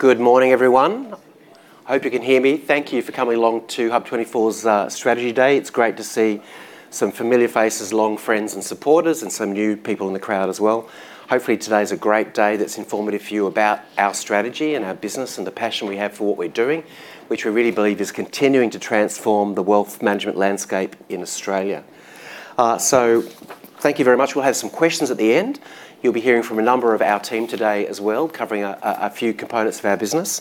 Good morning, everyone. Hope you can hear me. Thank you for coming along to HUB24's strategy day. It's great to see some familiar faces, long friends and supporters, and some new people in the crowd as well. Hopefully, today's a great day that's informative for you about our strategy and our business and the passion we have for what we're doing, which we really believe is continuing to transform the wealth management landscape in Australia. Thank you very much. We'll have some questions at the end. You'll be hearing from a number of our team today as well, covering a few components of our business.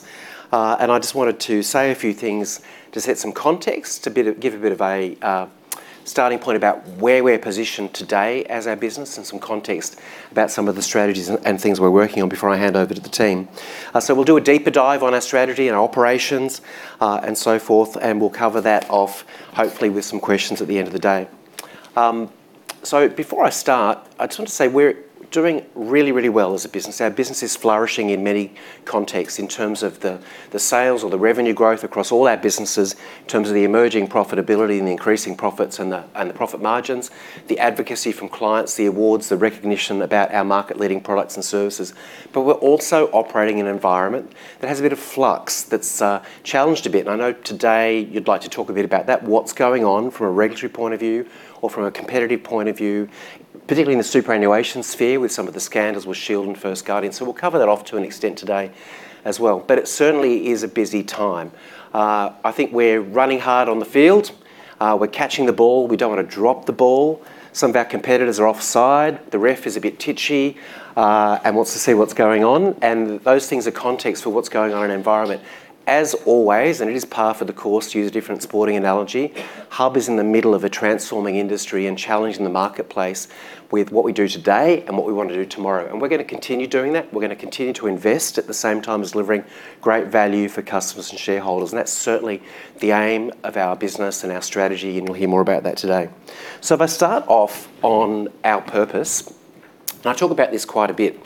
I just wanted to say a few things to set some context, to give a bit of a starting point about where we're positioned today as our business, and some context about some of the strategies and things we're working on before I hand over to the team. We'll do a deeper dive on our strategy and our operations and so forth, and we'll cover that off hopefully with some questions at the end of the day. Before I start, I just want to say we're doing really, really well as a business. Our business is flourishing in many contexts in terms of the sales or the revenue growth across all our businesses, in terms of the emerging profitability and the increasing profits and the profit margins, the advocacy from clients, the awards, the recognition about our market-leading products and services. We are also operating in an environment that has a bit of flux that's challenged a bit. I know today you'd like to talk a bit about that, what's going on from a regulatory point of view or from a competitive point of view, particularly in the superannuation sphere with some of the scandals with Shield and First Guardian. We will cover that off to an extent today as well. It certainly is a busy time. I think we're running hard on the field. We're catching the ball. We don't want to drop the ball. Some of our competitors are offside. The ref is a bit titchy and wants to see what's going on. Those things are context for what's going on in an environment. As always, and it is par for the course to use a different sporting analogy, HUB24 is in the middle of a transforming industry and challenging the marketplace with what we do today and what we want to do tomorrow. We are going to continue doing that. We are going to continue to invest at the same time as delivering great value for customers and shareholders. That is certainly the aim of our business and our strategy, and we will hear more about that today. If I start off on our purpose, and I talk about this quite a bit,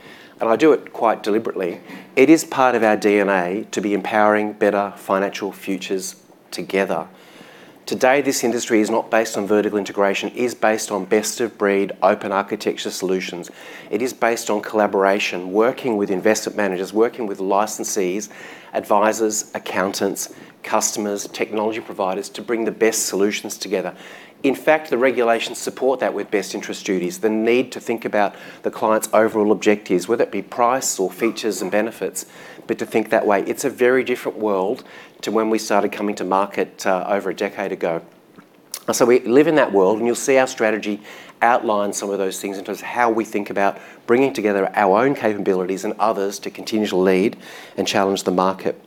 and I do it quite deliberately, it is part of our DNA to be empowering better financial futures together. Today, this industry is not based on vertical integration. It is based on best-of-breed open architecture solutions. It is based on collaboration, working with investment managers, working with licensees, advisors, accountants, customers, technology providers to bring the best solutions together. In fact, the regulations support that with best interest duties, the need to think about the client's overall objectives, whether it be price or features and benefits, but to think that way. It's a very different world to when we started coming to market over a decade ago. We live in that world, and you'll see our strategy outline some of those things in terms of how we think about bringing together our own capabilities and others to continue to lead and challenge the market.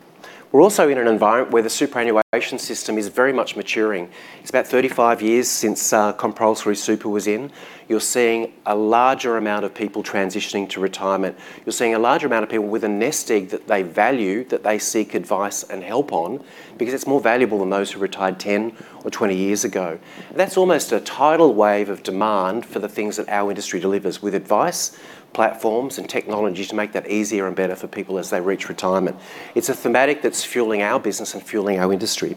We're also in an environment where the superannuation system is very much maturing. It's about 35 years since compulsory super was in. You're seeing a larger amount of people transitioning to retirement. You're seeing a larger amount of people with a nest egg that they value, that they seek advice and help on, because it's more valuable than those who retired 10 or 20 years ago. That's almost a tidal wave of demand for the things that our industry delivers with advice, platforms, and technology to make that easier and better for people as they reach retirement. It's a thematic that's fueling our business and fueling our industry.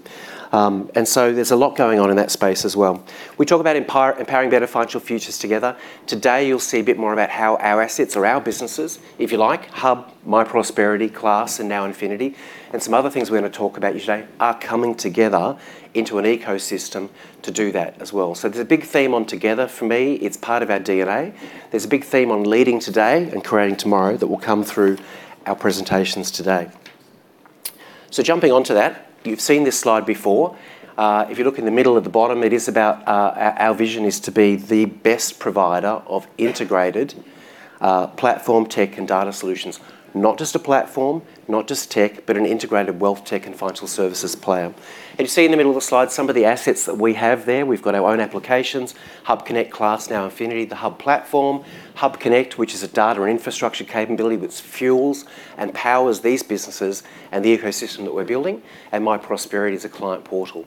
There is a lot going on in that space as well. We talk about empowering better financial futures together. Today, you'll see a bit more about how our assets or our businesses, if you like, HUB24, myProsperity, CLASS, and now Infinity, and some other things we're going to talk about today, are coming together into an ecosystem to do that as well. There is a big theme on together for me. It's part of our DNA. There's a big theme on leading today and creating tomorrow that will come through our presentations today. Jumping onto that, you've seen this slide before. If you look in the middle at the bottom, it is about our vision is to be the best provider of integrated platform tech and data solutions. Not just a platform, not just tech, but an integrated wealth tech and financial services player. You see in the middle of the slide some of the assets that we have there. We've got our own applications, HUB Connect, CLASS, now Infinity, the HUB platform, HUB Connect, which is a data and infrastructure capability that fuels and powers these businesses and the ecosystem that we're building, and myProsperity as a client portal.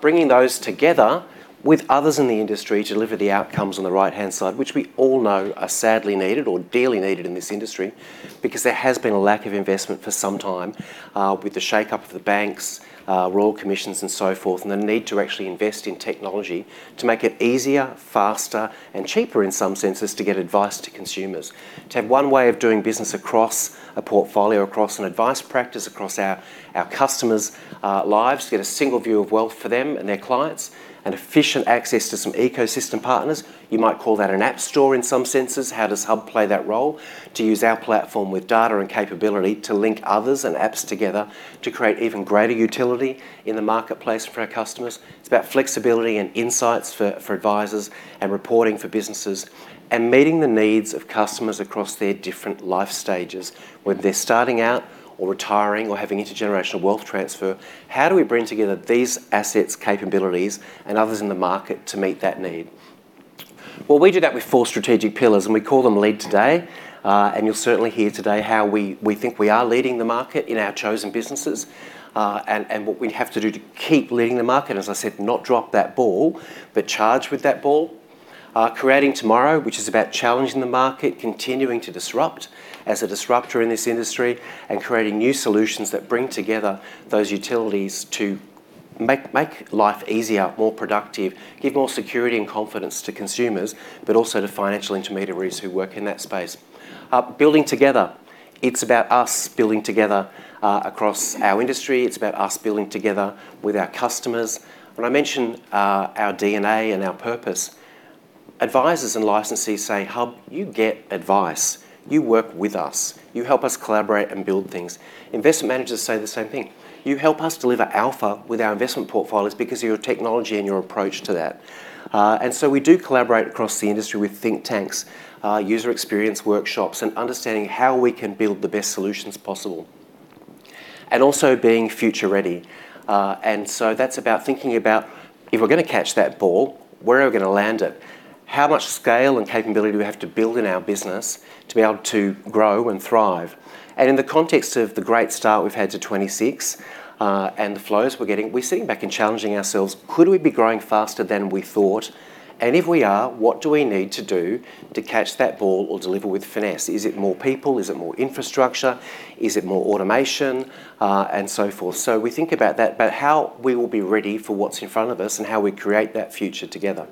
Bringing those together with others in the industry to deliver the outcomes on the right-hand side, which we all know are sadly needed or dearly needed in this industry because there has been a lack of investment for some time with the shake-up of the banks, Royal Commissions, and so forth, and the need to actually invest in technology to make it easier, faster, and cheaper in some senses to get advice to consumers. To have one way of doing business across a portfolio, across an advice practice, across our customers' lives, to get a single view of wealth for them and their clients, and efficient access to some ecosystem partners. You might call that an app store in some senses. How does HUB24 play that role? To use our platform with data and capability to link others and apps together to create even greater utility in the marketplace for our customers. It's about flexibility and insights for advisors and reporting for businesses and meeting the needs of customers across their different life stages. When they're starting out or retiring or having intergenerational wealth transfer, how do we bring together these assets, capabilities, and others in the market to meet that need? We do that with four strategic pillars, and we call them LEAD TODAY. You will certainly hear today how we think we are leading the market in our chosen businesses and what we have to do to keep leading the market. As I said, not drop that ball, but charge with that ball. Creating tomorrow, which is about challenging the market, continuing to disrupt as a disruptor in this industry, and creating new solutions that bring together those utilities to make life easier, more productive, give more security and confidence to consumers, but also to financial intermediaries who work in that space. Building together. It's about us building together across our industry. It's about us building together with our customers. When I mention our DNA and our purpose, advisors and licensees say, "HUB, you get advice. You work with us. You help us collaborate and build things." Investment managers say the same thing. "You help us deliver alpha with our investment portfolios because of your technology and your approach to that." We do collaborate across the industry with think tanks, user experience workshops, and understanding how we can build the best solutions possible and also being future-ready. That is about thinking about, if we're going to catch that ball, where are we going to land it? How much scale and capability do we have to build in our business to be able to grow and thrive? In the context of the great start we've had to 2026 and the flows we're getting, we're sitting back and challenging ourselves. Could we be growing faster than we thought? If we are, what do we need to do to catch that ball or deliver with finesse? Is it more people? Is it more infrastructure? Is it more automation? And so forth. We think about that, about how we will be ready for what's in front of us and how we create that future together.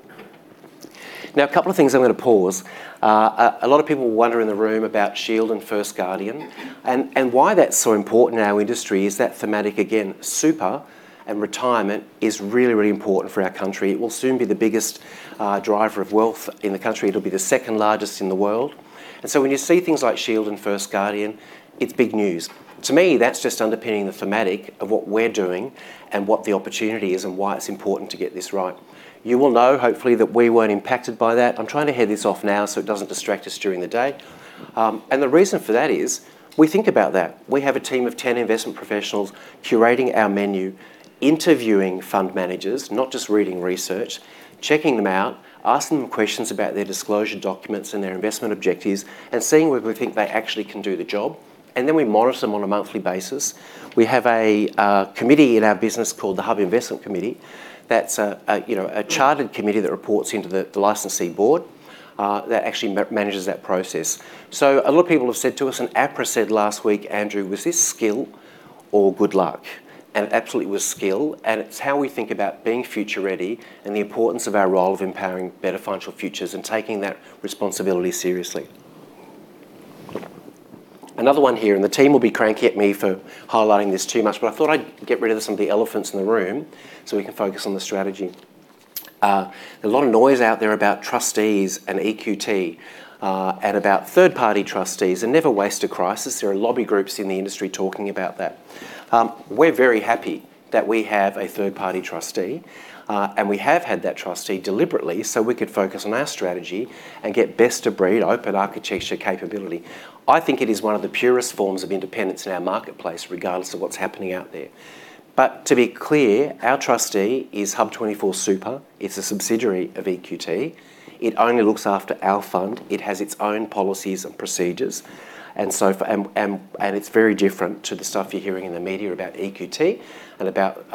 Now, a couple of things. I'm going to pause. A lot of people wonder in the room about Shield and First Guardian. Why that's so important in our industry is that thematic, again, super and retirement is really, really important for our country. It will soon be the biggest driver of wealth in the country. It will be the second largest in the world. When you see things like Shield and First Guardian, it's big news. To me, that's just underpinning the thematic of what we're doing and what the opportunity is and why it's important to get this right. You will know, hopefully, that we weren't impacted by that. I'm trying to head this off now so it doesn't distract us during the day. The reason for that is we think about that. We have a team of 10 investment professionals curating our menu, interviewing fund managers, not just reading research, checking them out, asking them questions about their disclosure documents and their investment objectives, and seeing whether we think they actually can do the job. We monitor them on a monthly basis. We have a committee in our business called the HUB Investment Committee. That is a chartered committee that reports into the licensee board that actually manages that process. A lot of people have said to us, and APRA said last week, "Andrew, was this skill or good luck?" It absolutely was skill. It is how we think about being future-ready and the importance of our role of empowering better financial futures and taking that responsibility seriously. Another one here, and the team will be cranky at me for highlighting this too much, but I thought I'd get rid of some of the elephants in the room so we can focus on the strategy. There's a lot of noise out there about trustees and EQT and about third-party trustees. Never waste a crisis. There are lobby groups in the industry talking about that. We're very happy that we have a third-party trustee, and we have had that trustee deliberately so we could focus on our strategy and get best-of-breed open architecture capability. I think it is one of the purest forms of independence in our marketplace, regardless of what's happening out there. To be clear, our trustee is HUB24 Super. It's a subsidiary of EQT. It only looks after our fund. It has its own policies and procedures. It is very different to the stuff you're hearing in the media about EQT and about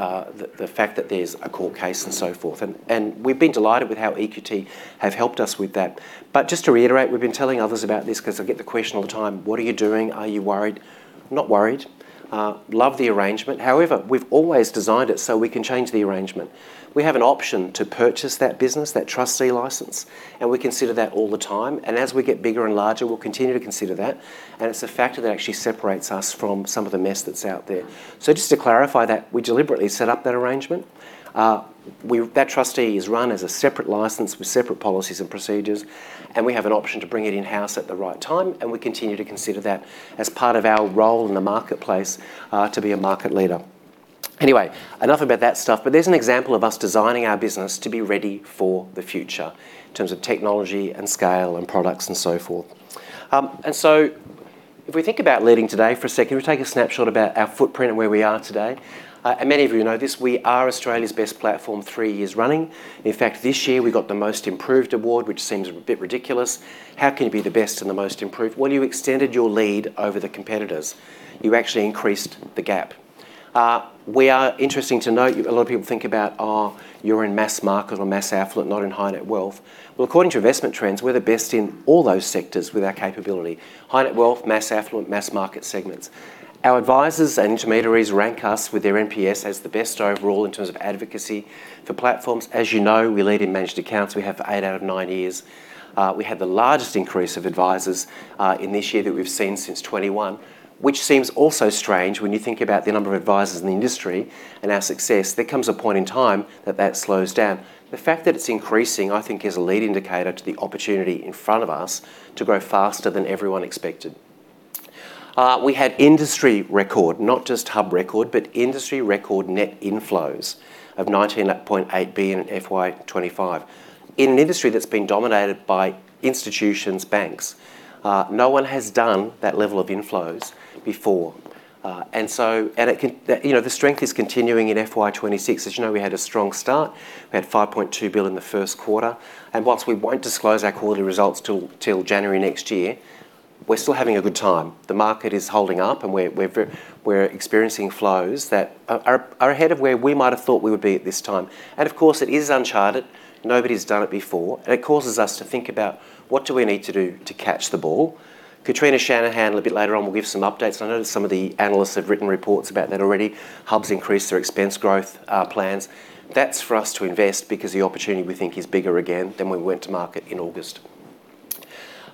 the fact that there's a court case and so forth. We have been delighted with how EQT have helped us with that. Just to reiterate, we've been telling others about this because I get the question all the time, "What are you doing? Are you worried?" Not worried. Love the arrangement. However, we've always designed it so we can change the arrangement. We have an option to purchase that business, that trustee license, and we consider that all the time. As we get bigger and larger, we'll continue to consider that. It is a factor that actually separates us from some of the mess that's out there. Just to clariFY that, we deliberately set up that arrangement. That trustee is run as a separate license with separate policies and procedures, and we have an option to bring it in-house at the right time. We continue to consider that as part of our role in the marketplace to be a market leader. Anyway, enough about that stuff, but there's an example of us designing our business to be ready for the future in terms of technology and scale and products and so forth. If we think about leading today for a second, we'll take a snapshot about our footprint and where we are today. Many of you know this. We are Australia's best platform three years running. In fact, this year, we got the most improved award, which seems a bit ridiculous. How can you be the best and the most improved? You extended your lead over the competitors. You actually increased the gap. We are interesting to note. A lot of people think about, "Oh, you're in mass market or mass affluent, not in high-net wealth." Well, according to Investment Trends, we're the best in all those sectors with our capability: high-net wealth, mass affluent, mass market segments. Our advisors and intermediaries rank us with their NPS as the best overall in terms of advocacy for platforms. As you know, we lead in managed accounts. We have eight out of nine years. We had the largest increase of advisors in this year that we've seen since 2021, which seems also strange when you think about the number of advisors in the industry and our success. There comes a point in time that that slows down. The fact that it's increasing, I think, is a lead indicator to the opportunity in front of us to grow faster than everyone expected. We had industry record, not just HUB24 record, but industry record net inflows of 19.8 billion in FY 2025 in an industry that's been dominated by institutions, banks. No one has done that level of inflows before. The strength is continuing in FY 2026. As you know, we had a strong start. We had 5.2 billion in the first quarter. Whilst we won't disclose our quarterly results till January next year, we're still having a good time. The market is holding up, and we're experiencing flows that are ahead of where we might have thought we would be at this time. Of course, it is uncharted. Nobody's done it before. It causes us to think about, "What do we need to do to catch the ball?" Katrina Shanahan, a little bit later on, will give some updates. I know that some of the analysts have written reports about that already. HUB24's increased their expense growth plans. That's for us to invest because the opportunity we think is bigger again than when we went to market in August.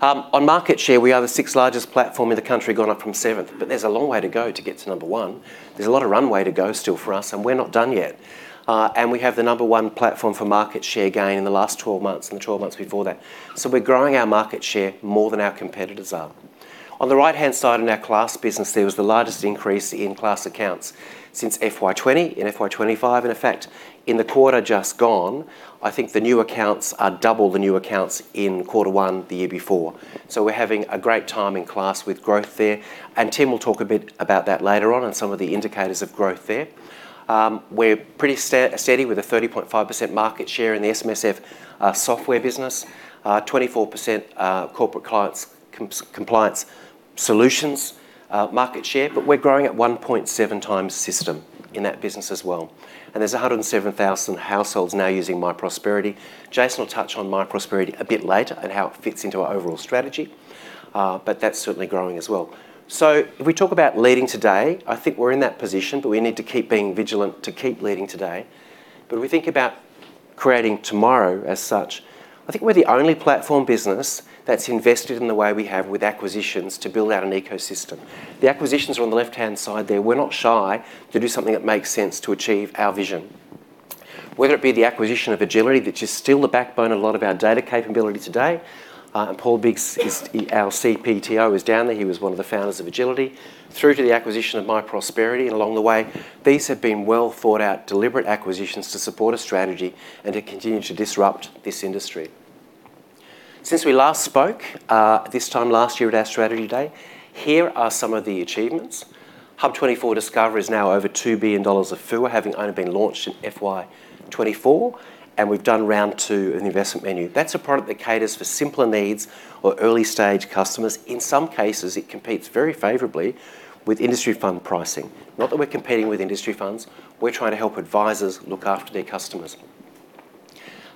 On market share, we are the sixth largest platform in the country, gone up from seventh. There is a long way to go to get to number one. There is a lot of runway to go still for us, and we're not done yet. We have the number one platform for market share gain in the last 12 months and the 12 months before that. We are growing our market share more than our competitors are. On the right-hand side in our CLASS business, there was the largest increase in CLASS accounts since FY 2020 and FY 2025. In fact, in the quarter just gone, I think the new accounts are double the new accounts in quarter one the year before. We are having a great time in CLASS with growth there. Tim will talk a bit about that later on and some of the indicators of growth there. We are pretty steady with a 30.5% market share in the SMSF software business, 24% corporate clients' compliance solutions market share. We are growing at 1.7 times system in that business as well. There are 107,000 households now using myProsperity. Jason will touch on myProsperity a bit later and how it fits into our overall strategy. That is certainly growing as well. If we talk about leading today, I think we're in that position, but we need to keep being vigilant to keep leading today. If we think about creating tomorrow as such, I think we're the only platform business that's invested in the way we have with acquisitions to build out an ecosystem. The acquisitions are on the left-hand side there. We're not shy to do something that makes sense to achieve our vision, whether it be the acquisition of Agility, which is still the backbone of a lot of our data capability today. Paul Biggs, our CPTO, was down there. He was one of the founders of Agility, through to the acquisition of myProsperity. Along the way, these have been well-thought-out deliberate acquisitions to support a strategy and to continue to disrupt this industry. Since we last spoke, this time last year at our strategy day, here are some of the achievements. HUB24 Discover is now over 2 billion dollars of FUA, having only been launched in FY 2024. We have done round two of the investment menu. That is a product that caters for simpler needs or early-stage customers. In some cases, it competes very favorably with industry fund pricing. Not that we are competing with industry funds. We are trying to help advisors look after their customers.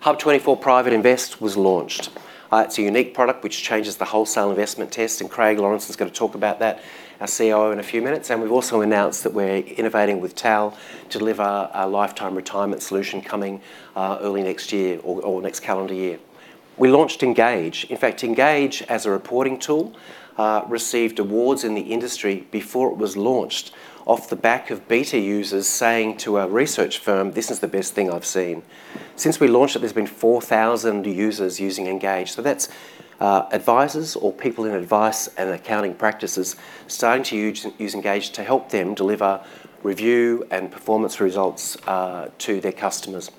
HUB24 Private Invest was launched. It is a unique product which changes the wholesale investment test. Craig Lawrenson is going to talk about that, our COO, in a few minutes. We have also announced that we are innovating with TAL to deliver a lifetime retirement solution coming early next year or next calendar year. We launched Engage. In fact, Engage, as a reporting tool, received awards in the industry before it was launched off the back of beta users saying to a research firm, "This is the best thing I've seen." Since we launched it, there have been 4,000 users using Engage. That is advisors or people in advice and accounting practices starting to use Engage to help them deliver review and performance results to their customers.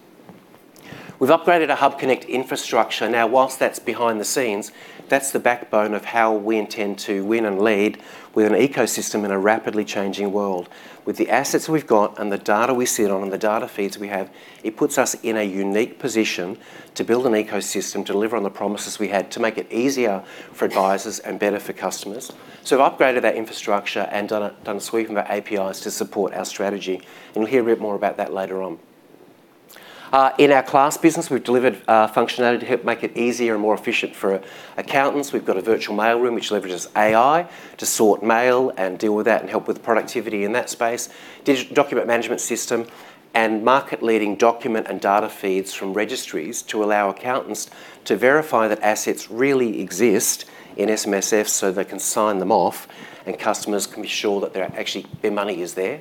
We have upgraded our HUB Connect infrastructure. Now, whilst that is behind the scenes, that is the backbone of how we intend to win and lead with an ecosystem in a rapidly changing world. With the assets we have and the data we sit on and the data feeds we have, it puts us in a unique position to build an ecosystem, deliver on the promises we had, to make it easier for advisors and better for customers. We have upgraded that infrastructure and done a sweep of our APIs to support our strategy. We will hear a bit more about that later on. In our CLASS business, we have delivered functionality to help make it easier and more efficient for accountants. We have a Virtual Mailroom which leverages AI to sort mail and deal with that and help with productivity in that space, a document management system, and market-leading document and data feeds from registries to allow accountants to veriFY that assets really exist in SMSF so they can sign them off and customers can be sure that their money is there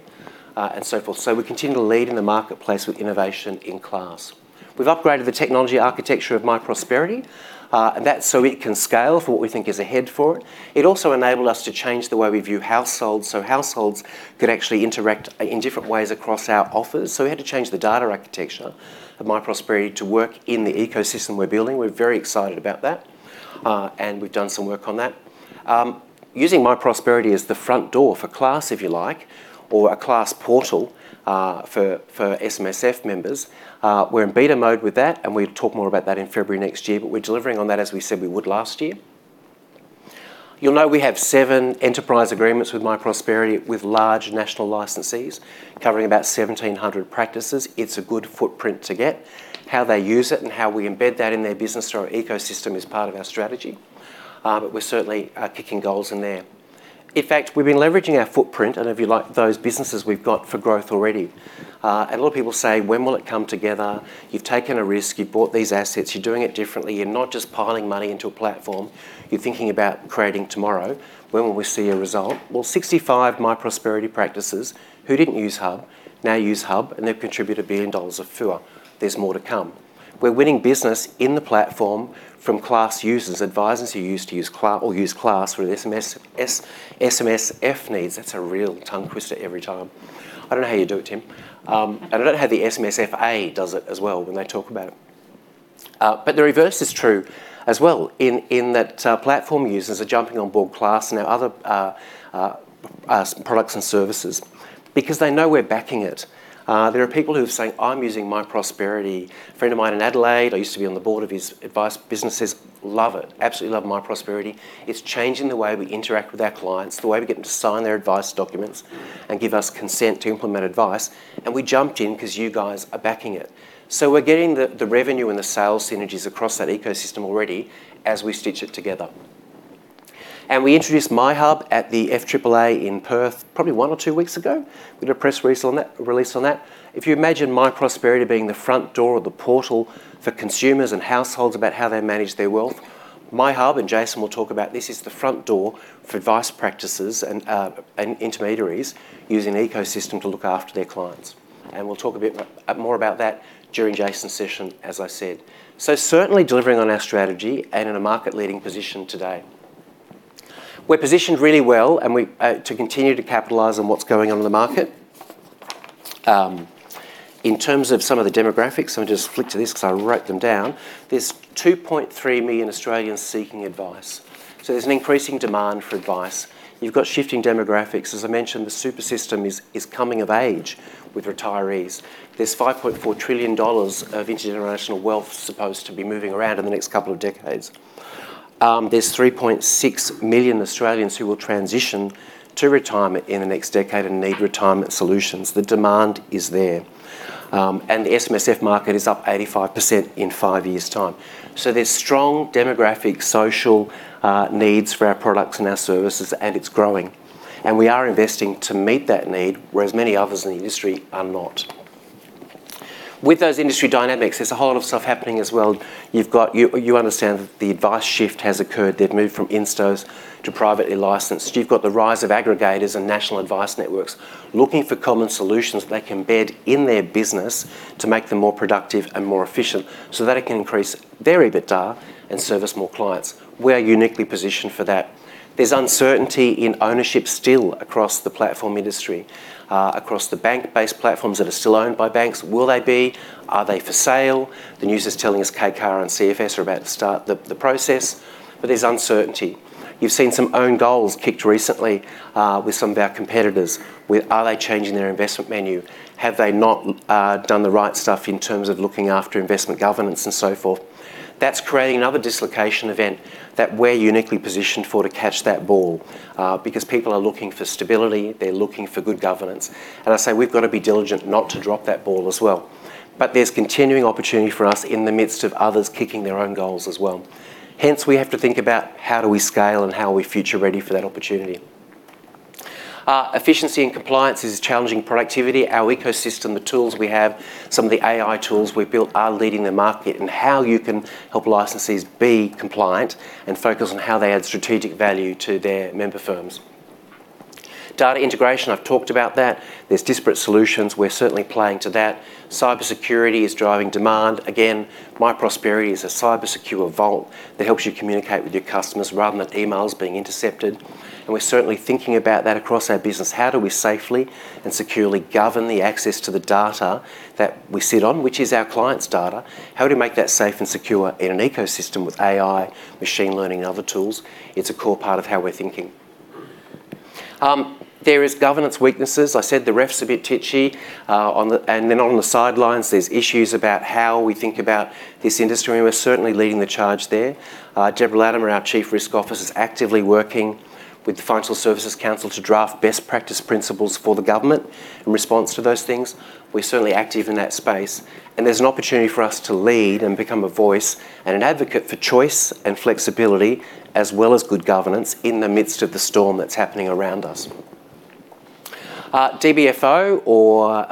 and so forth. We continue to lead in the marketplace with innovation in CLASS. We have upgraded the technology architecture of myProsperity, and that is so it can scale for what we think is ahead for it. It also enabled us to change the way we view households so households could actually interact in different ways across our offers. We had to change the data architecture of myProsperity to work in the ecosystem we're building. We're very excited about that, and we've done some work on that. Using myProsperity as the front door for CLASS, if you like, or a CLASS portal for SMSF members. We're in beta mode with that, and we'll talk more about that in February next year. We are delivering on that, as we said we would last year. You'll know we have seven enterprise agreements with myProsperity with large national licensees covering about 1,700 practices. It's a good footprint to get. How they use it and how we embed that in their business or ecosystem is part of our strategy. We're certainly kicking goals in there. In fact, we've been leveraging our footprint, and if you like, those businesses we've got for growth already. A lot of people say, "When will it come together?" You've taken a risk. You've bought these assets. You're doing it differently. You're not just piling money into a platform. You're thinking about creating tomorrow. When will we see a result? Sixty-five myProsperity practices who didn't use HUB24 now use HUB24, and they've contributed 1 billion dollars of FUA. There's more to come. We're winning business in the platform from CLASS users, advisors who used to use CLASS or use CLASS for their SMSF needs. That's a real tongue twister every time. I don't know how you do it, Tim. I don't know how the SMSF Association does it as well when they talk about it. The reverse is true as well, in that platform users are jumping on board CLASS and our other products and services because they know we're backing it. There are people who are saying, "I'm using myProsperity. A friend of mine in Adelaide, I used to be on the board of his advice businesses, love it, absolutely love myProsperity. It's changing the way we interact with our clients, the way we get them to sign their advice documents and give us consent to implement advice. And we jumped in because you guys are backing it." We are getting the revenue and the sales synergies across that ecosystem already as we stitch it together. We introduced myHUB at the FAAA in Perth probably one or two weeks ago. We did a press release on that. If you imagine myProsperity being the front door or the portal for consumers and households about how they manage their wealth, myHUB and Jason will talk about this as the front door for advice practices and intermediaries using an ecosystem to look after their clients. We will talk a bit more about that during Jason's session, as I said. Certainly delivering on our strategy and in a market-leading position today. We are positioned really well to continue to capitalize on what's going on in the market. In terms of some of the demographics, let me just flick to this because I wrote them down. There are 2.3 million Australians seeking advice. There is an increasing demand for advice. You have shifting demographics. As I mentioned, the super system is coming of age with retirees. There is 5.4 trillion dollars of intergenerational wealth supposed to be moving around in the next couple of decades. are 3.6 million Australians who will transition to retirement in the next decade and need retirement solutions. The demand is there. The SMSF market is up 85% in five years' time. There are strong demographic social needs for our products and our services, and it is growing. We are investing to meet that need, whereas many others in the industry are not. With those industry dynamics, there is a whole lot of stuff happening as well. You understand that the advice shift has occurred. They have moved from instos to privately licensed. You have the rise of aggregators and national advice networks looking for common solutions they can embed in their business to make them more productive and more efficient so that it can increase their EBITDA and service more clients. We are uniquely positioned for that. There's uncertainty in ownership still across the platform industry, across the bank-based platforms that are still owned by banks. Will they be? Are they for sale? The news is telling us KKR and CFS are about to start the process. There's uncertainty. You've seen some own goals kicked recently with some of our competitors. Are they changing their investment menu? Have they not done the right stuff in terms of looking after investment governance and so forth? That is creating another dislocation event that we're uniquely positioned for to catch that ball because people are looking for stability. They're looking for good governance. I say we've got to be diligent not to drop that ball as well. There's continuing opportunity for us in the midst of others kicking their own goals as well. Hence, we have to think about how do we scale and how are we future-ready for that opportunity. Efficiency and compliance is challenging productivity. Our ecosystem, the tools we have, some of the AI tools we've built are leading the market in how you can help licensees be compliant and focus on how they add strategic value to their member firms. Data integration, I've talked about that. There are disparate solutions. We're certainly playing to that. Cybersecurity is driving demand. myProsperity is a cybersecure vault that helps you communicate with your customers rather than emails being intercepted. We're certainly thinking about that across our business. How do we safely and securely govern the access to the data that we sit on, which is our clients' data? How do we make that safe and secure in an ecosystem with AI, machine learning, and other tools? It's a core part of how we're thinking. There are governance weaknesses. I said the refs are a bit titchy, and they're not on the sidelines. There's issues about how we think about this industry, and we're certainly leading the charge there. Deborah Laddhammer, our Chief Risk Officer, is actively working with the Financial Services Council to draft best practice principles for the government in response to those things. We're certainly active in that space. There is an opportunity for us to lead and become a voice and an advocate for choice and flexibility as well as good governance in the midst of the storm that's happening around us. DBFO, or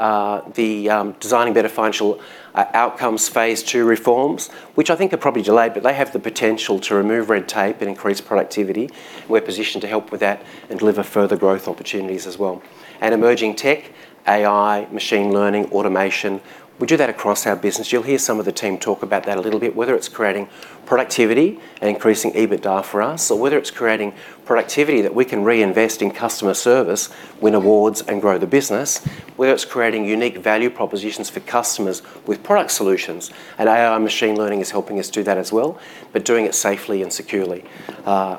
the Designing Better Financial Outcomes Phase II Reforms, which I think are probably delayed, but they have the potential to remove red tape and increase productivity. We're positioned to help with that and deliver further growth opportunities as well. Emerging tech, AI, machine learning, automation. We do that across our business. You'll hear some of the team talk about that a little bit, whether it's creating productivity and increasing EBITDA for us, or whether it's creating productivity that we can reinvest in customer service, win awards, and grow the business, whether it's creating unique value propositions for customers with product solutions. AI and machine learning is helping us do that as well, but doing it safely and securely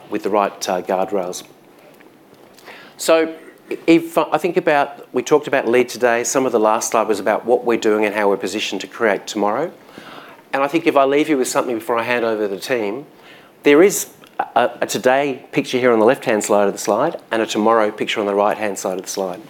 with the right guardrails. I think about we talked about lead today. Some of the last slide was about what we're doing and how we're positioned to create tomorrow. I think if I leave you with something before I hand over to the team, there is a today picture here on the left-hand side of the slide and a tomorrow picture on the right-hand side of the slide.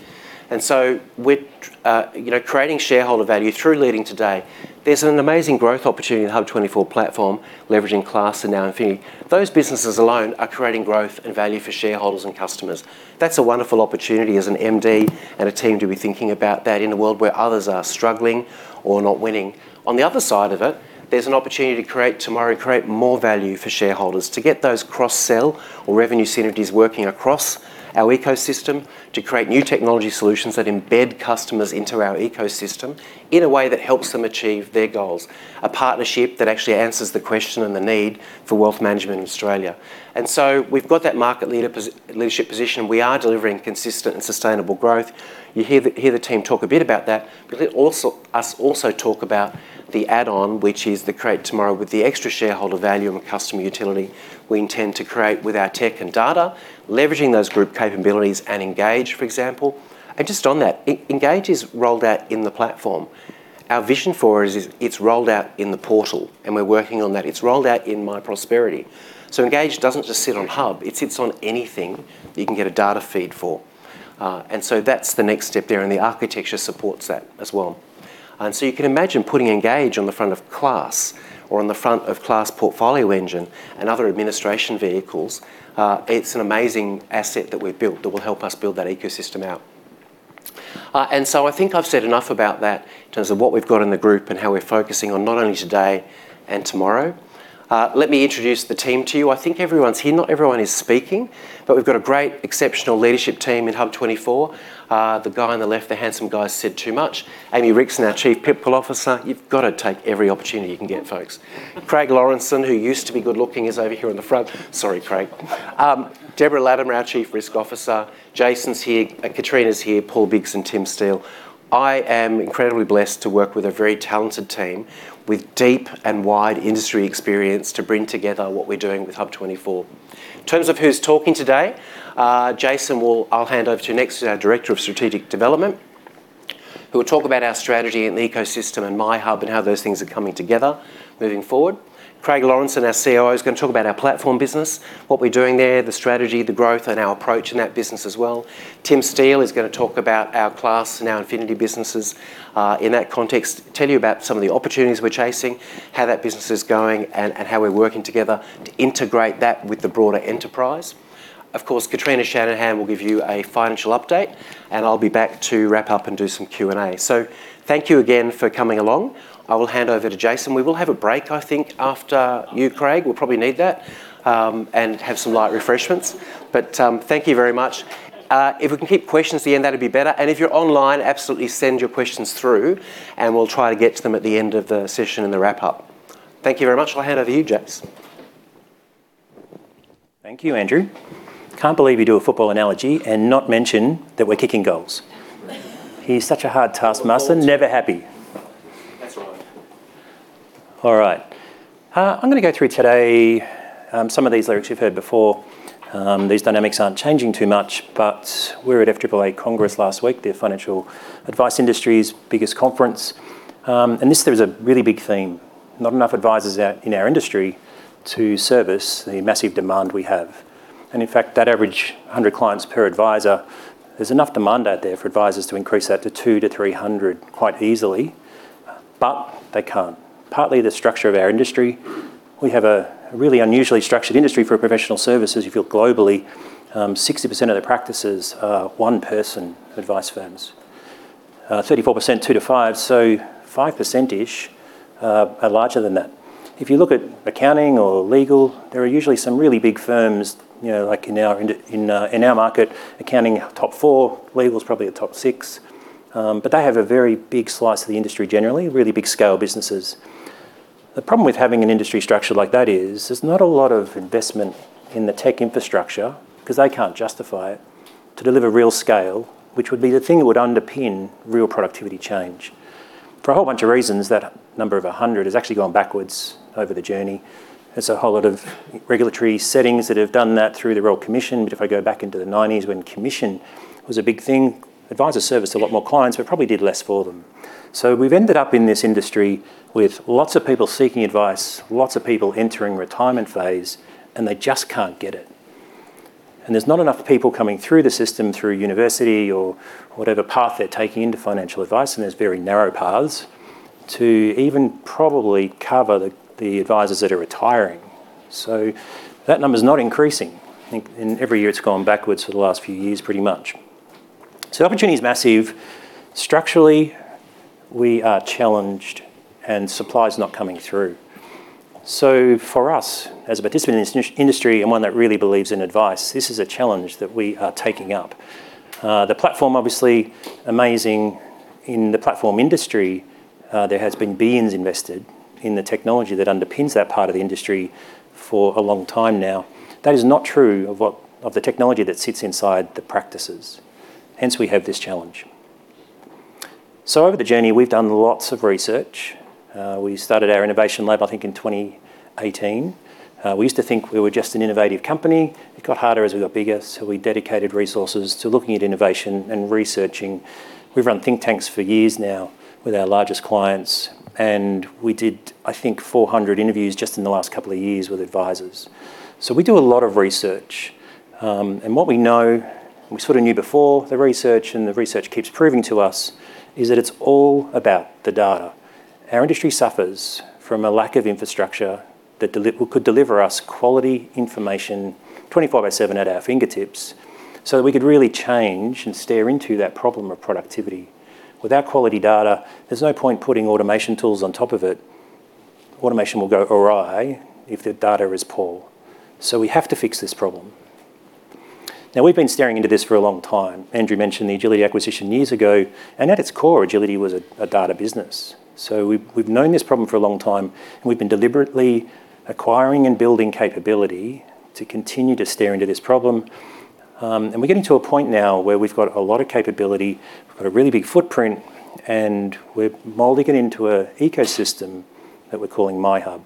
We are creating shareholder value through leading today. There is an amazing growth opportunity in the HUB24 platform, leveraging CLASS and now Infinity. Those businesses alone are creating growth and value for shareholders and customers. That is a wonderful opportunity as an MD and a team to be thinking about that in a world where others are struggling or not winning. On the other side of it, there's an opportunity to create tomorrow, create more value for shareholders, to get those cross-sell or revenue synergies working across our ecosystem, to create new technology solutions that embed customers into our ecosystem in a way that helps them achieve their goals, a partnership that actually answers the question and the need for wealth management in Australia. We have that market leadership position. We are delivering consistent and sustainable growth. You hear the team talk a bit about that, but let us also talk about the add-on, which is the Create Tomorrow with the extra shareholder value and customer utility we intend to create with our tech and data, leveraging those group capabilities and Engage, for example. Just on that, Engage is rolled out in the platform. Our vision for it is it's rolled out in the portal, and we're working on that. It's rolled out in myProsperity. Engage doesn't just sit on HUB. It sits on anything that you can get a data feed for. That is the next step there, and the architecture supports that as well. You can imagine putting Engage on the front of CLASS or on the front of CLASS Portfolio Engine and other administration vehicles. It's an amazing asset that we've built that will help us build that ecosystem out. I think I've said enough about that in terms of what we've got in the group and how we're focusing on not only today and tomorrow. Let me introduce the team to you. I think everyone's here. Not everyone is speaking, but we've got a great, exceptional leadership team in HUB24. The guy on the left, the handsome guy said too much. Amy Rickson, our Chief People Officer. You've got to take every opportunity you can get, folks. Craig Lawrenson, who used to be good-looking, is over here on the front. Sorry, Craig. Deborah Laddhammer, our Chief Risk Officer. Jason's here. Katrina's here. Paul Biggs and Tim Steele. I am incredibly blessed to work with a very talented team with deep and wide industry experience to bring together what we're doing with HUB24. In terms of who's talking today, Jason, I'll hand over to you next, who's our Director of Strategic Development, who will talk about our strategy and the ecosystem and myHUB and how those things are coming together moving forward. Craig Lawrenson, our COO, is going to talk about our platform business, what we're doing there, the strategy, the growth, and our approach in that business as well. Tim Steele is going to talk about our CLASS and our Infinity businesses in that context, tell you about some of the opportunities we're chasing, how that business is going, and how we're working together to integrate that with the broader enterprise. Of course, Kitrina Shanahan will give you a financial update, and I'll be back to wrap up and do some Q&A. Thank you again for coming along. I will hand over to Jason. We will have a break, I think, after you, Craig. We'll probably need that and have some light refreshments. Thank you very much. If we can keep questions to the end, that'd be better. If you're online, absolutely send your questions through, and we'll try to get to them at the end of the session and the wrap-up. Thank you very much. I'll hand over to you, Jace. Thank you, Andrew. Can't believe you do a football analogy and not mention that we're kicking goals. He's such a hard taskmaster. Never happy. That's right. All right. I'm going to go through today some of these lyrics you've heard before. These dynamics aren't changing too much, but we were at FAAA Congress last week, the Financial Advice Industry's biggest conference. There was a really big theme. Not enough advisors out in our industry to service the massive demand we have. In fact, at average 100 clients per advisor, there's enough demand out there for advisors to increase that to 200-300 quite easily, but they can't. Partly the structure of our industry. We have a really unusually structured industry for professional services. If you look globally, 60% of the practices are one-person advice firms, 34% two-to-five, so 5% are larger than that. If you look at accounting or legal, there are usually some really big firms like in our market. Accounting top four, legal's probably a top six, but they have a very big slice of the industry generally, really big-scale businesses. The problem with having an industry structure like that is there's not a lot of investment in the tech infrastructure because they can't justiFY it to deliver real scale, which would be the thing that would underpin real productivity change. For a whole bunch of reasons, that number of 100 has actually gone backwards over the journey. There's a whole lot of regulatory settings that have done that through the Royal Commission. If I go back into the 1990s when commission was a big thing, advisors serviced a lot more clients, but probably did less for them. We have ended up in this industry with lots of people seeking advice, lots of people entering retirement phase, and they just can't get it. There are not enough people coming through the system through university or whatever path they're taking into financial advice, and there are very narrow paths to even probably cover the advisors that are retiring. That number is not increasing. I think every year it has gone backwards for the last few years, pretty much. Opportunity is massive. Structurally, we are challenged, and supply is not coming through. For us, as a participant in this industry and one that really believes in advice, this is a challenge that we are taking up. The platform, obviously, amazing. In the platform industry, there have been billions invested in the technology that underpins that part of the industry for a long time now. That is not true of the technology that sits inside the practices. Hence, we have this challenge. Over the journey, we've done lots of research. We started our innovation lab, I think, in 2018. We used to think we were just an innovative company. It got harder as we got bigger, so we dedicated resources to looking at innovation and researching. We've run think tanks for years now with our largest clients, and we did, I think, 400 interviews just in the last couple of years with advisors. We do a lot of research. What we know, and we sort of knew before the research, and the research keeps proving to us, is that it's all about the data. Our industry suffers from a lack of infrastructure that could deliver us quality information 24/7 at our fingertips so that we could really change and stare into that problem of productivity. Without quality data, there's no point putting automation tools on top of it. Automation will go awry if the data is poor. We have to fix this problem. Now, we've been staring into this for a long time. Andrew mentioned the Agility acquisition years ago, and at its core, Agility was a data business. We've known this problem for a long time, and we've been deliberately acquiring and building capability to continue to stare into this problem. We're getting to a point now where we've got a lot of capability. We've got a really big footprint, and we're molding it into an ecosystem that we're calling myHUB.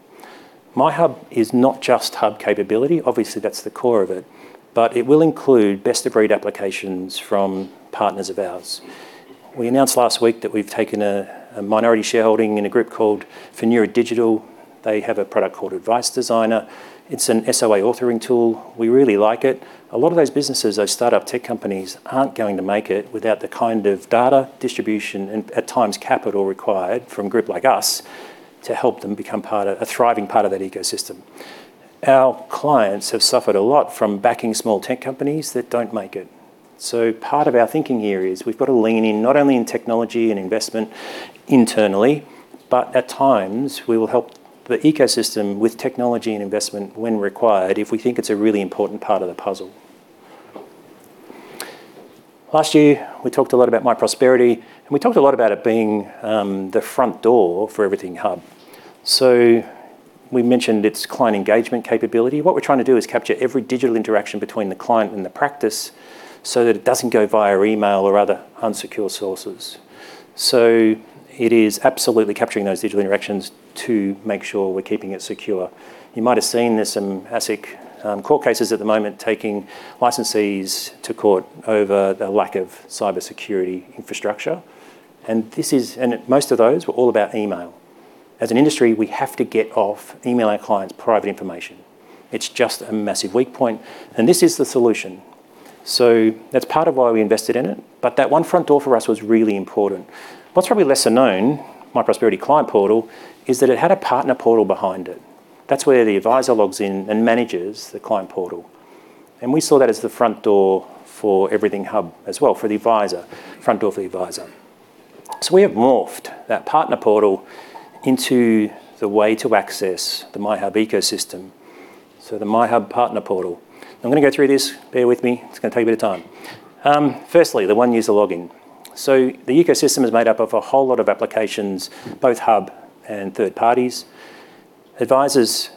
myHUB is not just HUB capability. Obviously, that's the core of it, but it will include best-of-breed applications from partners of ours. We announced last week that we've taken a minority shareholding in a group called Finura Digital. They have a product called Advice Designer. It's an SOA authoring tool. We really like it. A lot of those businesses, those startup tech companies, aren't going to make it without the kind of data, distribution, and at times capital required from a group like us to help them become a thriving part of that ecosystem. Our clients have suffered a lot from backing small tech companies that don't make it. Part of our thinking here is we've got to lean in not only in technology and investment internally, but at times, we will help the ecosystem with technology and investment when required if we think it's a really important part of the puzzle. Last year, we talked a lot about myProsperity, and we talked a lot about it being the front door for everything HUB. We mentioned its client engagement capability. What we're trying to do is capture every digital interaction between the client and the practice so that it doesn't go via email or other unsecure sources. It is absolutely capturing those digital interactions to make sure we're keeping it secure. You might have seen there's some ASIC court cases at the moment taking licensees to court over the lack of cybersecurity infrastructure. Most of those were all about email. As an industry, we have to get off emailing our clients private information. It's just a massive weak point, and this is the solution. That one front door for us was really important. What's probably lesser known, myProsperity Client Portal, is that it had a partner portal behind it. That's where the advisor logs in and manages the client portal. We saw that as the front door for everything HUB as well, for the advisor, front door for the advisor. We have morphed that partner portal into the way to access the myHUB ecosystem. The myHUB partner portal. I'm going to go through this. Bear with me. It's going to take a bit of time. Firstly, the one-user login. The ecosystem is made up of a whole lot of applications, both HUB and third parties. Advisors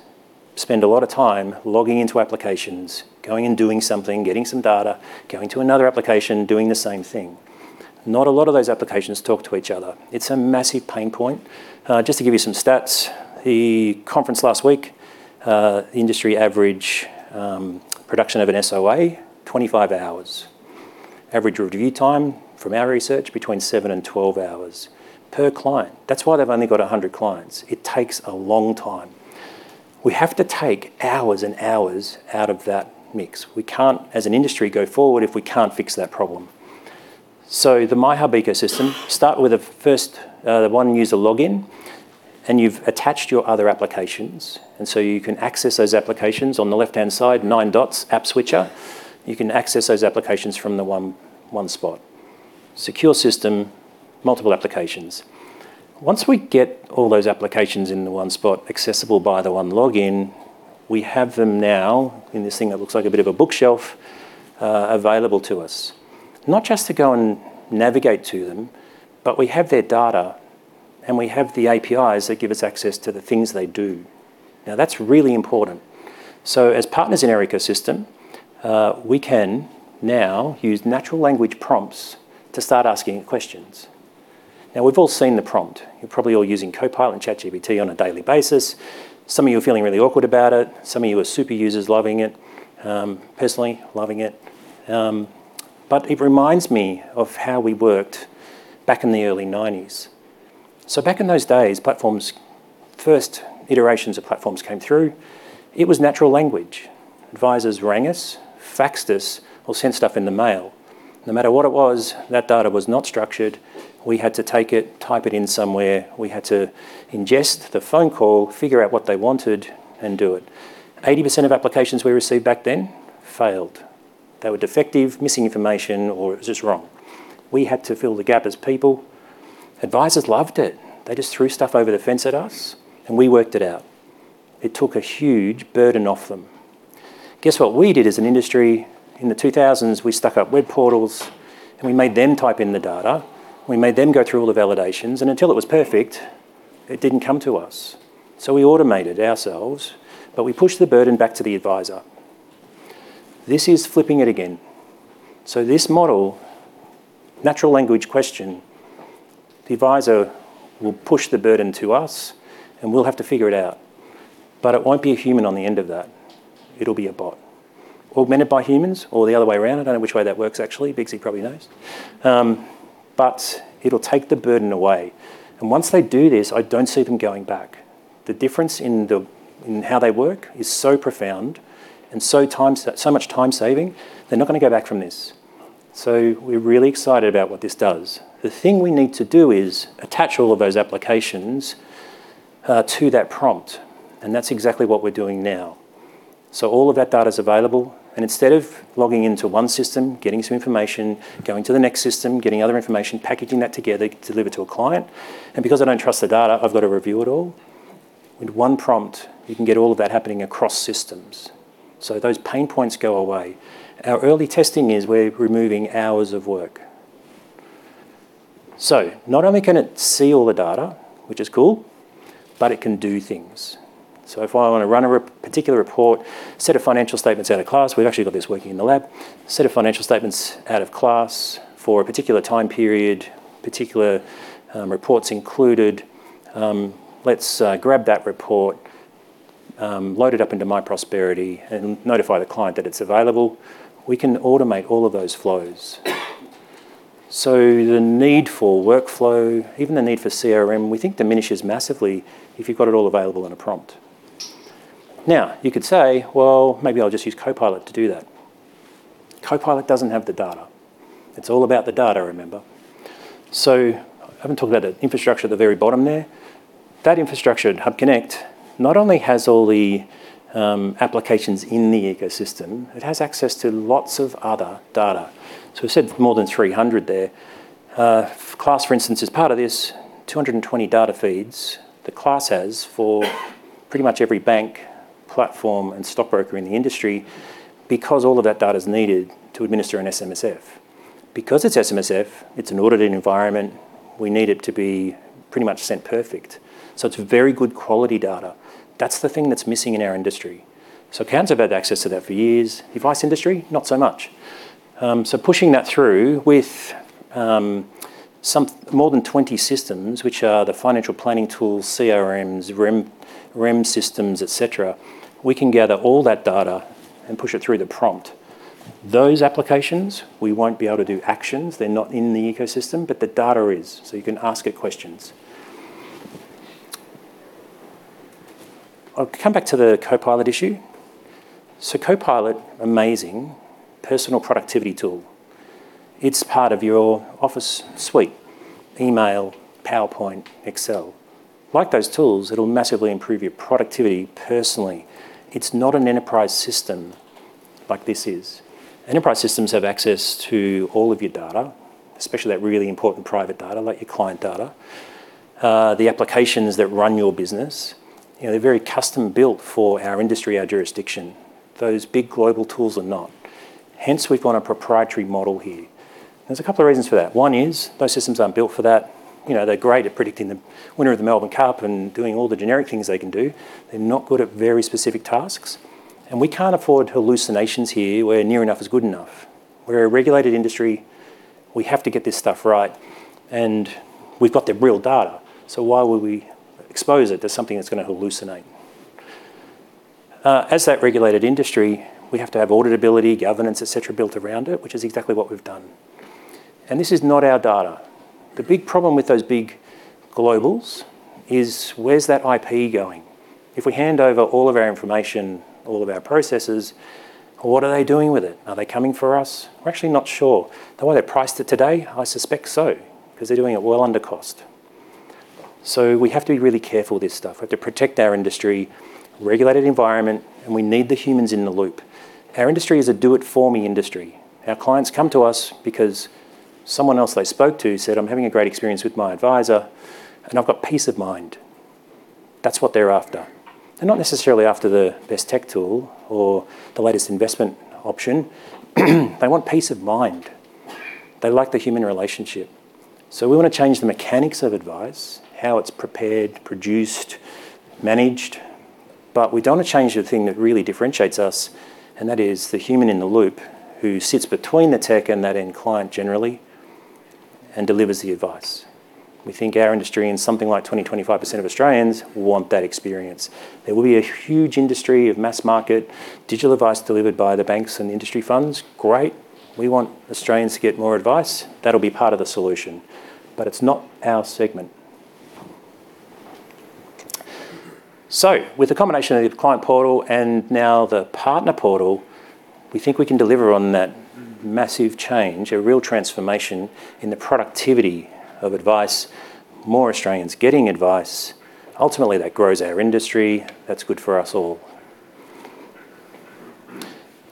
spend a lot of time logging into applications, going and doing something, getting some data, going to another application, doing the same thing. Not a lot of those applications talk to each other. It's a massive pain point. Just to give you some stats, the conference last week, industry average production of an SOA, 25 hours. Average review time, from our research, between 7 and 12 hours per client. That's why they've only got 100 clients. It takes a long time. We have to take hours and hours out of that mix. We can't, as an industry, go forward if we can't fix that problem. The myHUB ecosystem, start with the one-user login, and you've attached your other applications. You can access those applications on the left-hand side, nine dots, app switcher. You can access those applications from the one spot. Secure system, multiple applications. Once we get all those applications in the one spot, accessible by the one login, we have them now in this thing that looks like a bit of a bookshelf available to us. Not just to go and navigate to them, but we have their data, and we have the APIs that give us access to the things they do. Now, that's really important. As partners in our ecosystem, we can now use natural language prompts to start asking questions. We've all seen the prompt. You're probably all using Copilot and ChatGPT on a daily basis. Some of you are feeling really awkward about it. Some of you are super users, loving it, personally loving it. It reminds me of how we worked back in the early 1990s. Back in those days, platforms, first iterations of platforms came through. It was natural language. Advisors rang us, faxed us, or sent stuff in the mail. No matter what it was, that data was not structured. We had to take it, type it in somewhere. We had to ingest the phone call, figure out what they wanted, and do it. 80% of applications we received back then failed. They were defective, missing information, or it was just wrong. We had to fill the gap as people. Advisors loved it. They just threw stuff over the fence at us, and we worked it out. It took a huge burden off them. Guess what we did as an industry? In the 2000s, we stuck up web portals, and we made them type in the data. We made them go through all the validations. Until it was perfect, it did not come to us. We automated ourselves, but we pushed the burden back to the advisor. This is flipping it again. This model, natural language question, the advisor will push the burden to us, and we will have to figure it out. It will not be a human on the end of that. It will be a bot. Augmented by humans or the other way around. I do not know which way that works, actually. Big Z probably knows. It will take the burden away. Once they do this, I do not see them going back. The difference in how they work is so profound and so much time-saving, they are not going to go back from this. We are really excited about what this does. The thing we need to do is attach all of those applications to that prompt, and that is exactly what we are doing now. All of that data is available. Instead of logging into one system, getting some information, going to the next system, getting other information, packaging that together, deliver to a client, and because I don't trust the data, I've got to review it all, with one prompt, you can get all of that happening across systems. Those pain points go away. Our early testing is we're removing hours of work. Not only can it see all the data, which is cool, but it can do things. If I want to run a particular report, set a financial statements out of CLASS, we've actually got this working in the lab, set a financial statements out of CLASS for a particular time period, particular reports included, let's grab that report, load it up into myProsperity, and notiFY the client that it's available. We can automate all of those flows. The need for workflow, even the need for CRM, we think diminishes massively if you've got it all available in a prompt. Now, you could say, "Well, maybe I'll just use Copilot to do that." Copilot doesn't have the data. It's all about the data, remember. I haven't talked about the infrastructure at the very bottom there. That infrastructure in HUB Connect not only has all the applications in the ecosystem, it has access to lots of other data. We said more than 300 there. CLASS, for instance, is part of this, 220 data feeds that CLASS has for pretty much every bank, platform, and stockbroker in the industry because all of that data is needed to administer an SMSF. Because it's SMSF, it's an AUD ited environment, we need it to be pretty much sent perfect. It's very good quality data. That's the thing that's missing in our industry. Accountants have had access to that for years. Device industry, not so much. Pushing that through with more than 20 systems, which are the financial planning tools, CRMs, REM systems, etc., we can gather all that data and push it through the prompt. Those applications, we won't be able to do actions. They're not in the ecosystem, but the data is. You can ask it questions. I'll come back to the Copilot issue. Copilot, amazing personal productivity tool. It's part of your office suite: email, PowerPoint, Excel. Like those tools, it'll massively improve your productivity personally. It's not an enterprise system like this is. Enterprise systems have access to all of your data, especially that really important private data, like your client data. The applications that run your business, they're very custom-built for our industry, our jurisdiction. Those big global tools are not. Hence, we've got a proprietary model here. There's a couple of reasons for that. One is those systems aren't built for that. They're great at predicting the winner of the Melbourne Cup and doing all the generic things they can do. They're not good at very specific tasks. We can't afford hallucinations here where near enough is good enough. We're a regulated industry. We have to get this stuff right. We've got the real data. Why would we expose it to something that's going to hallucinate? As that regulated industry, we have to have AUD itability, governance, etc., built around it, which is exactly what we've done. This is not our data. The big problem with those big globals is where's that IP going? If we hand over all of our information, all of our processes, what are they doing with it? Are they coming for us? We're actually not sure. The way they're priced today, I suspect so, because they're doing it well under cost. We have to be really careful with this stuff. We have to protect our industry, regulated environment, and we need the humans in the loop. Our industry is a do-it-for-me industry. Our clients come to us because someone else they spoke to said, "I'm having a great experience with my advisor, and I've got peace of mind." That's what they're after. They're not necessarily after the best tech tool or the latest investment option. They want peace of mind. They like the human relationship. We want to change the mechanics of advice, how it's prepared, produced, managed. We do not want to change the thing that really differentiates us, and that is the human in the loop who sits between the tech and that end client generally and delivers the advice. We think our industry and something like 20-25% of Australians want that experience. There will be a huge industry of mass market digital advice delivered by the banks and industry funds. Great. We want Australians to get more advice. That will be part of the solution. It is not our segment. With the combination of the client portal and now the partner portal, we think we can deliver on that massive change, a real transformation in the productivity of advice, more Australians getting advice. Ultimately, that grows our industry. That is good for us all.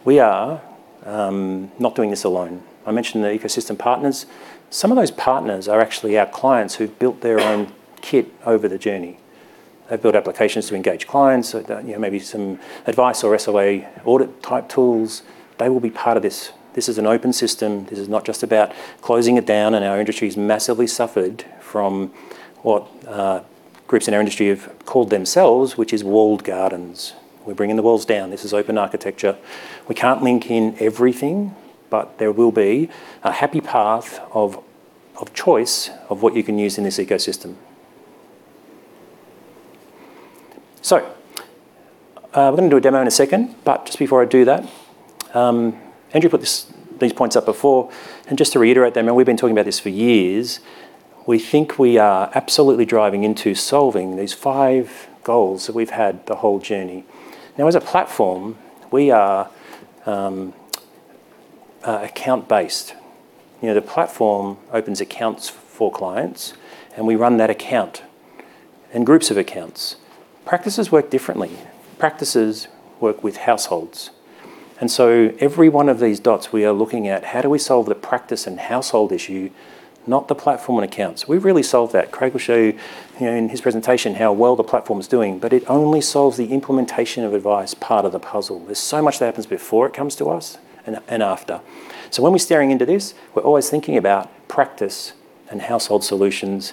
We are not doing this alone. I mentioned the ecosystem partners. Some of those partners are actually our clients who built their own kit over the journey. They've built applications to engage clients, maybe some advice or SLA AUD it-type tools. They will be part of this. This is an open system. This is not just about closing it down. Our industry has massively suffered from what groups in our industry have called themselves, which is walled gardens. We're bringing the walls down. This is open architecture. We can't link in everything, but there will be a happy path of choice of what you can use in this ecosystem. We're going to do a demo in a second. Just before I do that, Andrew put these points up before. Just to reiterate them, we've been talking about this for years. We think we are absolutely driving into solving these five goals that we've had the whole journey. Now, as a platform, we are account-based. The platform opens accounts for clients, and we run that account and groups of accounts. Practices work differently. Practices work with households. Every one of these dots, we are looking at how do we solve the practice and household issue, not the platform and accounts. We have really solved that. Craig will show you in his presentation how well the platform is doing, but it only solves the implementation of advice part of the puzzle. There is so much that happens before it comes to us and after. When we are staring into this, we are always thinking about practice and household solutions.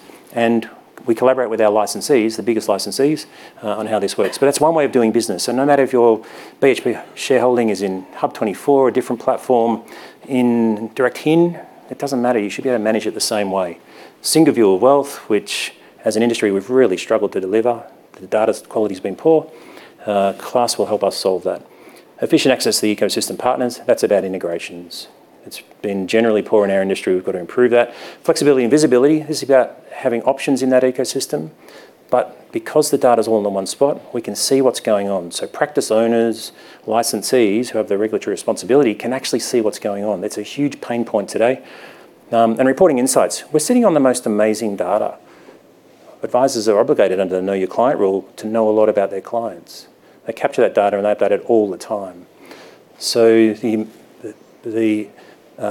We collaborate with our licensees, the biggest licensees, on how this works. That is one way of doing business. No matter if your BHP shareholding is in HUB24 or a different platform in Direct HIN, it does not matter. You should be able to manage it the same way. Single view of wealth, which as an industry, we've really struggled to deliver. The data quality has been poor. CLASS will help us solve that. Efficient access to the ecosystem partners, that's about integrations. It's been generally poor in our industry. We've got to improve that. Flexibility and visibility, this is about having options in that ecosystem. Because the data is all in one spot, we can see what's going on. Practice owners, licensees who have the regulatory responsibility can actually see what's going on. That's a huge pain point today. Reporting insights. We're sitting on the most amazing data. Advisors are obligated under the Know Your Client rule to know a lot about their clients. They capture that data, and they have data all the time. The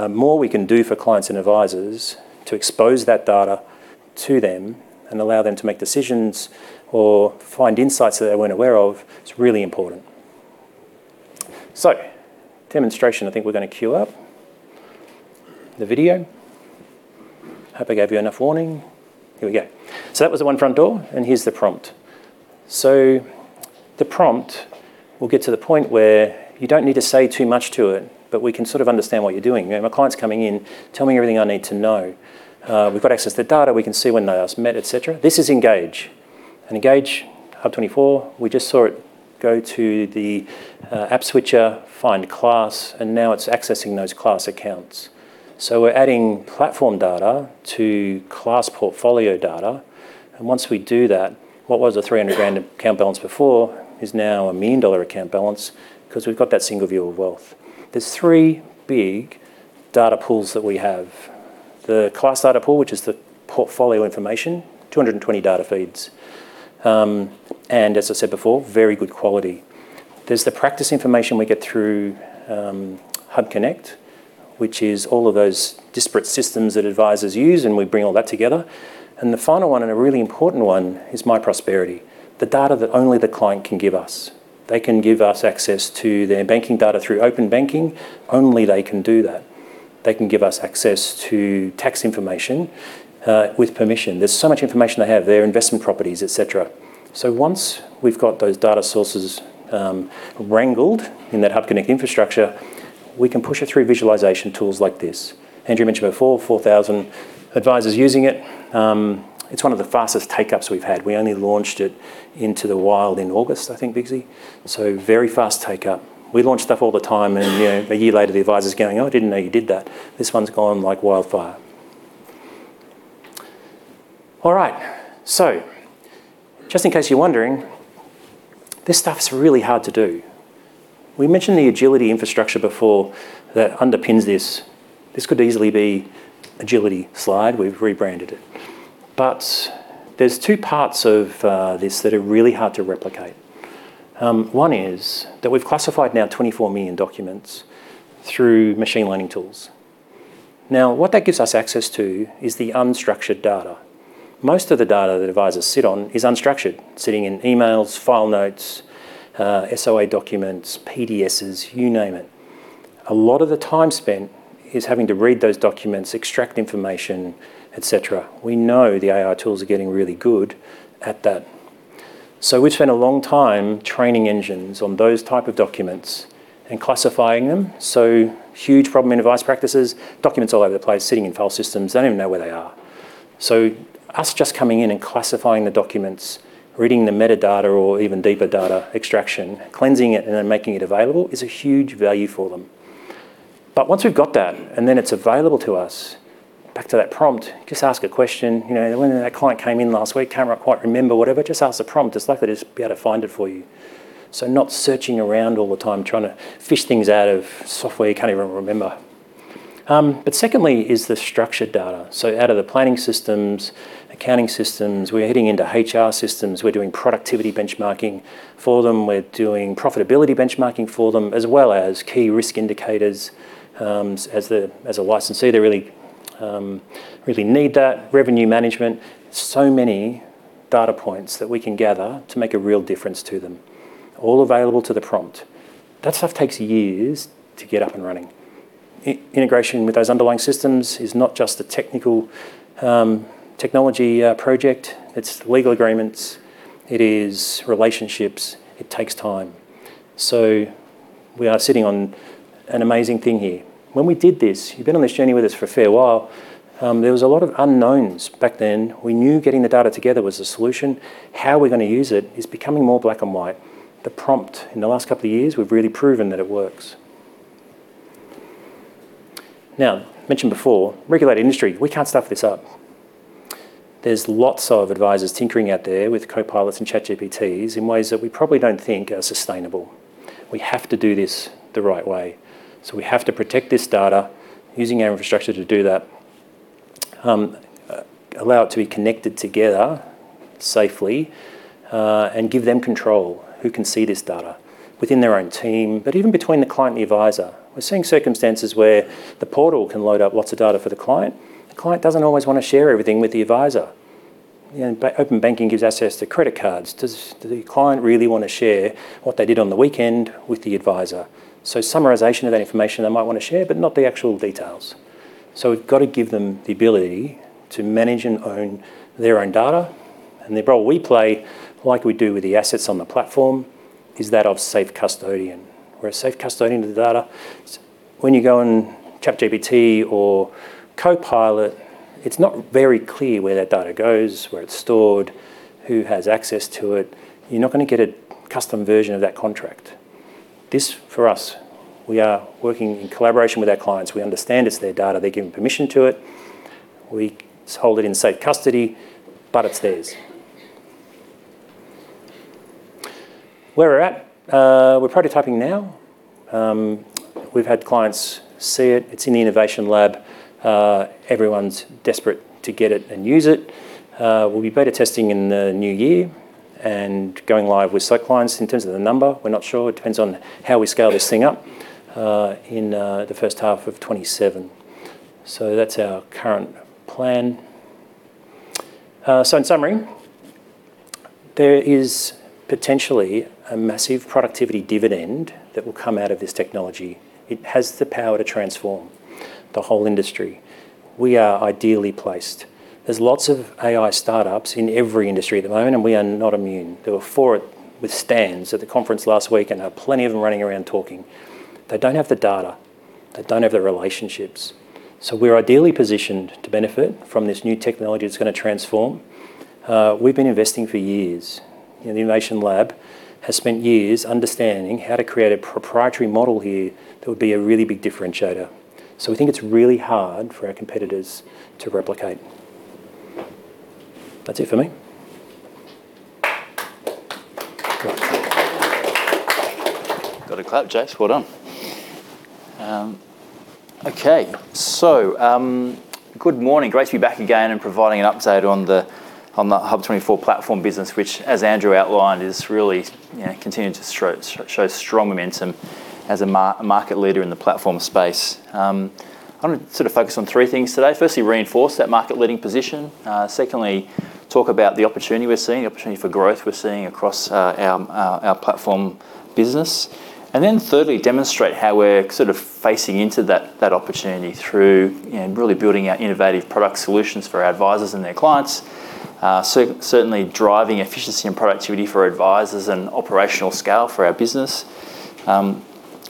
more we can do for clients and advisors to expose that data to them and allow them to make decisions or find insights that they were not aware of, it is really important. Demonstration, I think we are going to queue up the video. Hope I gave you enough warning. Here we go. That was the one front door, and here is the prompt. The prompt, we will get to the point where you do not need to say too much to it, but we can sort of understand what you are doing. My client's coming in. Tell me everything I need to know. We have got access to data. We can see when they last met, etc. This is Engage. Engage HUB24, we just saw it go to the app switcher, find CLASS, and now it is accessing those CLASS accounts. We are adding platform data to CLASS portfolio data. Once we do that, what was a 300,000 account balance before is now a 1,000,000 dollar account balance because we've got that single view of wealth. There are three big data pools that we have. The CLASS data pool, which is the portfolio information, 220 data feeds. As I said before, very good quality. There is the practice information we get through HUB Connect, which is all of those disparate systems that advisors use, and we bring all that together. The final one, and a really important one, is myProsperity, the data that only the client can give us. They can give us access to their banking data through open banking. Only they can do that. They can give us access to tax information with permission. There is so much information they have, their investment properties, etc. Once we've got those data sources wrangled in that HUB Connect infrastructure, we can push it through visualization tools like this. Andrew mentioned before, 4,000 advisors using it. It's one of the fastest take-ups we've had. We only launched it into the wild in August, I think, Big Z. Very fast take-up. We launch stuff all the time, and a year later, the advisor's going, "Oh, I didn't know you did that." This one's gone like wildfire. All right. Just in case you're wondering, this stuff is really hard to do. We mentioned the Agility infrastructure before that underpins this. This could easily be an Agility slide. We've rebranded it. There are two parts of this that are really hard to replicate. One is that we've classified now 24 million documents through machine learning tools. What that gives us access to is the unstructured data. Most of the data that advisors sit on is unstructured, sitting in emails, file notes, SOA documents, PDSs, you name it. A lot of the time spent is having to read those documents, extract information, etc. We know the AI tools are getting really good at that. We've spent a long time training engines on those type of documents and classiFY ing them. Huge problem in advice practices, documents all over the place, sitting in file systems, don't even know where they are. Us just coming in and classiFY ing the documents, reading the metadata or even deeper data extraction, cleansing it, and then making it available is a huge value for them. Once we've got that and then it's available to us, back to that prompt, just ask a question. When that client came in last week, can't quite remember whatever, just ask the prompt. It's likely to just be able to find it for you. Not searching around all the time, trying to fish things out of software you can't even remember. Secondly is the structured data. Out of the planning systems, accounting systems, we're heading into HR systems. We're doing productivity benchmarking for them. We're doing profitability benchmarking for them, as well as key risk indicators. As a licensee, they really need that revenue management. So many data points that we can gather to make a real difference to them, all available to the prompt. That stuff takes years to get up and running. Integration with those underlying systems is not just a technical technology project. It's legal agreements. It is relationships. It takes time. We are sitting on an amazing thing here. When we did this, you've been on this journey with us for a fair while. There was a lot of unknowns back then. We knew getting the data together was the solution. How we're going to use it is becoming more black and white. The prompt, in the last couple of years, we've really proven that it works. Now, mentioned before, regulated industry, we can't stuff this up. There's lots of advisors tinkering out there with Copilots and ChatGPTs in ways that we probably don't think are sustainable. We have to do this the right way. We have to protect this data using our infrastructure to do that, allow it to be connected together safely, and give them control who can see this data within their own team, but even between the client and the advisor. We're seeing circumstances where the portal can load up lots of data for the client. The client doesn't always want to share everything with the advisor. Open banking gives access to credit cards. Does the client really want to share what they did on the weekend with the advisor? Summarization of that information they might want to share, but not the actual details. We have to give them the ability to manage and own their own data. The role we play, like we do with the assets on the platform, is that of safe custodian. We are a safe custodian of the data. When you go on ChatGPT or Copilot, it is not very clear where that data goes, where it is stored, who has access to it. You are not going to get a custom version of that contract. For us, we are working in collaboration with our clients. We understand it is their data. They give permission to it. We hold it in safe custody, but it is theirs. Where we are at, we are prototyping now. We've had clients see it. It's in the innovation lab. Everyone's desperate to get it and use it. We'll be beta testing in the new year and going live with some clients. In terms of the number, we're not sure. It depends on how we scale this thing up in the first half of 2027. That is our current plan. In summary, there is potentially a massive productivity dividend that will come out of this technology. It has the power to transform the whole industry. We are ideally placed. There are lots of AI startups in every industry at the moment, and we are not immune. There were four with stands at the conference last week, and there are plenty of them running around talking. They do not have the data. They do not have the relationships. We are ideally positioned to benefit from this new technology that is going to transform. We've been investing for years. The innovation lab has spent years understanding how to create a proprietary model here that would be a really big differentiator. We think it's really hard for our competitors to replicate. That's it for me. Got a clap, Jace. Well done. Okay. Good morning. Great to be back again and providing an update on the HUB24 platform business, which, as Andrew outlined, is really continuing to show strong momentum as a market leader in the platform space. I want to sort of focus on three things today. Firstly, reinforce that market-leading position. Secondly, talk about the opportunity we're seeing, the opportunity for growth we're seeing across our platform business. Thirdly, demonstrate how we're sort of facing into that opportunity through really building out innovative product solutions for our advisors and their clients, certainly driving efficiency and productivity for advisors and operational scale for our business,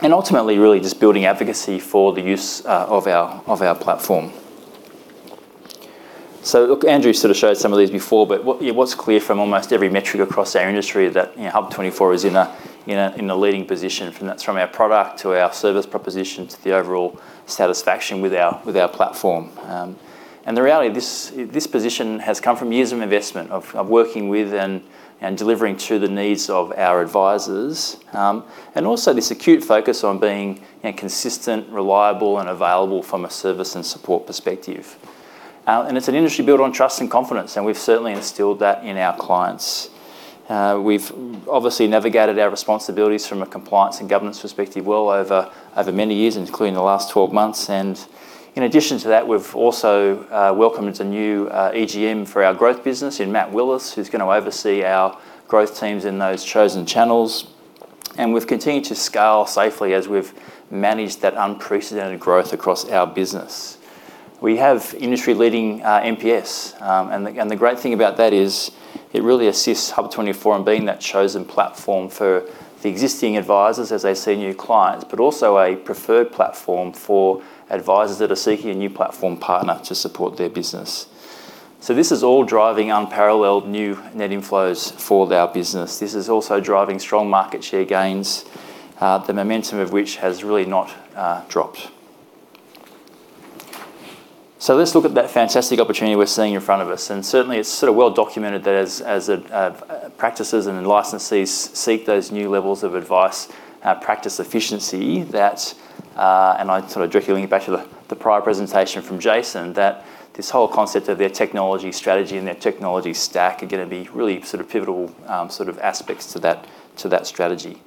and ultimately really just building advocacy for the use of our platform. Andrew sort of showed some of these before, but what's clear from almost every metric across our industry is that HUB24 is in a leading position from our product to our service proposition to the overall satisfaction with our platform. The reality of this position has come from years of investment, of working with and delivering to the needs of our advisors, and also this acute focus on being consistent, reliable, and available from a service and support perspective. It's an industry built on trust and confidence, and we've certainly instilled that in our clients. We've obviously navigated our responsibilities from a compliance and governance perspective well over many years, including the last 12 months. In addition to that, we've also welcomed a new EGM for our growth business in Matt Willis, who's going to oversee our growth teams in those chosen channels. We have continued to scale safely as we have managed that unprecedented growth across our business. We have industry-leading MPS. The great thing about that is it really assists HUB24 in being that chosen platform for the existing advisors as they see new clients, but also a preferred platform for advisors that are seeking a new platform partner to support their business. This is all driving unparalleled new net inflows for our business. This is also driving strong market share gains, the momentum of which has really not dropped. Let's look at that fantastic opportunity we are seeing in front of us. It is sort of well documented that as practices and licensees seek those new levels of advice, practice efficiency, and I sort of directly link back to the prior presentation from Jason, that this whole concept of their technology strategy and their technology stack are going to be really sort of pivotal aspects to that strategy.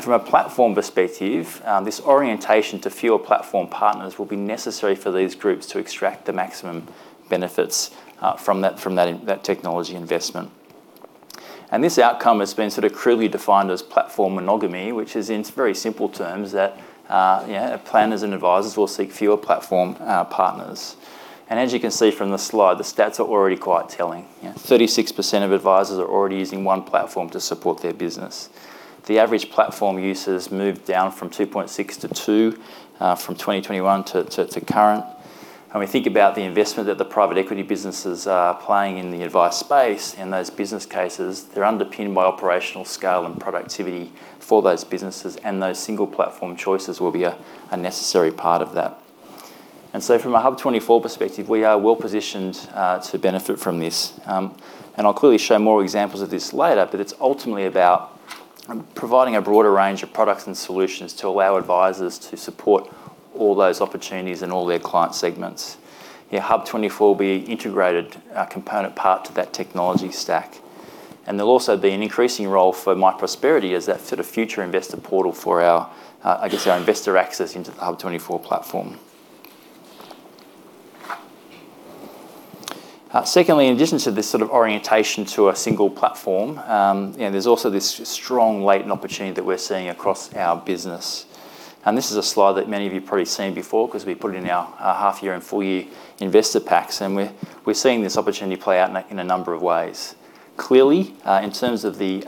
From a platform perspective, this orientation to fewer platform partners will be necessary for these groups to extract the maximum benefits from that technology investment. This outcome has been sort of crudely defined as platform monogamy, which is in very simple terms that planners and advisors will seek fewer platform partners. As you can see from the slide, the stats are already quite telling. 36% of advisors are already using one platform to support their business. The average platform users moved down from 2.6 to 2 from 2021 to current. We think about the investment that the private equity businesses are playing in the advice space and those business cases. They are underpinned by operational scale and productivity for those businesses, and those single platform choices will be a necessary part of that. From a HUB24 perspective, we are well positioned to benefit from this. I will clearly show more examples of this later, but it is ultimately about providing a broader range of products and solutions to allow advisors to support all those opportunities and all their client segments. HUB24 will be an integrated component part to that technology stack. There will also be an increasing role for myProsperity as that sort of future investor portal for, I guess, our investor access into the HUB24 platform. Secondly, in addition to this sort of orientation to a single platform, there's also this strong latent opportunity that we're seeing across our business. This is a slide that many of you have probably seen before because we put it in our half-year and full-year investor packs, and we're seeing this opportunity play out in a number of ways. Clearly, in terms of the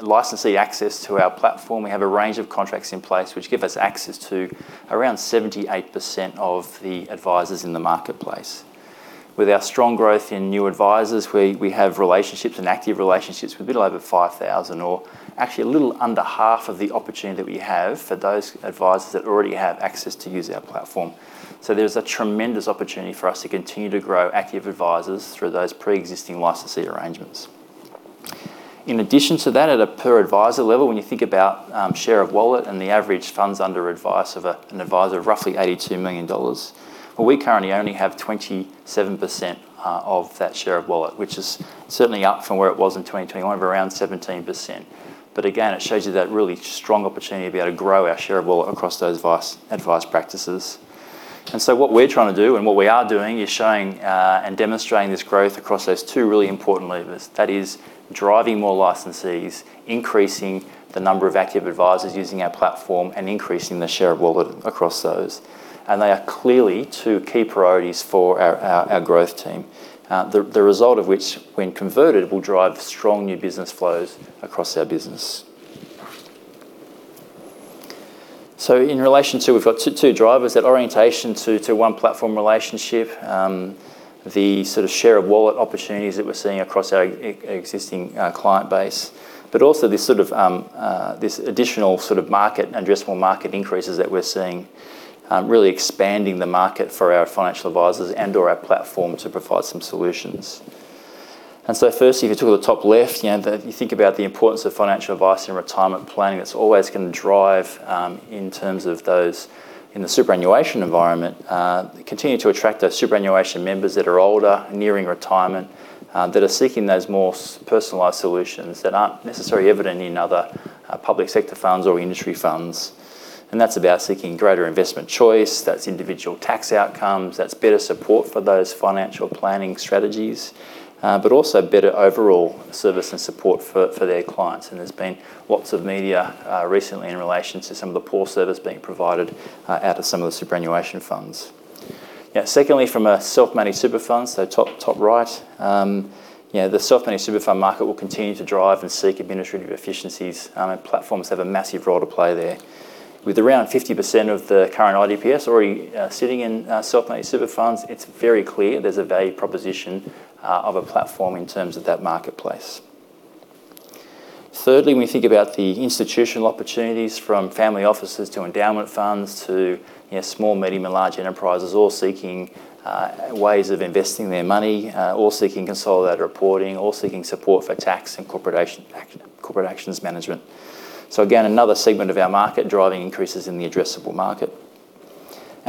licensee access to our platform, we have a range of contracts in place which give us access to around 78% of the advisors in the marketplace. With our strong growth in new advisors, we have relationships and active relationships with a bit over 5,000 or actually a little under half of the opportunity that we have for those advisors that already have access to use our platform. There is a tremendous opportunity for us to continue to grow active advisors through those pre-existing licensee arrangements. In addition to that, at a per-advisor level, when you think about share of wallet and the average funds under advice of an advisor, roughly 82 million dollars, we currently only have 27% of that share of wallet, which is certainly up from where it was in 2021 of around 17%. It shows you that really strong opportunity to be able to grow our share of wallet across those advice practices. What we are trying to do and what we are doing is showing and demonstrating this growth across those two really important levers. That is driving more licensees, increasing the number of active advisors using our platform, and increasing the share of wallet across those. They are clearly two key priorities for our growth team, the result of which, when converted, will drive strong new business flows across our business. In relation to, we've got two drivers: that orientation to one-platform relationship, the sort of share of wallet opportunities that we're seeing across our existing client base, but also this sort of additional sort of addressable market increases that we're seeing, really expanding the market for our financial advisors and/or our platform to provide some solutions. Firstly, if you took the top left, you think about the importance of financial advice and retirement planning. It's always going to drive, in terms of those in the superannuation environment, continue to attract those superannuation members that are older, nearing retirement, that are seeking those more personalized solutions that aren't necessarily evident in other public sector funds or industry funds. That's about seeking greater investment choice. That's individual tax outcomes. That's better support for those financial planning strategies, but also better overall service and support for their clients. There's been lots of media recently in relation to some of the poor service being provided out of some of the superannuation funds. Secondly, from a self-managed super fund, so top right, the self-managed super fund market will continue to drive and seek administrative efficiencies, and platforms have a massive role to play there. With around 50% of the current IDPS already sitting in self-managed super funds, it's very clear there's a value proposition of a platform in terms of that marketplace. Thirdly, when you think about the institutional opportunities from family offices to endowment funds to small, medium, and large enterprises all seeking ways of investing their money, all seeking consolidated reporting, all seeking support for tax and corporate actions management. Another segment of our market is driving increases in the addressable market.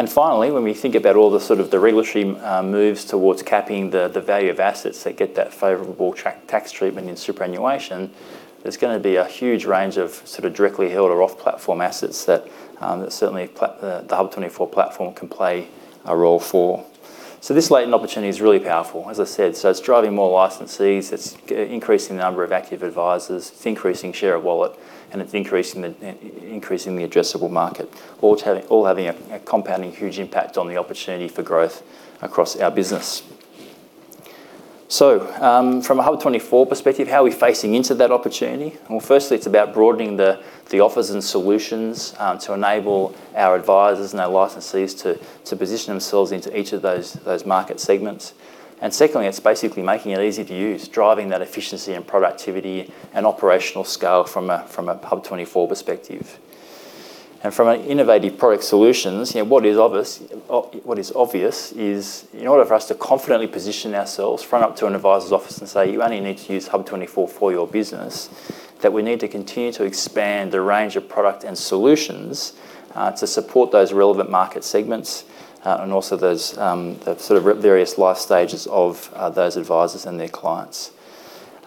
Finally, when we think about all the sort of the regulatory moves towards capping the value of assets that get that favorable tax treatment in superannuation, there's going to be a huge range of sort of directly held or off-platform assets that certainly the HUB24 platform can play a role for. This latent opportunity is really powerful, as I said. It's driving more licensees. It's increasing the number of active advisors. It's increasing share of wallet, and it's increasing the addressable market, all having a compounding huge impact on the opportunity for growth across our business. From a HUB24 perspective, how are we facing into that opportunity? Firstly, it's about broadening the offers and solutions to enable our advisors and our licensees to position themselves into each of those market segments. Secondly, it's basically making it easy to use, driving that efficiency and productivity and operational scale from a HUB24 perspective. From an innovative product solutions perspective, what is obvious is in order for us to confidently position ourselves front up to an advisor's office and say, "You only need to use HUB24 for your business," we need to continue to expand the range of product and solutions to support those relevant market segments and also the sort of various life stages of those advisors and their clients.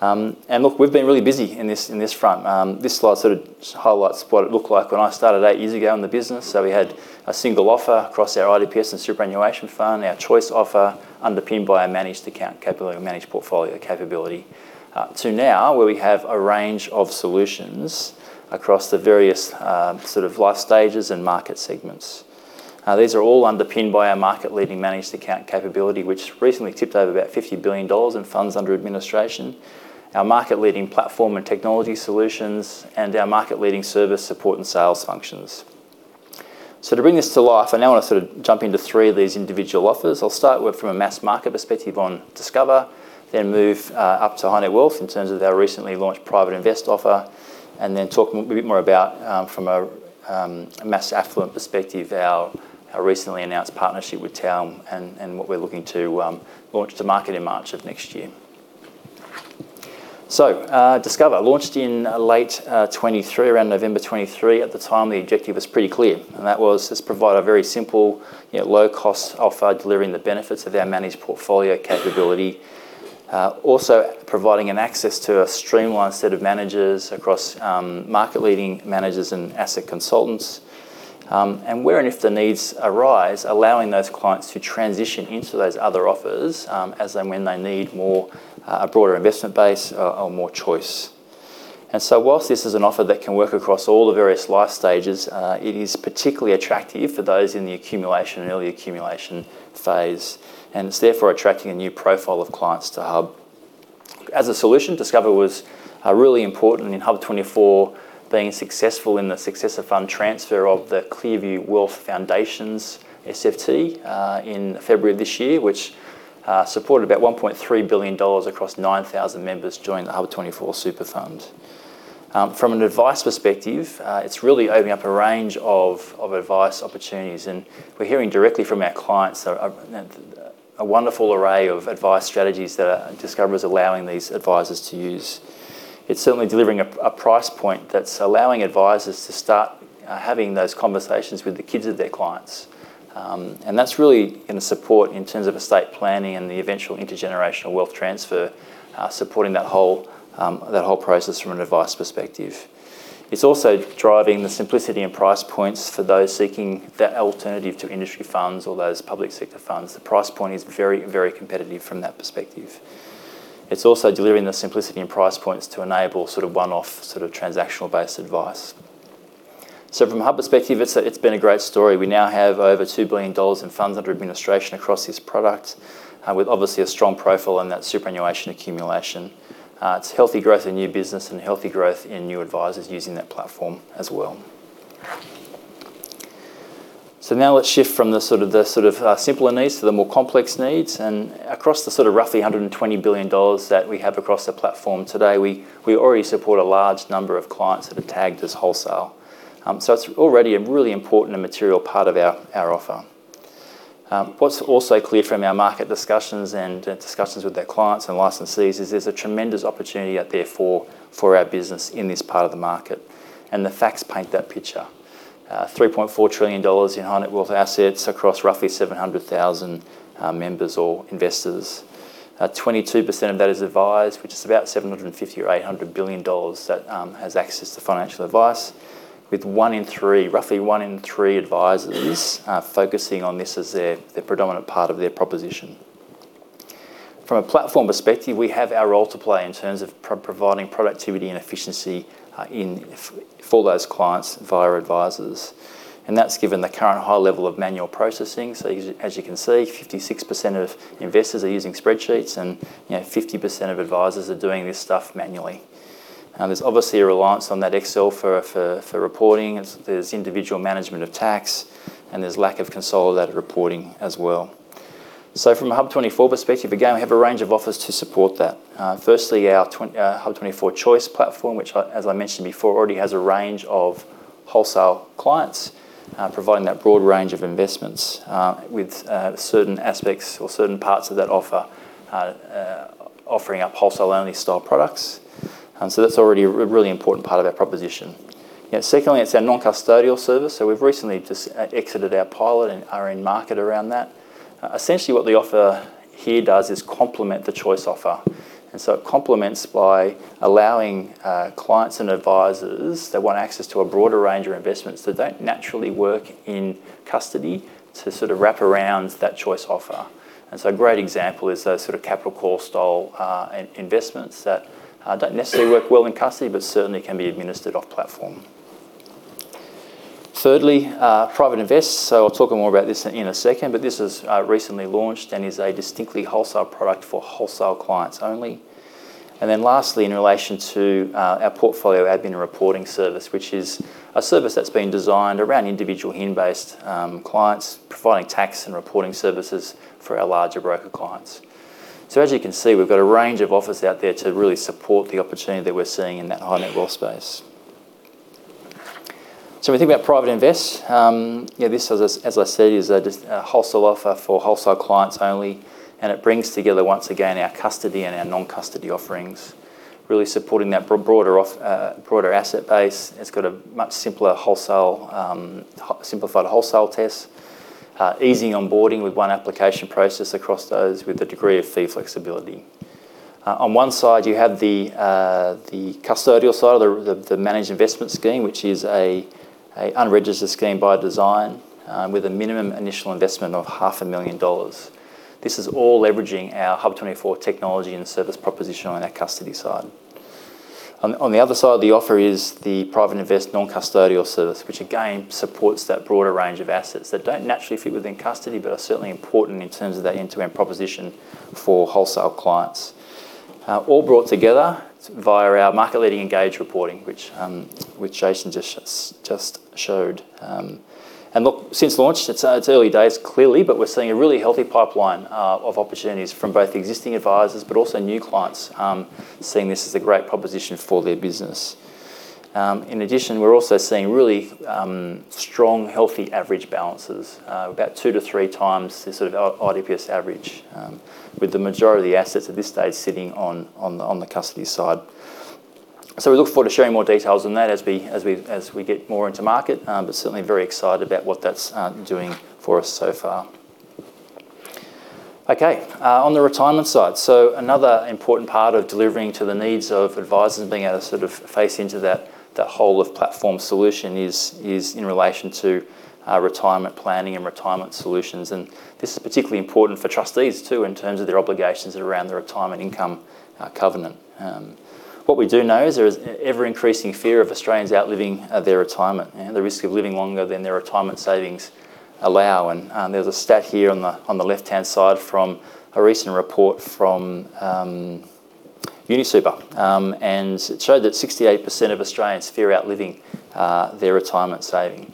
Look, we've been really busy in this front. This slide sort of highlights what it looked like when I started eight years ago in the business. We had a single offer across our IDPS and superannuation fund, our choice offer underpinned by our managed account capital and managed portfolio capability to now where we have a range of solutions across the various sort of life stages and market segments. These are all underpinned by our market-leading managed account capability, which recently tipped over about 50 billion dollars in funds under administration, our market-leading platform and technology solutions, and our market-leading service support and sales functions. To bring this to life, I now want to sort of jump into three of these individual offers. I'll start from a mass market perspective on Discover, then move up to high-net-worth wealth in terms of our recently launched Private Invest offer, and then talk a bit more about, from a mass affluent perspective, our recently announced partnership with TAL and what we're looking to launch to market in March of next year. Discover launched in late 2023, around November 2023. At the time, the objective was pretty clear, and that was to provide a very simple, low-cost offer delivering the benefits of our managed portfolio capability, also providing access to a streamlined set of managers across market-leading managers and asset consultants, and where and if the needs arise, allowing those clients to transition into those other offers as and when they need a broader investment base or more choice. Whilst this is an offer that can work across all the various life stages, it is particularly attractive for those in the accumulation and early accumulation phase, and it is therefore attracting a new profile of clients to HUB24. As a solution, Discover was really important in HUB24 being successful in the successor fund transfer of the Clearview Wealth Foundations SFT in February of this year, which supported about 1.3 billion dollars across 9,000 members joining the HUB24 super fund. From an advice perspective, it is really opening up a range of advice opportunities, and we are hearing directly from our clients a wonderful array of advice strategies that Discover is allowing these advisors to use. It is certainly delivering a price point that is allowing advisors to start having those conversations with the kids of their clients. That is really going to support in terms of estate planning and the eventual intergenerational wealth transfer, supporting that whole process from an advice perspective. It is also driving the simplicity and price points for those seeking that alternative to industry funds or those public sector funds. The price point is very, very competitive from that perspective. It is also delivering the simplicity and price points to enable sort of one-off sort of transactional-based advice. From a HUB24 perspective, it has been a great story. We now have over 2 billion dollars in funds under administration across this product with obviously a strong profile on that superannuation accumulation. It is healthy growth in new business and healthy growth in new advisors using that platform as well. Now let's shift from the sort of simpler needs to the more complex needs. Across the sort of roughly 120 billion dollars that we have across the platform today, we already support a large number of clients that are tagged as wholesale. It is already a really important and material part of our offer. What is also clear from our market discussions and discussions with our clients and licensees is there is a tremendous opportunity out there for our business in this part of the market, and the facts paint that picture. 3.4 trillion dollars in high-net-worth wealth assets across roughly 700,000 members or investors. 22% of that is advised, which is about 750 billion or 800 billion dollars that has access to financial advice, with roughly one in three advisors focusing on this as their predominant part of their proposition. From a platform perspective, we have our role to play in terms of providing productivity and efficiency for those clients via advisors. That is given the current high level of manual processing. As you can see, 56% of investors are using spreadsheets, and 50% of advisors are doing this stuff manually. There is obviously a reliance on that Excel for reporting. There is individual management of tax, and there is lack of consolidated reporting as well. From a HUB24 perspective, again, we have a range of offers to support that. Firstly, our HUB24 Choice platform, which, as I mentioned before, already has a range of wholesale clients providing that broad range of investments with certain aspects or certain parts of that offer offering up wholesale-only style products. That is already a really important part of our proposition. Secondly, it is our non-custodial service. We have recently just exited our pilot and are in market around that. Essentially, what the offer here does is complement the Choice offer. It complements by allowing clients and advisors that want access to a broader range of investments that do not naturally work in custody to sort of wrap around that choice offer. A great example is those sort of capital core style investments that do not necessarily work well in custody, but certainly can be administered off-platform. Thirdly, Private Invest. I will talk more about this in a second, but this was recently launched and is a distinctly wholesale product for wholesale clients only. Lastly, in relation to our portfolio admin and reporting service, which is a service that has been designed around individual in-based clients providing tax and reporting services for our larger broker clients. As you can see, we have got a range of offers out there to really support the opportunity that we are seeing in that high-net-wealth space. When we think about Private Invest, this is, as I said, a wholesale offer for wholesale clients only, and it brings together, once again, our custody and our non-custody offerings, really supporting that broader asset base. It's got a much simplified wholesale test, easing onboarding with one application process across those with a degree of fee flexibility. On one side, you have the custodial side of the managed investment scheme, which is an unregistered scheme by design with a minimum initial investment of 500,000 dollars. This is all leveraging our HUB24 technology and service proposition on our custody side. On the other side, the offer is the Private Invest non-custodial service, which again supports that broader range of assets that don't naturally fit within custody but are certainly important in terms of that end-to-end proposition for wholesale clients. All brought together via our market-leading Engage reporting, which Jason just showed. Look, since launch, it's early days clearly, but we're seeing a really healthy pipeline of opportunities from both existing advisors, but also new clients seeing this as a great proposition for their business. In addition, we're also seeing really strong, healthy average balances, about two to three times the sort of IDPS average, with the majority of the assets at this stage sitting on the custody side. We look forward to sharing more details on that as we get more into market, but certainly very excited about what that's doing for us so far. Okay. On the retirement side, another important part of delivering to the needs of advisors and being able to sort of face into that whole of platform solution is in relation to retirement planning and retirement solutions. This is particularly important for trustees too in terms of their obligations around the retirement income covenant. What we do know is there is ever-increasing fear of Australians outliving their retirement and the risk of living longer than their retirement savings allow. There is a stat here on the left-hand side from a recent report from UniSuper, and it showed that 68% of Australians fear outliving their retirement saving.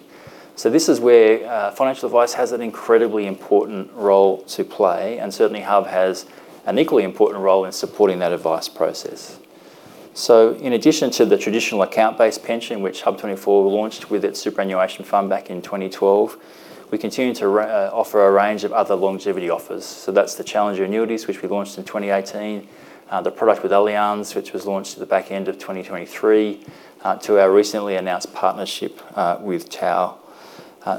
This is where financial advice has an incredibly important role to play, and certainly HUB24 has an equally important role in supporting that advice process. In addition to the traditional account-based pension, which HUB24 launched with its superannuation fund back in 2012, we continue to offer a range of other longevity offers. That is the Challenger Annuities, which we launched in 2018, the product with Allianz, which was launched at the back end of 2023, to our recently announced partnership with TAL.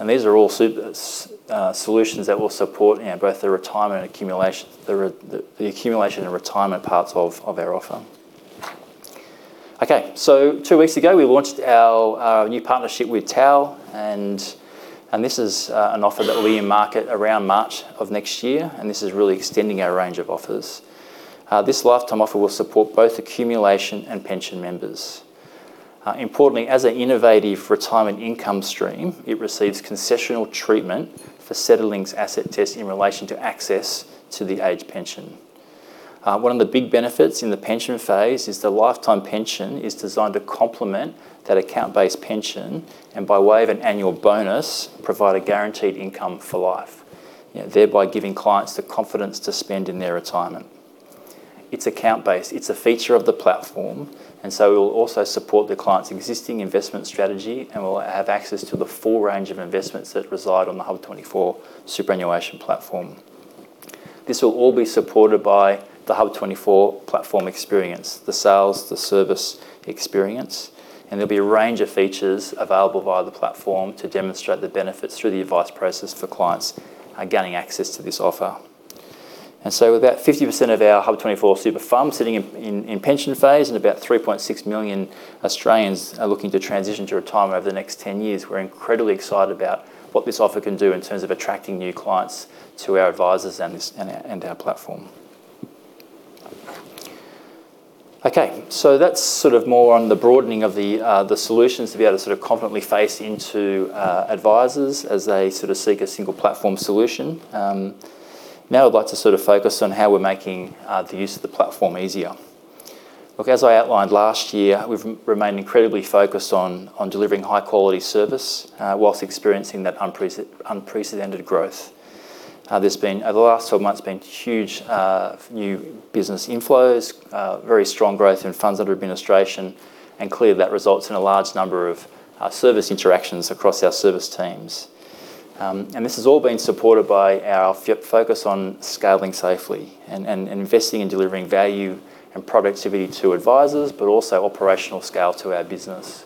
These are all solutions that will support both the retirement and accumulation and retirement parts of our offer. Okay. Two weeks ago, we launched our new partnership with TAL, and this is an offer that will be in market around March of next year, and this is really extending our range of offers. This lifetime offer will support both accumulation and pension members. Importantly, as an innovative retirement income stream, it receives concessional treatment for settlings asset test in relation to access to the age pension. One of the big benefits in the pension phase is the lifetime pension is designed to complement that account-based pension and, by way of an annual bonus, provide a guaranteed income for life, thereby giving clients the confidence to spend in their retirement. It's account-based. It's a feature of the platform, and so it will also support the client's existing investment strategy, and we'll have access to the full range of investments that reside on the HUB24 superannuation platform. This will all be supported by the HUB24 platform experience, the sales, the service experience, and there'll be a range of features available via the platform to demonstrate the benefits through the advice process for clients gaining access to this offer. With about 50% of our HUB24 super fund sitting in pension phase and about 3.6 million Australians looking to transition to retirement over the next 10 years, we're incredibly excited about what this offer can do in terms of attracting new clients to our advisors and our platform. Okay. That's sort of more on the broadening of the solutions to be able to sort of confidently face into advisors as they sort of seek a single platform solution. Now I'd like to sort of focus on how we're making the use of the platform easier. Look, as I outlined last year, we've remained incredibly focused on delivering high-quality service whilst experiencing that unprecedented growth. The last 12 months have been huge new business inflows, very strong growth in funds under administration, and clearly that results in a large number of service interactions across our service teams. This has all been supported by our focus on scaling safely and investing in delivering value and productivity to advisors, but also operational scale to our business.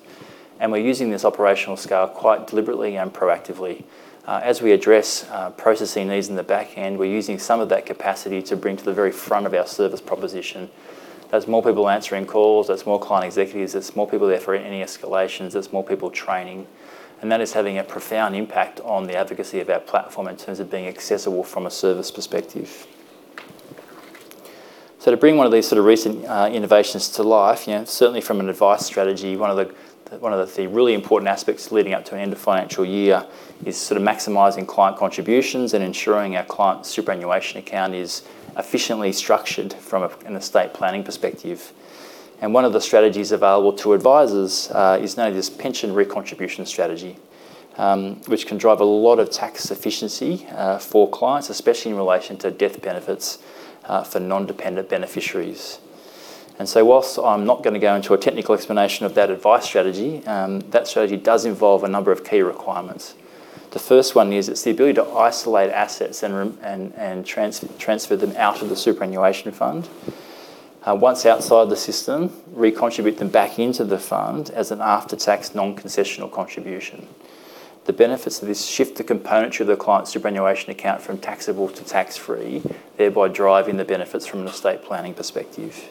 We are using this operational scale quite deliberately and proactively. As we address processing needs in the back end, we are using some of that capacity to bring to the very front of our service proposition. There are more people answering calls. There are more client executives. There are more people there for any escalations. There are more people training. That is having a profound impact on the advocacy of our platform in terms of being accessible from a service perspective. To bring one of these sort of recent innovations to life, certainly from an advice strategy, one of the really important aspects leading up to an end of financial year is sort of maximizing client contributions and ensuring our client superannuation account is efficiently structured from an estate planning perspective. One of the strategies available to advisors is known as this pension recontribution strategy, which can drive a lot of tax efficiency for clients, especially in relation to death benefits for non-dependent beneficiaries. Whilst I'm not going to go into a technical explanation of that advice strategy, that strategy does involve a number of key requirements. The first one is it's the ability to isolate assets and transfer them out of the superannuation fund. Once outside the system, recontribute them back into the fund as an after-tax non-concessional contribution. The benefits of this shift the component to the client superannuation account from taxable to tax-free, thereby driving the benefits from an estate planning perspective.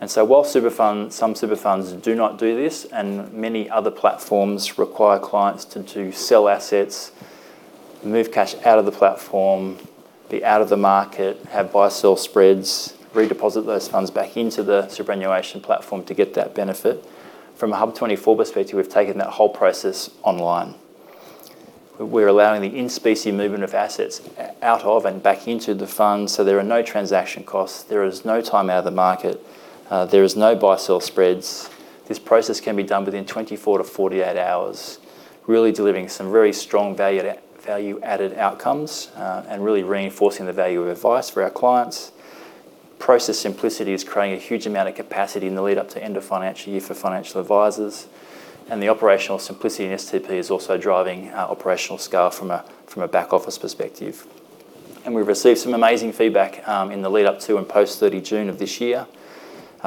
While some super funds do not do this and many other platforms require clients to sell assets, move cash out of the platform, be out of the market, have buy-sell spreads, redeposit those funds back into the superannuation platform to get that benefit, from a HUB24 perspective, we've taken that whole process online. We're allowing the in-specie movement of assets out of and back into the fund, so there are no transaction costs. There is no time out of the market. There is no buy-sell spreads. This process can be done within 24-48 hours, really delivering some very strong value-added outcomes and really reinforcing the value of advice for our clients. Process simplicity is creating a huge amount of capacity in the lead-up to end-of-financial year for financial advisors. The operational simplicity in STP is also driving operational scale from a back-office perspective. We have received some amazing feedback in the lead-up to and post-30 June of this year.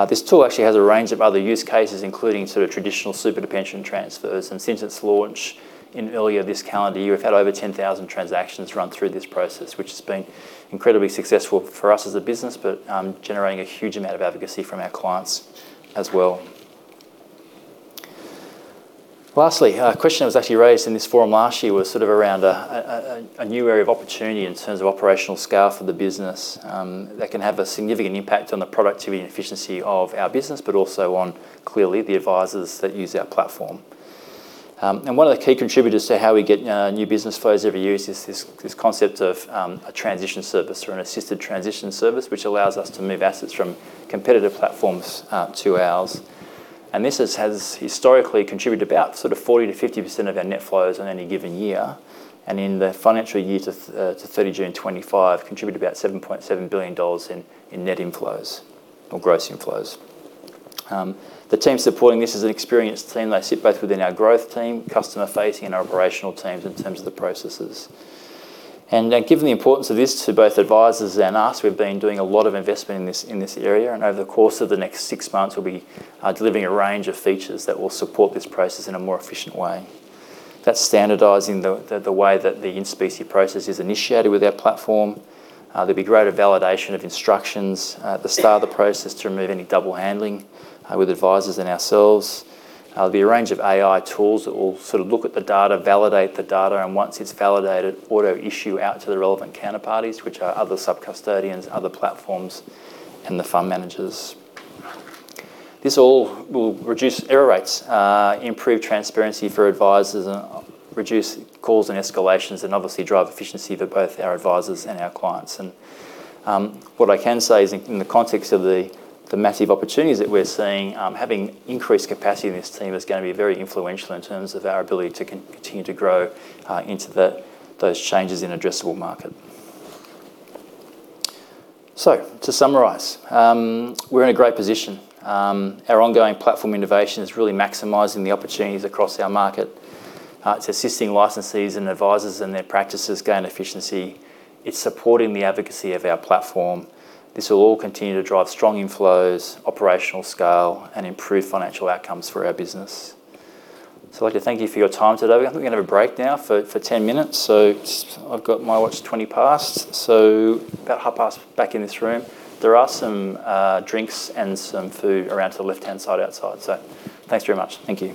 This tool actually has a range of other use cases, including sort of traditional super pension transfers. Since its launch in earlier this calendar year, we have had over 10,000 transactions run through this process, which has been incredibly successful for us as a business, but generating a huge amount of advocacy from our clients as well. Lastly, a question that was actually raised in this forum last year was sort of around a new area of opportunity in terms of operational scale for the business that can have a significant impact on the productivity and efficiency of our business, but also on, clearly, the advisors that use our platform. One of the key contributors to how we get new business flows every year is this concept of a transition service or an assisted transition service, which allows us to move assets from competitive platforms to ours. This has historically contributed about 40%-50% of our net flows on any given year. In the financial year to 30 June 2025, contributed about 7.7 billion dollars in net inflows or gross inflows. The team supporting this is an experienced team. They sit both within our growth team, customer-facing, and our operational teams in terms of the processes. Given the importance of this to both advisors and us, we've been doing a lot of investment in this area. Over the course of the next six months, we'll be delivering a range of features that will support this process in a more efficient way. That's standardizing the way that the in-specie process is initiated with our platform. There will be greater validation of instructions at the start of the process to remove any double handling with advisors and ourselves. There will be a range of AI tools that will sort of look at the data, validate the data, and once it's validated, auto-issue out to the relevant counterparties, which are other sub-custodians, other platforms, and the fund managers. This all will reduce error rates, improve transparency for advisors, reduce calls and escalations, and obviously drive efficiency for both our advisors and our clients. What I can say is, in the context of the massive opportunities that we're seeing, having increased capacity in this team is going to be very influential in terms of our ability to continue to grow into those changes in addressable market. To summarize, we're in a great position. Our ongoing platform innovation is really maximizing the opportunities across our market. It's assisting licensees and advisors and their practices gain efficiency. It's supporting the advocacy of our platform. This will all continue to drive strong inflows, operational scale, and improve financial outcomes for our business. I'd like to thank you for your time today. We're going to have a break now for 10 minutes. I've got my watch 20 past. About half past. Back in this room. There are some drinks and some food around to the left-hand side outside. Thanks very much. Thank you.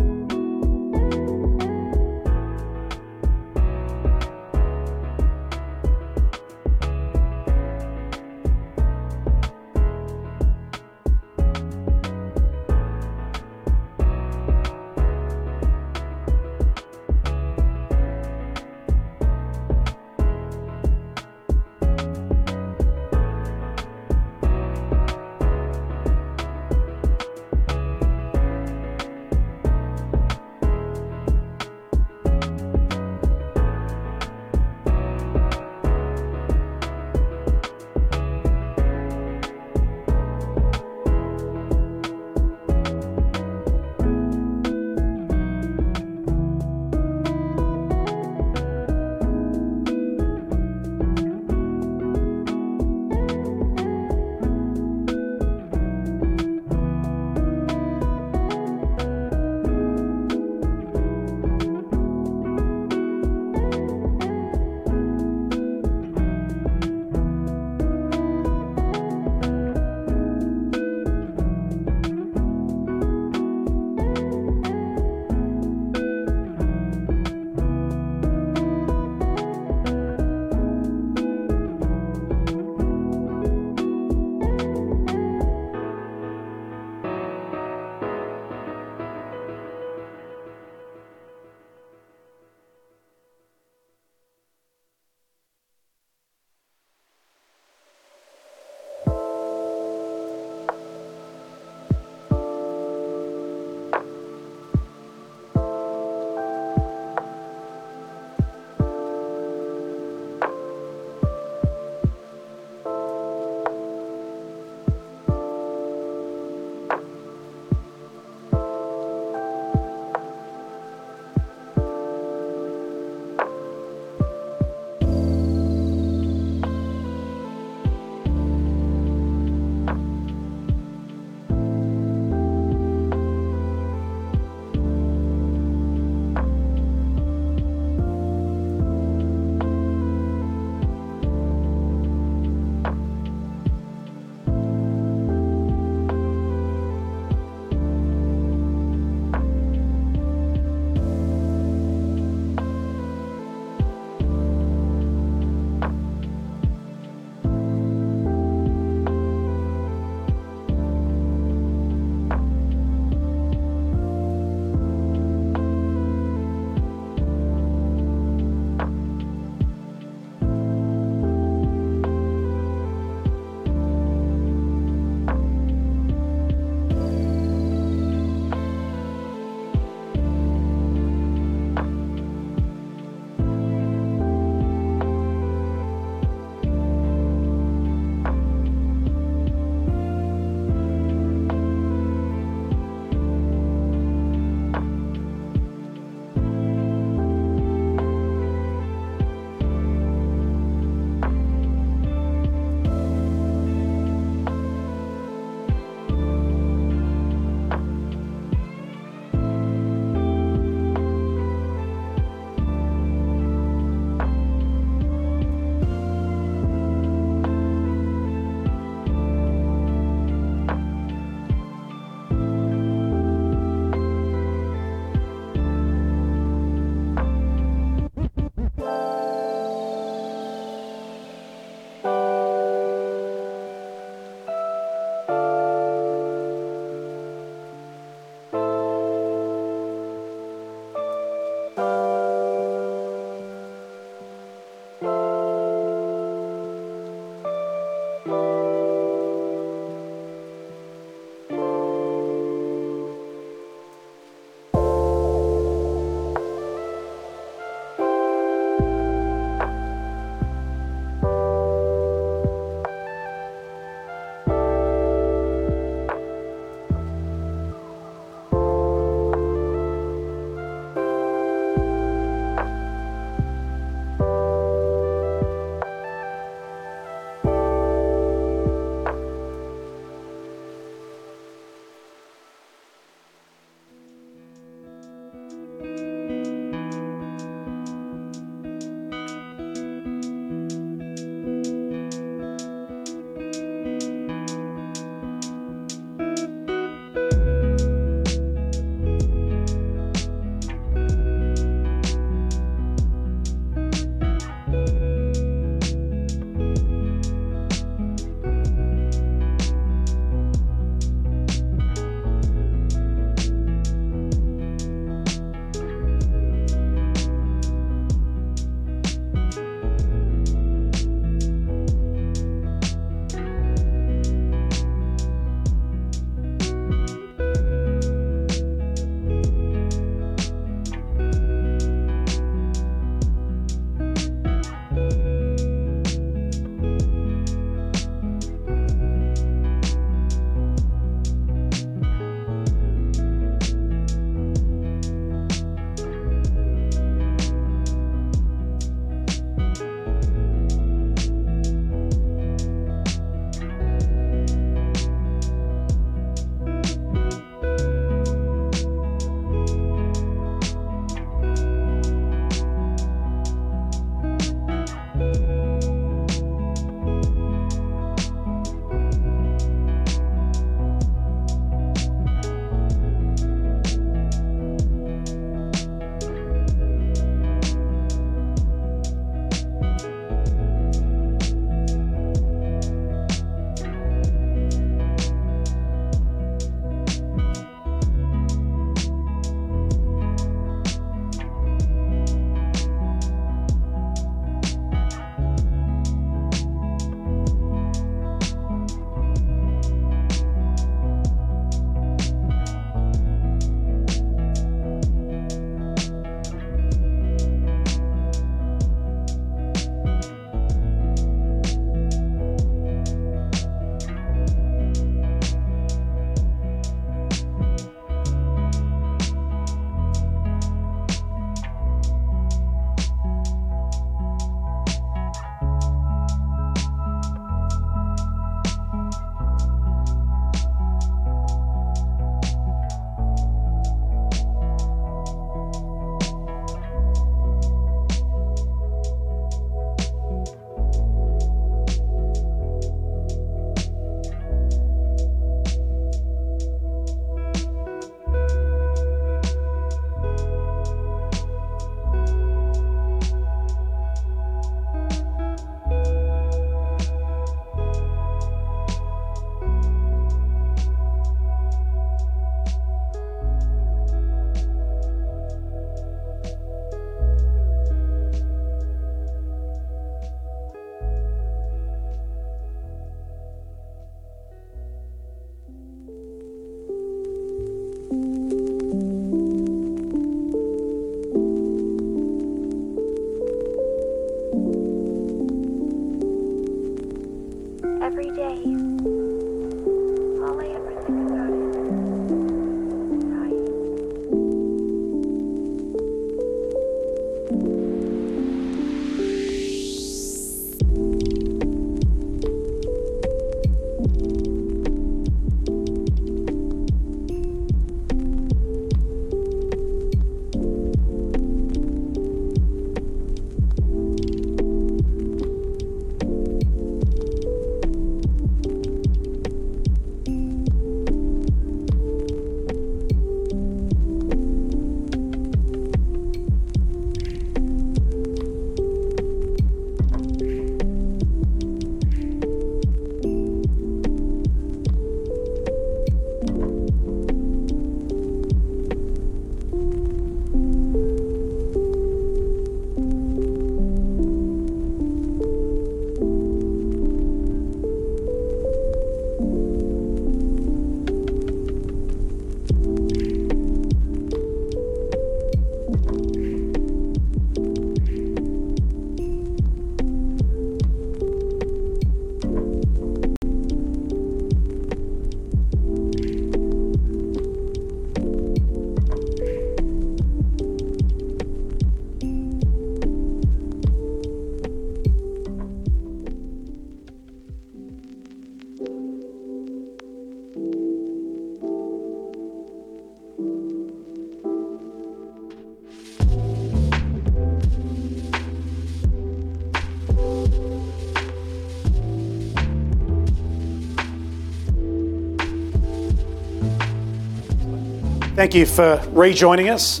Every day, all I ever think about is dying. Thank you for rejoining us.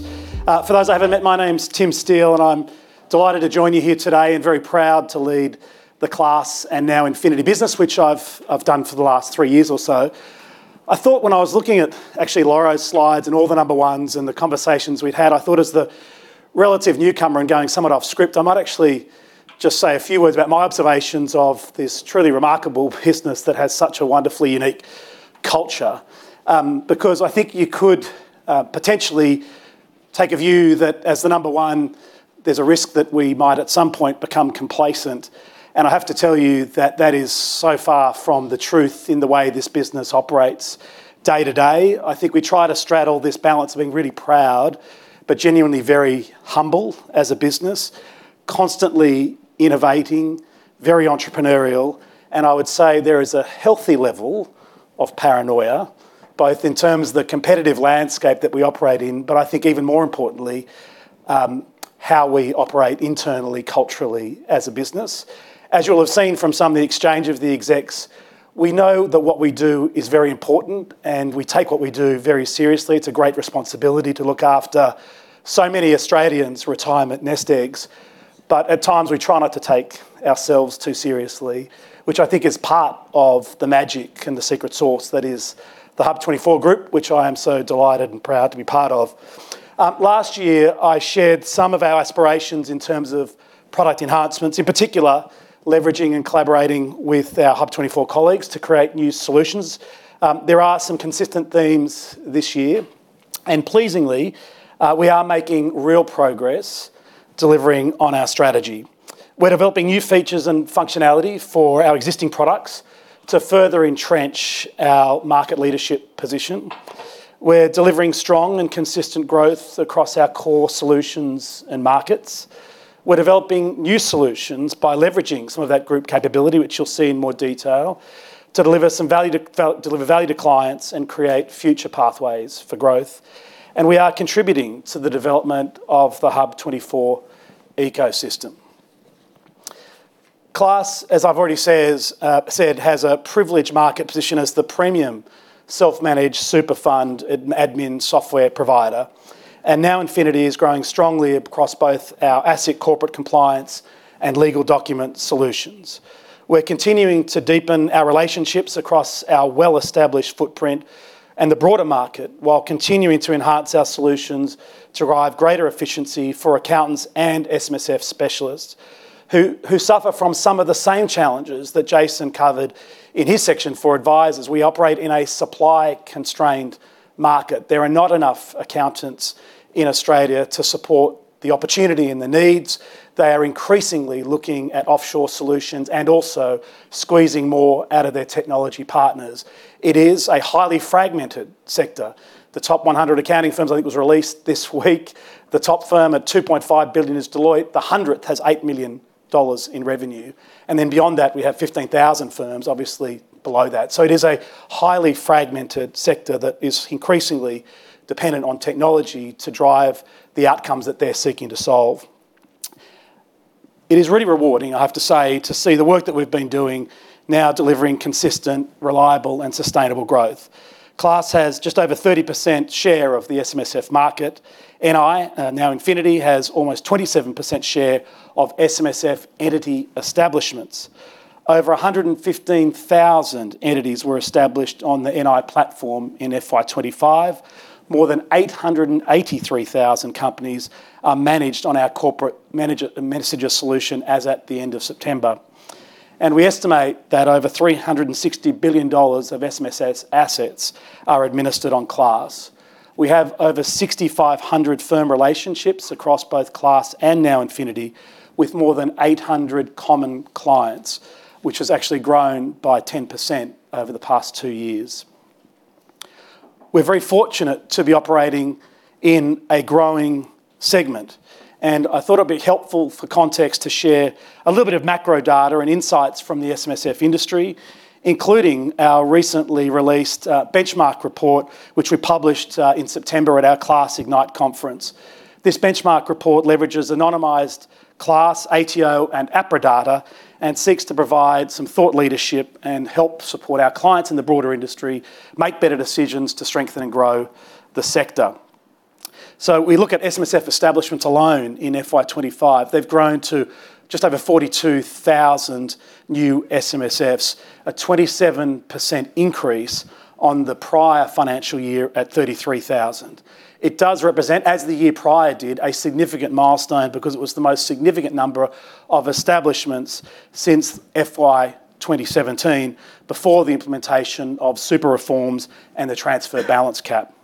For those I haven't met, my name's Tim Steele, and I'm delighted to join you here today and very proud to lead the CLASS and now Infinity business, which I've done for the last three years or so. I thought when I was looking at actually Lara's slides and all the number ones and the conversations we'd had, I thought as the relative newcomer and going somewhat off script, I might actually just say a few words about my observations of this truly remarkable business that has such a wonderfully unique culture. Because I think you could potentially take a view that as the number one, there's a risk that we might at some point become complacent. I have to tell you that that is so far from the truth in the way this business operates day to day. I think we try to straddle this balance of being really proud, but genuinely very humble as a business, constantly innovating, very entrepreneurial. I would say there is a healthy level of paranoia, both in terms of the competitive landscape that we operate in, but I think even more importantly, how we operate internally, culturally as a business. As you'll have seen from some of the exchange of the execs, we know that what we do is very important and we take what we do very seriously. It's a great responsibility to look after so many Australians' retirement nest eggs. At times, we try not to take ourselves too seriously, which I think is part of the magic and the secret sauce that is the HUB24 group, which I am so delighted and proud to be part of. Last year, I shared some of our aspirations in terms of product enhancements, in particular leveraging and collaborating with our HUB24 colleagues to create new solutions. There are some consistent themes this year. Pleasingly, we are making real progress delivering on our strategy. We're developing new features and functionality for our existing products to further entrench our market leadership position. We're delivering strong and consistent growth across our core solutions and markets. We're developing new solutions by leveraging some of that group capability, which you'll see in more detail, to deliver some value to clients and create future pathways for growth. We are contributing to the development of the HUB24 ecosystem. CLASS, as I've already said, has a privileged market position as the premium self-managed super fund admin software provider. Infinity is growing strongly across both our ASIC corporate compliance and legal document solutions. We are continuing to deepen our relationships across our well-established footprint and the broader market while continuing to enhance our solutions to drive greater efficiency for accountants and SMSF specialists who suffer from some of the same challenges that Jason covered in his section for advisors. We operate in a supply-constrained market. There are not enough accountants in Australia to support the opportunity and the needs. They are increasingly looking at offshore solutions and also squeezing more out of their technology partners. It is a highly fragmented sector. The top 100 accounting firms, I think, was released this week. The top firm at 2.5 billion is Deloitte. The 100th has 8 million dollars in revenue. Beyond that, we have 15,000 firms obviously below that. It is a highly fragmented sector that is increasingly dependent on technology to drive the outcomes that they're seeking to solve. It is really rewarding, I have to say, to see the work that we've been doing now delivering consistent, reliable, and sustainable growth. CLASS has just over 30% share of the SMSF market. Infinity, formerly NI, has almost 27% share of SMSF entity establishments. Over 115,000 entities were established on the Infinity platform in fiscal year 2025. More than 883,000 companies are managed on our corporate messenger solution as at the end of September. We estimate that over 360 billion dollars of SMSF's assets are administered on CLASS. We have over 6,500 firm relationships across both CLASS and now Infinity with more than 800 common clients, which has actually grown by 10% over the past two years. We're very fortunate to be operating in a growing segment. I thought it'd be helpful for context to share a little bit of macro data and insights from the SMSF industry, including our recently released benchmark report, which we published in September at our CLASS Ignite conference. This benchmark report leverages anonymized CLASS, ATO, and APRA data and seeks to provide some thought leadership and help support our clients in the broader industry make better decisions to strengthen and grow the sector. We look at SMSF establishments alone in FY 2025. They've grown to just over 42,000 new SMSFs, a 27% increase on the prior financial year at 33,000. It does represent, as the year prior did, a significant milestone because it was the most significant number of establishments since 2017 before the implementation of super reforms and the transfer balance cap.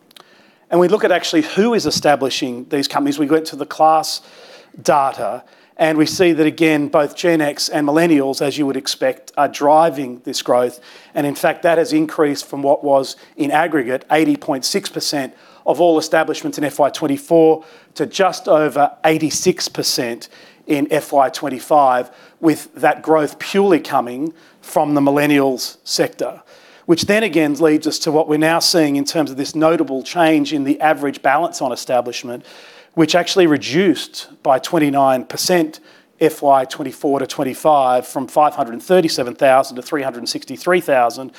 We look at actually who is establishing these companies. We go to the CLASS data, and we see that, again, both Gen X and millennials, as you would expect, are driving this growth. In fact, that has increased from what was in aggregate 80.6% of all establishments in FY 2024 to just over 86% in FY 2025, with that growth purely coming from the millennials sector, which then again leads us to what we're now seeing in terms of this notable change in the average balance on establishment, which actually reduced by 29% FY 2024 to 2025 from 537,000 to 363,000,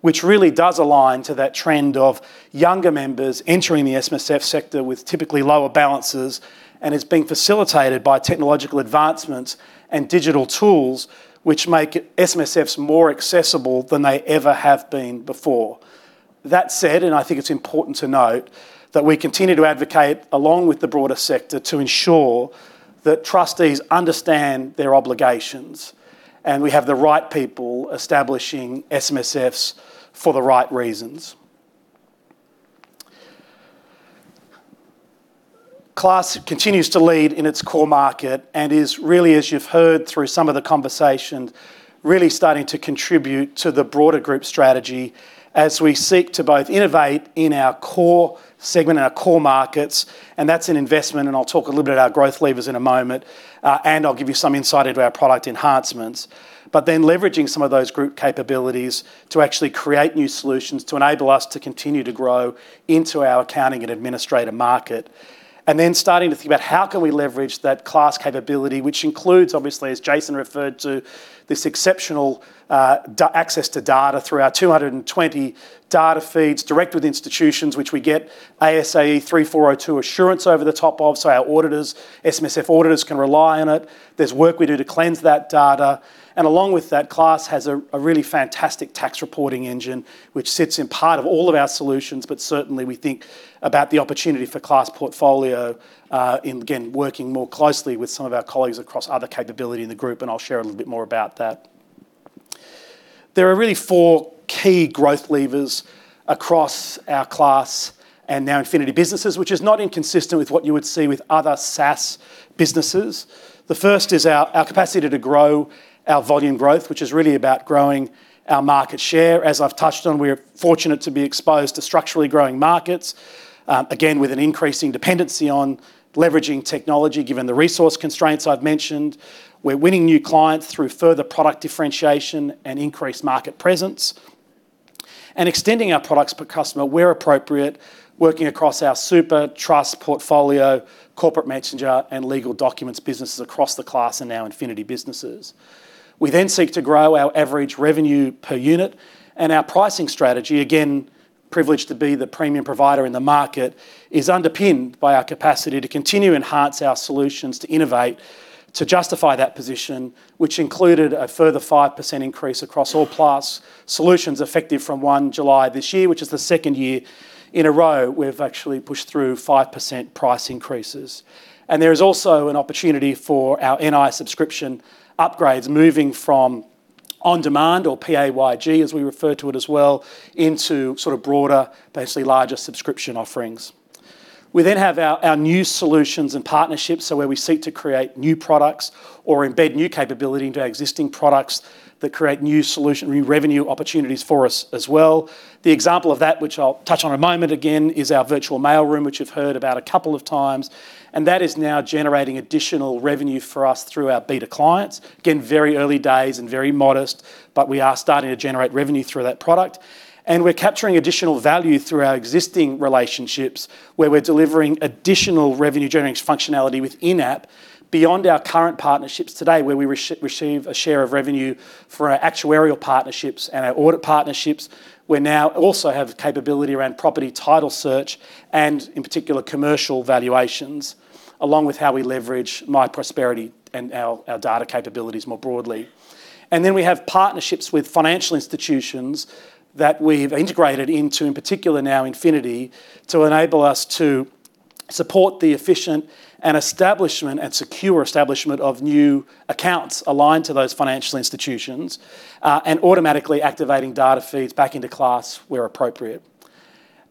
which really does align to that trend of younger members entering the SMSF sector with typically lower balances and has been facilitated by technological advancements and digital tools, which make SMSFs more accessible than they ever have been before. That said, I think it's important to note that we continue to advocate along with the broader sector to ensure that trustees understand their obligations and we have the right people establishing SMSFs for the right reasons. Class continues to lead in its core market and is really, as you've heard through some of the conversation, really starting to contribute to the broader group strategy as we seek to both innovate in our core segment and our core markets. That's an investment, and I'll talk a little bit about our growth levers in a moment, and I'll give you some insight into our product enhancements, but then leveraging some of those group capabilities to actually create new solutions to enable us to continue to grow into our accounting and administrative market. Starting to think about how can we leverage that Class capability, which includes, obviously, as Jason referred to, this exceptional access to data through our 220 data feeds direct with institutions, which we get ASAE 3402 assurance over the top of, so our SMSF AUD itors can rely on it. There's work we do to cleanse that data. Along with that, Class has a really fantastic tax reporting engine, which sits in part of all of our solutions, but certainly we think about the opportunity for Class portfolio in, again, working more closely with some of our colleagues across other capability in the group. I'll share a little bit more about that. There are really four key growth levers across our Class and now Infinity businesses, which is not inconsistent with what you would see with other SaaS businesses. The first is our capacity to grow our volume growth, which is really about growing our market share. As I've touched on, we're fortunate to be exposed to structurally growing markets, again, with an increasing dependency on leveraging technology given the resource constraints I've mentioned. We're winning new clients through further product differentiation and increased market presence. Extending our products per customer where appropriate, working across our super trust portfolio, corporate messenger, and legal documents businesses across the Class and now Infinity businesses. We then seek to grow our average revenue per unit, and our pricing strategy, again, privileged to be the premium provider in the market, is underpinned by our capacity to continue to enhance our solutions to innovate to justiFY that position, which included a further 5% increase across all Plus solutions effective from 1 July this year, which is the second year in a row we've actually pushed through 5% price increases. There is also an opportunity for our Infinity subscription upgrades moving from on demand or PAYG, as we refer to it as well, into sort of broader, basically larger subscription offerings. We then have our new solutions and partnerships, where we seek to create new products or embed new capability into our existing products that create new revenue opportunities for us as well. The example of that, which I'll touch on a moment again, is our Virtual Mailroom, which you've heard about a couple of times, and that is now generating additional revenue for us through our beta clients. Very early days and very modest, but we are starting to generate revenue through that product. We're capturing additional value through our existing relationships where we're delivering additional revenue-generating functionality within app beyond our current partnerships today where we receive a share of revenue for our actuarial partnerships and our AUD it partnerships. We now also have capability around property title search and, in particular, commercial valuations, along with how we leverage myProsperity and our data capabilities more broadly. We have partnerships with financial institutions that we've integrated into, in particular, now Infinity to enable us to support the efficient and secure establishment of new accounts aligned to those financial institutions and automatically activating data feeds back into CLASS where appropriate.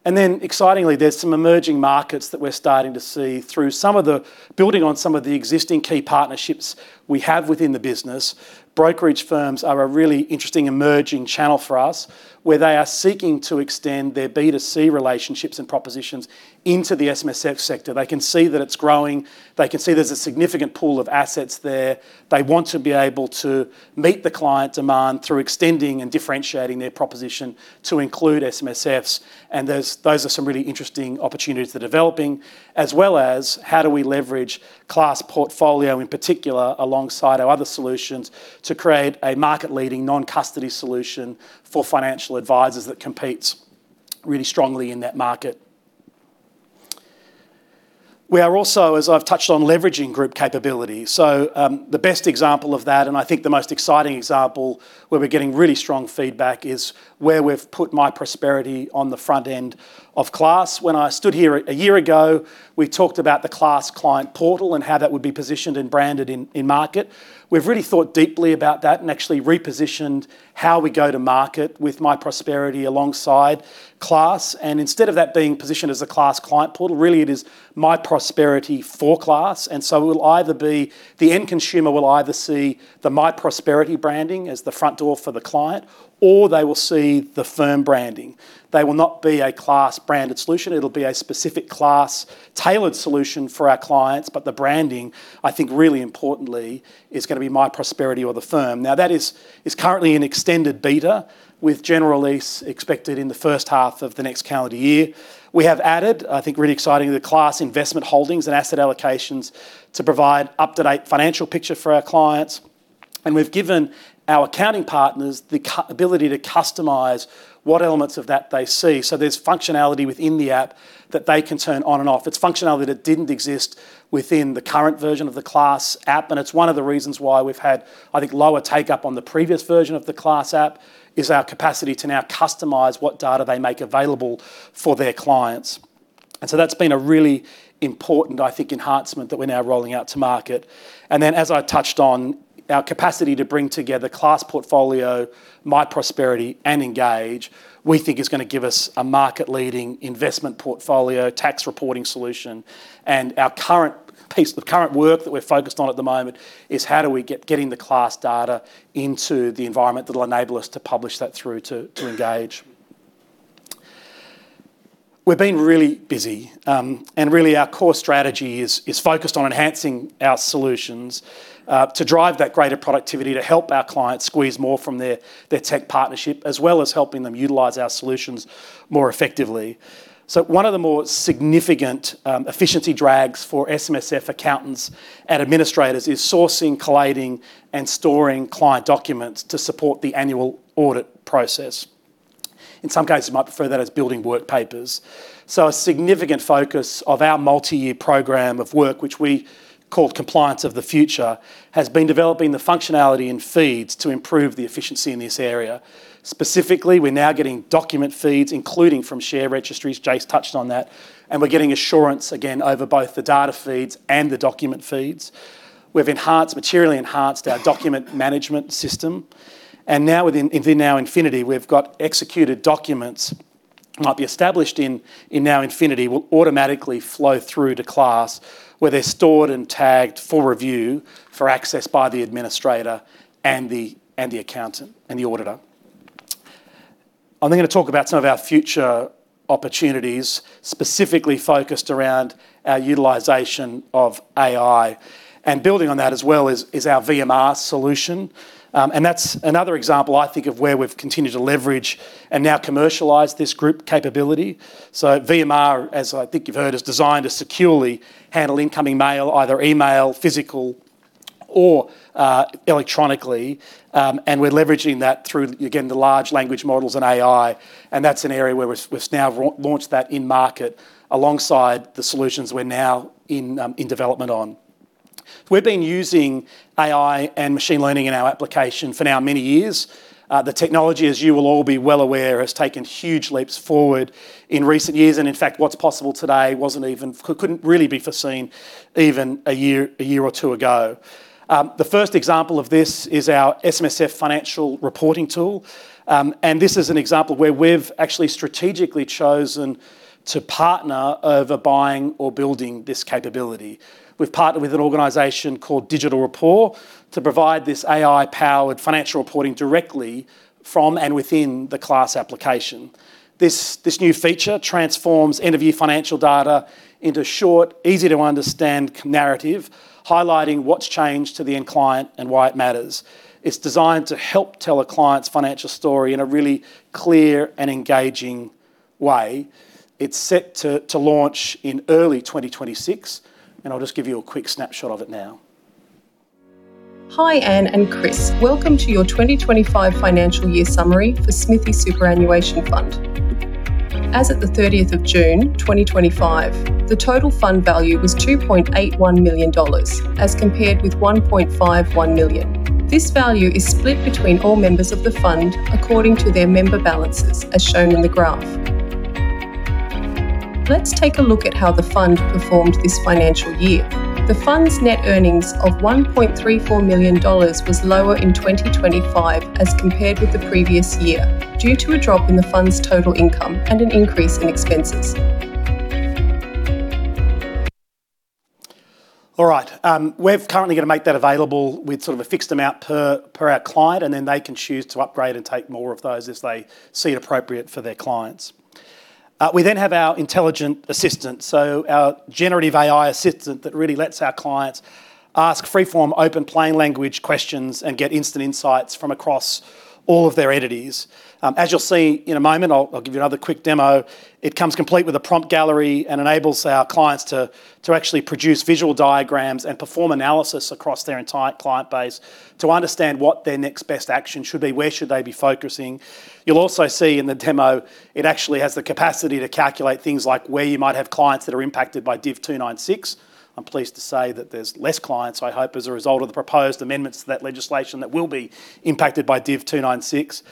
Excitingly, there's some emerging markets that we're starting to see through some of the building on some of the existing key partnerships we have within the business. Brokerage firms are a really interesting emerging channel for us where they are seeking to extend their B2C relationships and propositions into the SMSF sector. They can see that it's growing. They can see there's a significant pool of assets there. They want to be able to meet the client demand through extending and differentiating their proposition to include SMSFs. Those are some really interesting opportunities they're developing, as well as how do we leverage CLASS portfolio in particular alongside our other solutions to create a market-leading non-custody solution for financial advisors that competes really strongly in that market. We are also, as I've touched on, leveraging group capability. The best example of that, and I think the most exciting example where we're getting really strong feedback, is where we've put myProsperity on the front end of CLASS. When I stood here a year ago, we talked about the CLASS client portal and how that would be positioned and branded in market. We've really thought deeply about that and actually repositioned how we go to market with myProsperity alongside CLASS. Instead of that being positioned as a CLASS client portal, really it is myProsperity for CLASS. The end consumer will either see the myProsperity branding as the front door for the client, or they will see the firm branding. They will not see a CLASS branded solution. It will be a specific CLASS tailored solution for our clients. The branding, I think really importantly, is going to be myProsperity or the firm. That is currently in extended beta with general release expected in the first half of the next calendar year. We have added, I think really exciting, the CLASS investment holdings and asset allocations to provide up-to-date financial picture for our clients. We have given our accounting partners the ability to customize what elements of that they see. There is functionality within the app that they can turn on and off. It is functionality that did not exist within the current version of the CLASS app. It's one of the reasons why we've had, I think, lower take-up on the previous version of the CLASS app is our capacity to now customize what data they make available for their clients. That's been a really important, I think, enhancement that we're now rolling out to market. As I touched on, our capacity to bring together CLASS portfolio, myProsperity, and Engage, we think is going to give us a market-leading investment portfolio, tax reporting solution. Our current piece of current work that we're focused on at the moment is how do we get the CLASS data into the environment that will enable us to publish that through to Engage. We've been really busy, and really our core strategy is focused on enhancing our solutions to drive that greater productivity, to help our clients squeeze more from their tech partnership, as well as helping them utilize our solutions more effectively. One of the more significant efficiency drags for SMSF accountants and administrators is sourcing, collating, and storing client documents to support the annual AUD it process. In some cases, you might refer to that as building work papers. A significant focus of our multi-year program of work, which we call Compliance of the Future, has been developing the functionality and feeds to improve the efficiency in this area. Specifically, we're now getting document feeds, including from share registries. Jace touched on that. We're getting assurance, again, over both the data feeds and the document feeds. We've materially enhanced our document management system. Within our Infinity, we've got executed documents that might be established in our Infinity will automatically flow through to CLASS where they're stored and tagged for review for access by the administrator and the accountant and the AUD itor. I'm going to talk about some of our future opportunities, specifically focused around our utilization of AI. Building on that as well is our VMR solution. That's another example, I think, of where we've continued to leverage and now commercialize this group capability. VMR, as I think you've heard, is designed to securely handle incoming mail, either email, physical, or electronically. We're leveraging that through, again, the large language models and AI. That's an area where we've now launched that in market alongside the solutions we're now in development on. We've been using AI and machine learning in our application for now many years. The technology, as you will all be well aware, has taken huge leaps forward in recent years. In fact, what's possible today couldn't really be foreseen even a year or two ago. The first example of this is our SMSF financial reporting tool. This is an example where we've actually strategically chosen to partner over buying or building this capability. We've partnered with an organization called Digital Rapport to provide this AI-powered financial reporting directly from and within the CLASS application. This new feature transforms end-of-year financial data into short, easy-to-understand narrative, highlighting what's changed to the end client and why it matters. It's designed to help tell a client's financial story in a really clear and engaging way. It's set to launch in early 2026, and I'll just give you a quick snapshot of it now. Hi, Anne and Chris. Welcome to your 2025 financial year summary for Smithy Superannuation Fund. As of the 30th of June, 2025, the total fund value was 2.81 million dollars, as compared with 1.51 million. This value is split between all members of the fund according to their member balances, as shown in the graph. Let's take a look at how the fund performed this financial year. The fund's net earnings of 1.34 million dollars was lower in 2025 as compared with the previous year due to a drop in the fund's total income and an increase in expenses. All right. We're currently going to make that available with sort of a fixed amount per our client, and then they can choose to upgrade and take more of those if they see it appropriate for their clients. We then have our intelligent assistant, so our generative AI assistant that really lets our clients ask free-form, open-plane language questions and get instant insights from across all of their entities. As you'll see in a moment, I'll give you another quick demo. It comes complete with a prompt gallery and enables our clients to actually produce visual diagrams and perform analysis across their entire client base to understand what their next best action should be, where should they be focusing. You'll also see in the demo, it actually has the capacity to calculate things like where you might have clients that are impacted by Div 296. I'm pleased to say that there's less clients, I hope, as a result of the proposed amendments to that legislation that will be impacted by Div 296.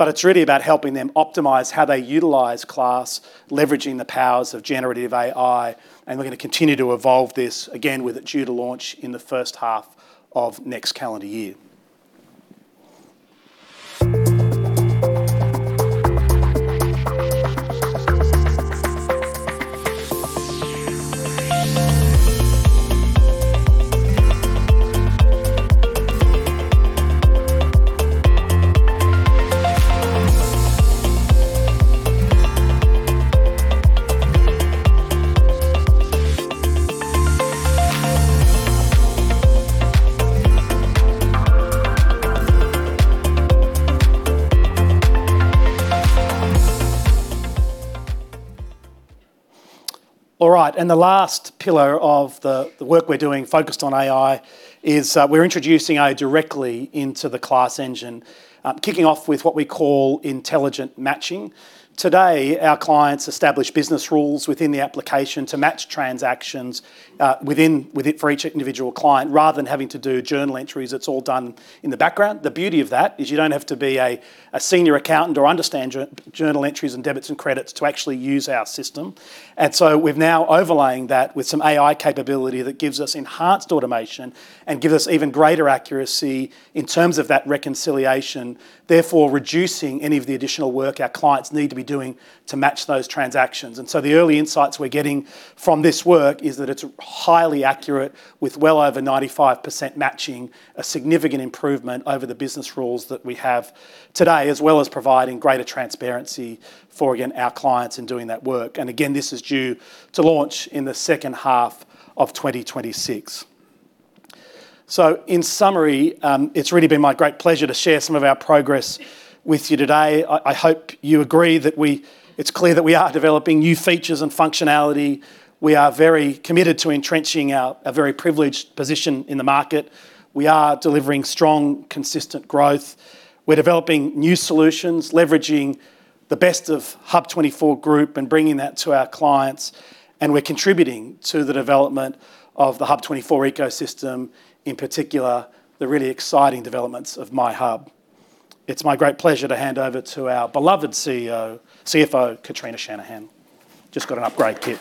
It is really about helping them optimize how they utilize CLASS, leveraging the powers of generative AI. We are going to continue to evolve this, again, with it due to launch in the first half of next calendar year. All right. The last pillar of the work we are doing focused on AI is we are introducing AI directly into the CLASS engine, kicking off with what we call intelligent matching. Today, our clients establish business rules within the application to match transactions for each individual client rather than having to do journal entries. It is all done in the background. The beauty of that is you do not have to be a senior accountant or understand journal entries and debits and credits to actually use our system. We have now overlayed that with some AI capability that gives us enhanced automation and gives us even greater accuracy in terms of that reconciliation, therefore reducing any of the additional work our clients need to be doing to match those transactions. The early insights we are getting from this work is that it is highly accurate with well over 95% matching, a significant improvement over the business rules that we have today, as well as providing greater transparency for, again, our clients in doing that work. This is due to launch in the second half of 2026. In summary, it has really been my great pleasure to share some of our progress with you today. I hope you agree that it is clear that we are developing new features and functionality. We are very committed to entrenching a very privileged position in the market. We are delivering strong, consistent growth. We're developing new solutions, leveraging the best of HUB24 Group and bringing that to our clients. We're contributing to the development of the HUB24 ecosystem, in particular the really exciting developments of myHUB. It's my great pleasure to hand over to our beloved CFO, Kitrina Shanahan. Just got an upgrade kit.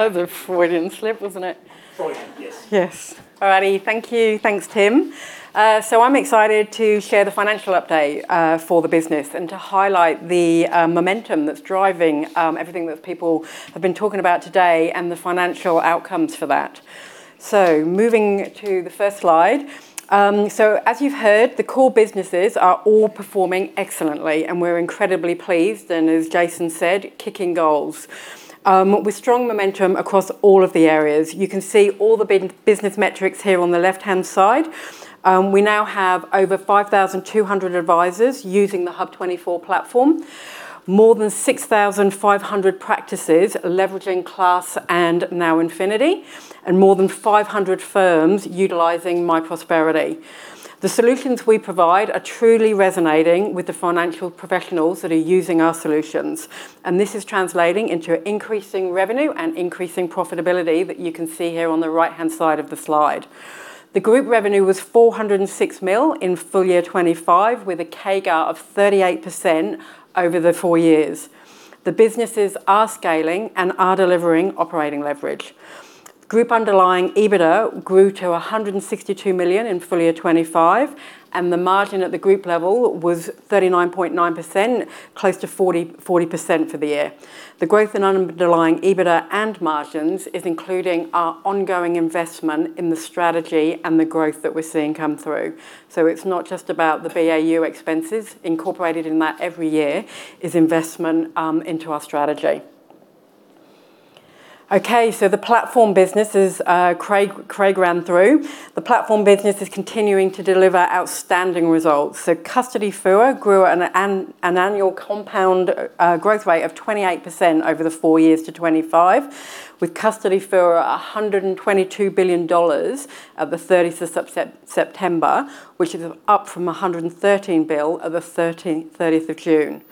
That was a Freudian slip, wasn't it? Freudian, yes. Yes. All righty. Thank you. Thanks, Tim. I'm excited to share the financial update for the business and to highlight the momentum that's driving everything that people have been talking about today and the financial outcomes for that. Moving to the first slide. As you've heard, the core businesses are all performing excellently, and we're incredibly pleased. As Jace said, kicking goals. With strong momentum across all of the areas, you can see all the business metrics here on the left-hand side. We now have over 5,200 advisors using the HUB24 platform, more than 6,500 practices leveraging CLASS and now Infinity, and more than 500 firms utilizing myProsperity. The solutions we provide are truly resonating with the financial professionals that are using our solutions. This is translating into increasing revenue and increasing profitability that you can see here on the right-hand side of the slide. The group revenue was 406 million in full year 2025, with a CAGR of 38% over the four years. The businesses are scaling and are delivering operating leverage. Group underlying EBITDA grew to 162 million in full year 2025, and the margin at the group level was 39.9%, close to 40% for the year. The growth in underlying EBITDA and margins is including our ongoing investment in the strategy and the growth that we're seeing come through. It is not just about the BAU expenses. Incorporated in that every year is investment into our strategy. Okay. The platform business, as Craig ran through, the platform business is continuing to deliver outstanding results. Custody FUA grew at an annual compound growth rate of 28% over the four years to 2025, with Custody FUA 122 billion dollars at the 30th of September, which is up from 113 billion at the 30th of June.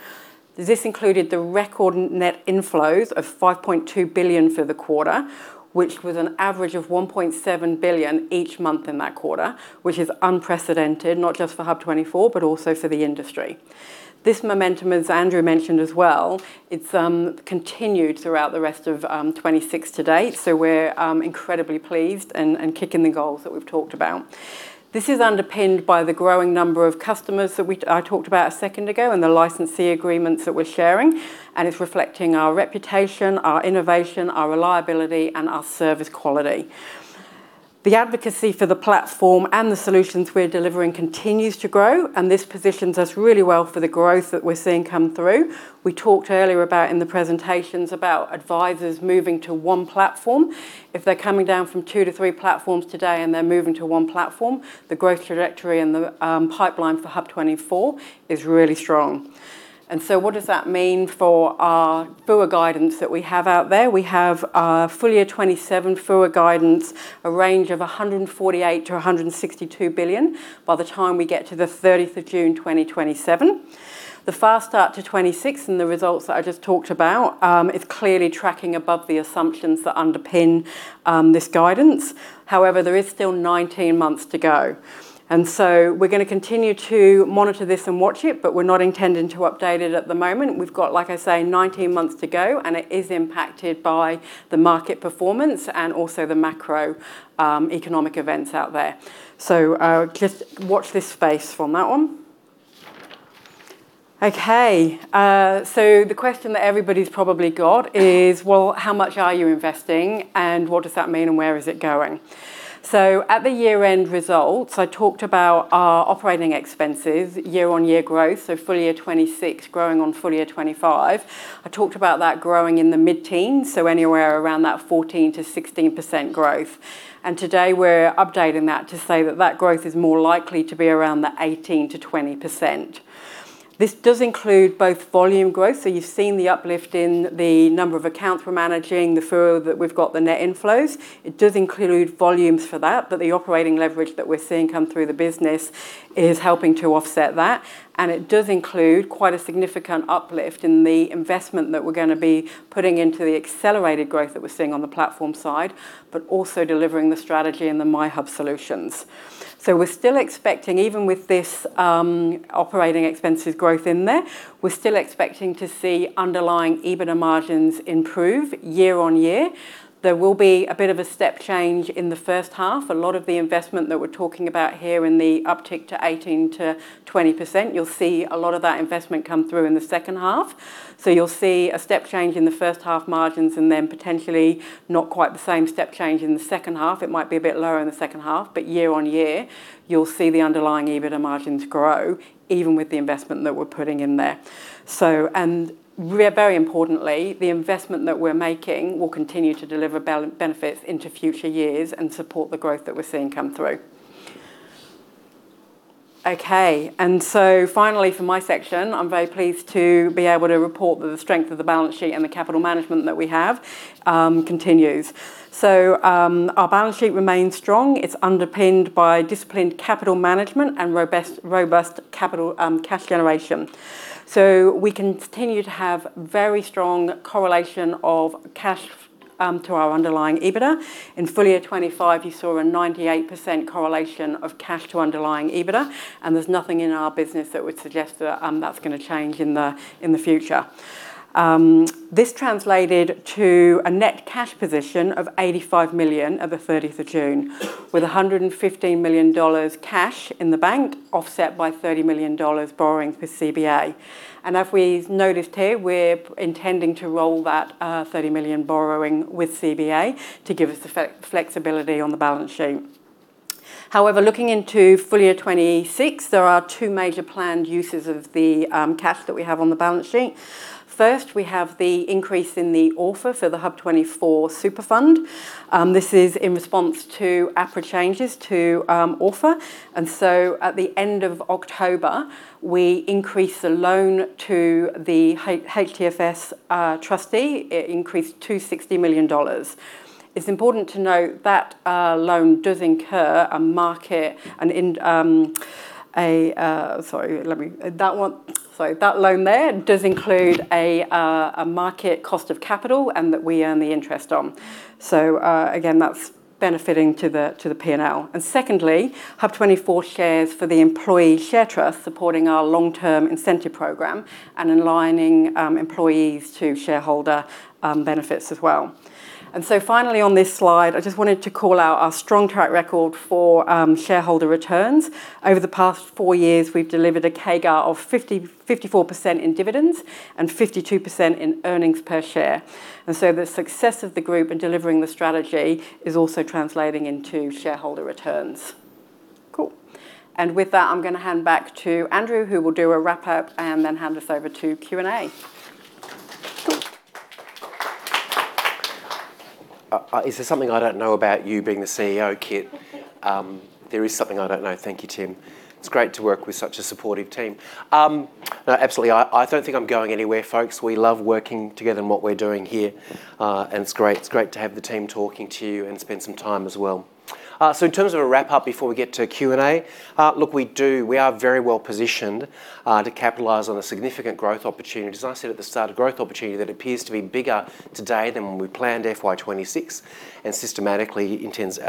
This included the record net inflows of 5.2 billion for the quarter, which was an average of 1.7 billion each month in that quarter, which is unprecedented, not just for HUB24, but also for the industry. This momentum, as Andrew mentioned as well, it's continued throughout the rest of 2026 to date. We're incredibly pleased and kicking the goals that we've talked about. This is underpinned by the growing number of customers that I talked about a second ago and the licensee agreements that we're sharing. It's reflecting our reputation, our innovation, our reliability, and our service quality. The advocacy for the platform and the solutions we're delivering continues to grow, and this positions us really well for the growth that we're seeing come through. We talked earlier in the presentations about advisors moving to one platform. If they're coming down from two to three platforms today and they're moving to one platform, the growth trajectory and the pipeline for HUB24 is really strong. What does that mean for our FUA guidance that we have out there? We have a full year 2027 FUA guidance, a range of 148 billion-162 billion by the time we get to the 30th of June 2027. The fast start to 2026 and the results that I just talked about is clearly tracking above the assumptions that underpin this guidance. However, there is still 19 months to go. We are going to continue to monitor this and watch it, but we are not intending to update it at the moment. We have, like I say, 19 months to go, and it is impacted by the market performance and also the macroeconomic events out there. Just watch this space from that one. Okay. The question that everybody's probably got is, well, how much are you investing and what does that mean and where is it going? At the year-end results, I talked about our operating expenses, year-on-year growth. Full year 2026, growing on full year 2025. I talked about that growing in the mid-teens, so anywhere around that 14-16% growth. Today we're updating that to say that that growth is more likely to be around the 18-20%. This does include both volume growth. You've seen the uplift in the number of accounts we're managing, the FUA that we've got, the net inflows. It does include volumes for that, but the operating leverage that we're seeing come through the business is helping to offset that. It does include quite a significant uplift in the investment that we're going to be putting into the accelerated growth that we're seeing on the platform side, but also delivering the strategy and the myHUB solutions. We are still expecting, even with this operating expenses growth in there, to see underlying EBITDA margins improve year on year. There will be a bit of a step change in the first half. A lot of the investment that we are talking about here in the uptick to 18-20%, you will see a lot of that investment come through in the second half. You will see a step change in the first half margins and then potentially not quite the same step change in the second half. It might be a bit lower in the second half, but year on year, you will see the underlying EBITDA margins grow, even with the investment that we are putting in there. Very importantly, the investment that we are making will continue to deliver benefits into future years and support the growth that we are seeing come through. Okay. Finally for my section, I'm very pleased to be able to report that the strength of the balance sheet and the capital management that we have continues. Our balance sheet remains strong. It's underpinned by disciplined capital management and robust cash generation. We continue to have very strong correlation of cash to our underlying EBITDA. In full year 2025, you saw a 98% correlation of cash to underlying EBITDA, and there's nothing in our business that would suggest that that's going to change in the future. This translated to a net cash position of 85 million at the 30th of June, with 115 million dollars cash in the bank offset by 30 million dollars borrowing for CBA. As we've noticed here, we're intending to roll that 30 million borrowing with CBA to give us the flexibility on the balance sheet. However, looking into full year 2026, there are two major planned uses of the cash that we have on the balance sheet. First, we have the increase in the offer for the HUB24 Superfund. This is in response to APRA changes to offer. At the end of October, we increased the loan to the HTFS trustee. It increased to 60 million dollars. It's important to note that loan does incur a market and a, sorry, that loan there does include a market cost of capital and that we earn the interest on. Again, that's benefiting to the P&L. Secondly, HUB24 shares for the employee share trust supporting our long-term incentive program and aligning employees to shareholder benefits as well. Finally, on this slide, I just wanted to call out our strong track record for shareholder returns. Over the past four years, we've delivered a CAGR of 54% in dividends and 52% in earnings per share. The success of the group in delivering the strategy is also translating into shareholder returns. Cool. With that, I'm going to hand back to Andrew, who will do a wrap-up and then hand us over to Q&A. Cool. Is there something I don't know about you being the CEO, Kit? There is something I don't know. Thank you, Tim. It's great to work with such a supportive team. No, absolutely. I don't think I'm going anywhere, folks. We love working together in what we're doing here. It's great to have the team talking to you and spend some time as well. In terms of a wrap-up before we get to Q&A, look, we are very well positioned to capitalise on the significant growth opportunities. I said at the start, a growth opportunity that appears to be bigger today than when we planned FY 26 and systematically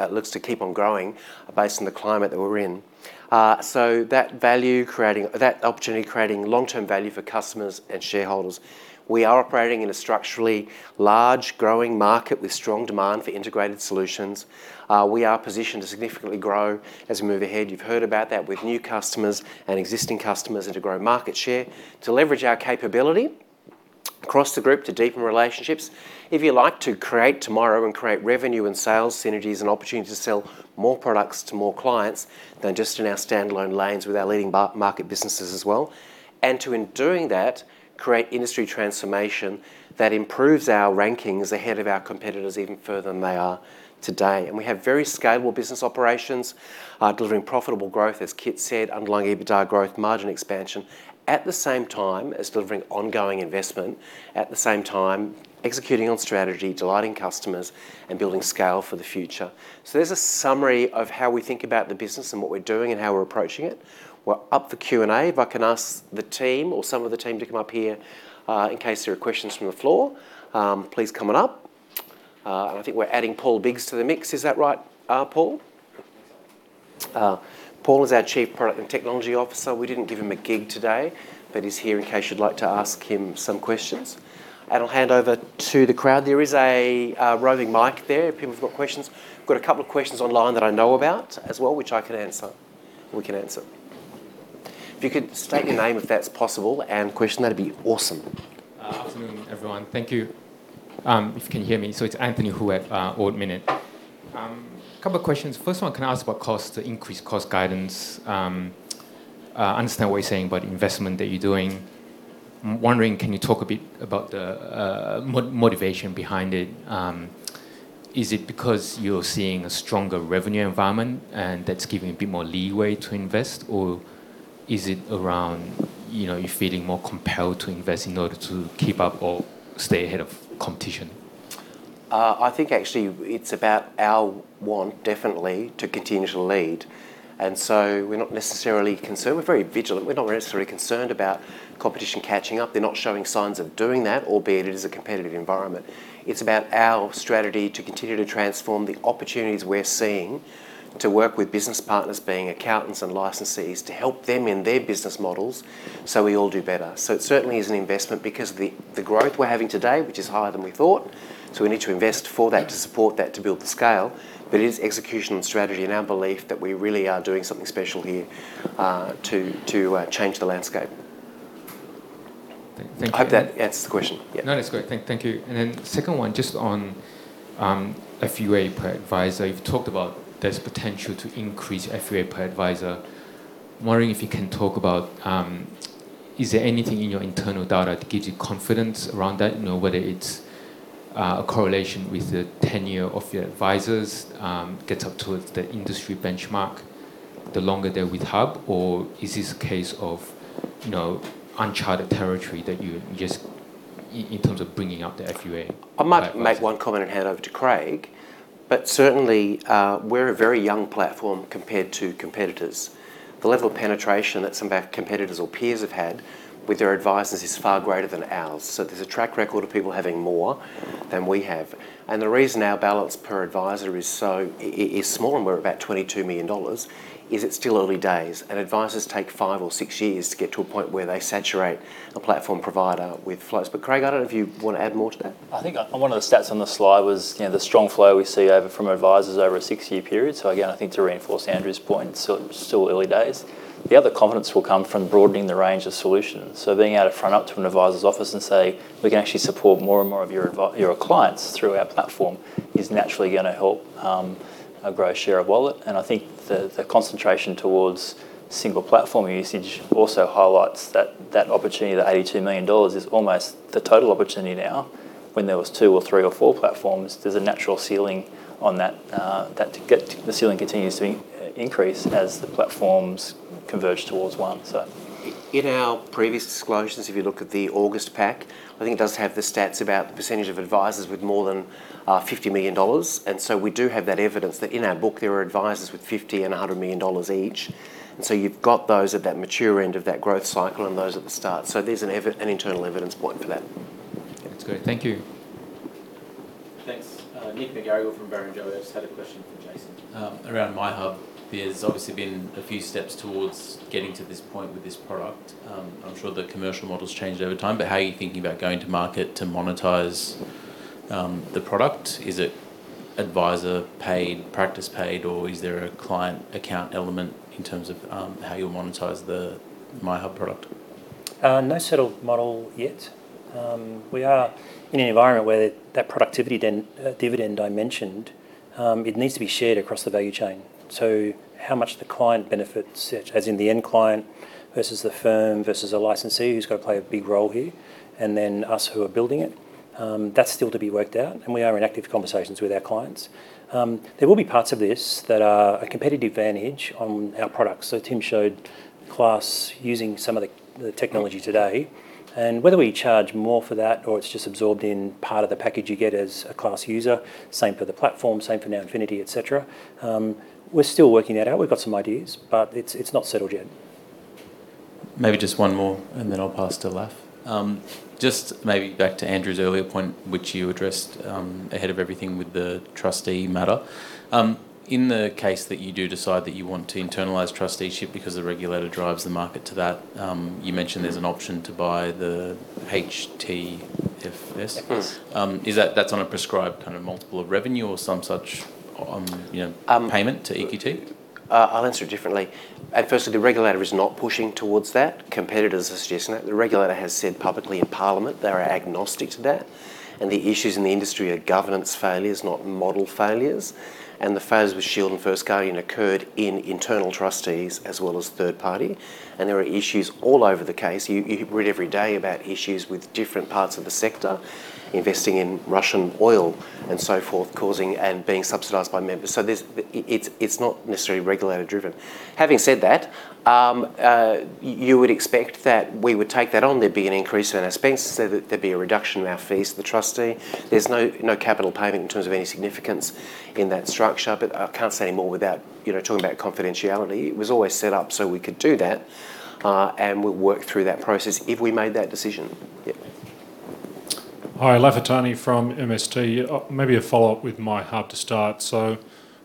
looks to keep on growing based on the climate that we're in. That value creating, that opportunity creating long-term value for customers and shareholders. We are operating in a structurally large, growing market with strong demand for integrated solutions. We are positioned to significantly grow as we move ahead. You've heard about that with new customers and existing customers and to grow market share, to leverage our capability across the group to deepen relationships. If you like to create tomorrow and create revenue and sales synergies and opportunities to sell more products to more clients than just in our standalone lanes with our leading market businesses as well, and to in doing that, create industry transformation that improves our rankings ahead of our competitors even further than they are today. We have very scalable business operations delivering profitable growth, as Kit said, underlying EBITDA growth, margin expansion at the same time as delivering ongoing investment, at the same time executing on strategy, delighting customers, and building scale for the future. There is a summary of how we think about the business and what we're doing and how we're approaching it. We're up for Q&A. If I can ask the team or some of the team to come up here in case there are questions from the floor, please come on up. I think we're adding Paul Biggs to the mix. Is that right, Paul? Paul is our Chief Product and Technology Officer. We didn't give him a gig today, but he's here in case you'd like to ask him some questions. I'll hand over to the crowd. There is a roving mic there if people have got questions. We've got a couple of questions online that I know about as well, which I can answer. We can answer. If you could state your name if that's possible and question, that'd be awesome. Afternoon, everyone. Thank you. If you can hear me, so it's Anthony Huet at AltMinute. A couple of questions. First one, can I ask about cost, increased cost guidance, understand what you're saying about investment that you're doing? I'm wondering, can you talk a bit about the motivation behind it? Is it because you're seeing a stronger revenue environment and that's giving a bit more leeway to invest, or is it around you feeling more compelled to invest in order to keep up or stay ahead of competition? I think actually it's about our want definitely to continue to lead. And so we're not necessarily concerned. We're very vigilant. We're not necessarily concerned about competition catching up. They're not showing signs of doing that, albeit it is a competitive environment. It's about our strategy to continue to transform the opportunities we're seeing to work with business partners being accountants and licensees to help them in their business models so we all do better. It certainly is an investment because of the growth we're having today, which is higher than we thought. We need to invest for that to support that, to build the scale. It is execution and strategy and our belief that we really are doing something special here to change the landscape. Thank you. Hope that answers the question. Yeah. No, that's great. Thank you. The second one, just on FUA per advisor, you've talked about there's potential to increase FUA per advisor. I'm wondering if you can talk about, is there anything in your internal data that gives you confidence around that, whether it's a correlation with the tenure of your advisors, gets up to the industry benchmark the longer they're with HUB24, or is this a case of uncharted territory that you just in terms of bringing up the FUA? I might make one comment and hand over to Craig, but certainly we're a very young platform compared to competitors. The level of penetration that some of our competitors or peers have had with their advisors is far greater than ours. There is a track record of people having more than we have. The reason our balance per advisor is small and we are about 22 million dollars is it is still early days. Advisors take five or six years to get to a point where they saturate a platform provider with flows. Craig, I do not know if you want to add more to that. I think one of the stats on the slide was the strong flow we see from advisors over a six-year period. I think to reinforce Andrew's point, still early days. The other confidence will come from broadening the range of solutions. Being able to front up to an advisor's office and say, "We can actually support more and more of your clients through our platform," is naturally going to help grow share of wallet. I think the concentration towards single platform usage also highlights that opportunity. The 82 million dollars is almost the total opportunity now. When there were two or three or four platforms, there is a natural ceiling on that. The ceiling continues to increase as the platforms converge towards one. In our previous disclosures, if you look at the August pack, I think it does have the stats about the percentage of advisors with more than 50 million dollars. We do have that evidence that in our book, there are advisors with 50 million and 100 million dollars each. You have those at that mature end of that growth cycle and those at the start. There's an internal evidence point for that. That's great. Thank you. Thanks. Nicholas McGarrigle from Barrenjoey. I just had a question for Jason. Around myHUB, there's obviously been a few steps towards getting to this point with this product. I'm sure the commercial model's changed over time, but how are you thinking about going to market to monetize the product? Is it advisor paid, practice paid, or is there a client account element in terms of how you'll monetize the myHUB product? No settled model yet. We are in an environment where that productivity dividend I mentioned, it needs to be shared across the value chain. How much the client benefits, such as in the end client versus the firm versus a licensee who's going to play a big role here, and then us who are building it, that's still to be worked out. We are in active conversations with our clients. There will be parts of this that are a competitive advantage on our products. Tim showed CLASS using some of the technology today. Whether we charge more for that or it is just absorbed in part of the package you get as a CLASS user, same for the platform, same for now Infinity, etc., we are still working that out. We have some ideas, but it is not settled yet. Maybe just one more, and then I will pass to Lef. Maybe back to Andrew's earlier point, which you addressed ahead of everything with the trustee matter. In the case that you do decide that you want to internalize trusteeship because the regulator drives the market to that, you mentioned there is an option to buy the HTFS. That is on a prescribed kind of multiple of revenue or some such payment to EQT? I'll answer it differently. Firstly, the regulator is not pushing towards that. Competitors are suggesting that. The regulator has said publicly in Parliament they are agnostic to that. The issues in the industry are governance failures, not model failures. The failures with Shield and First Guardian occurred in internal trustees as well as third party. There are issues all over the case. You read every day about issues with different parts of the sector, investing in Russian oil and so forth, causing and being subsidised by members. It is not necessarily regulator-driven. Having said that, you would expect that we would take that on. There would be an increase in our spend so that there would be a reduction in our fees to the trustee. There is no capital payment in terms of any significance in that structure, but I can't say any more without talking about confidentiality. It was always set up so we could do that, and we'll work through that process if we made that decision. Yeah. Hi, Lef Atani from MST. Maybe a follow-up with myHUB to start.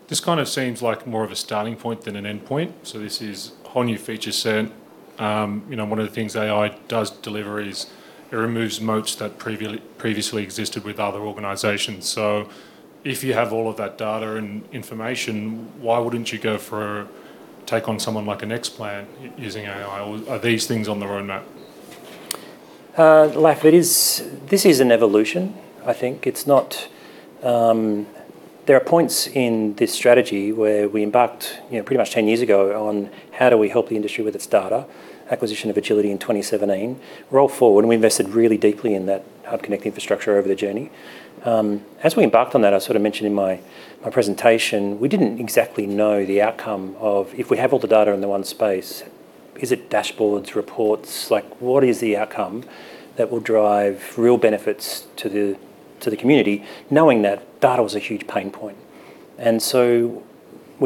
This kind of seems like more of a starting point than an endpoint. This is whole new feature set. One of the things AI does deliver is it removes moats that previously existed with other organizations. If you have all of that data and information, why wouldn't you go for a take on someone like an XPLAN using AI? Are these things on the roadmap? Lef, this is an evolution, I think. There are points in this strategy where we embarked pretty much 10 years ago on how do we help the industry with its data, acquisition of Agility in 2017. Roll forward, and we invested really deeply in that HUB Connect infrastructure over the journey. As we embarked on that, I sort of mentioned in my presentation, we did not exactly know the outcome of if we have all the data in the one space, is it dashboards, reports, what is the outcome that will drive real benefits to the community, knowing that data was a huge pain point. We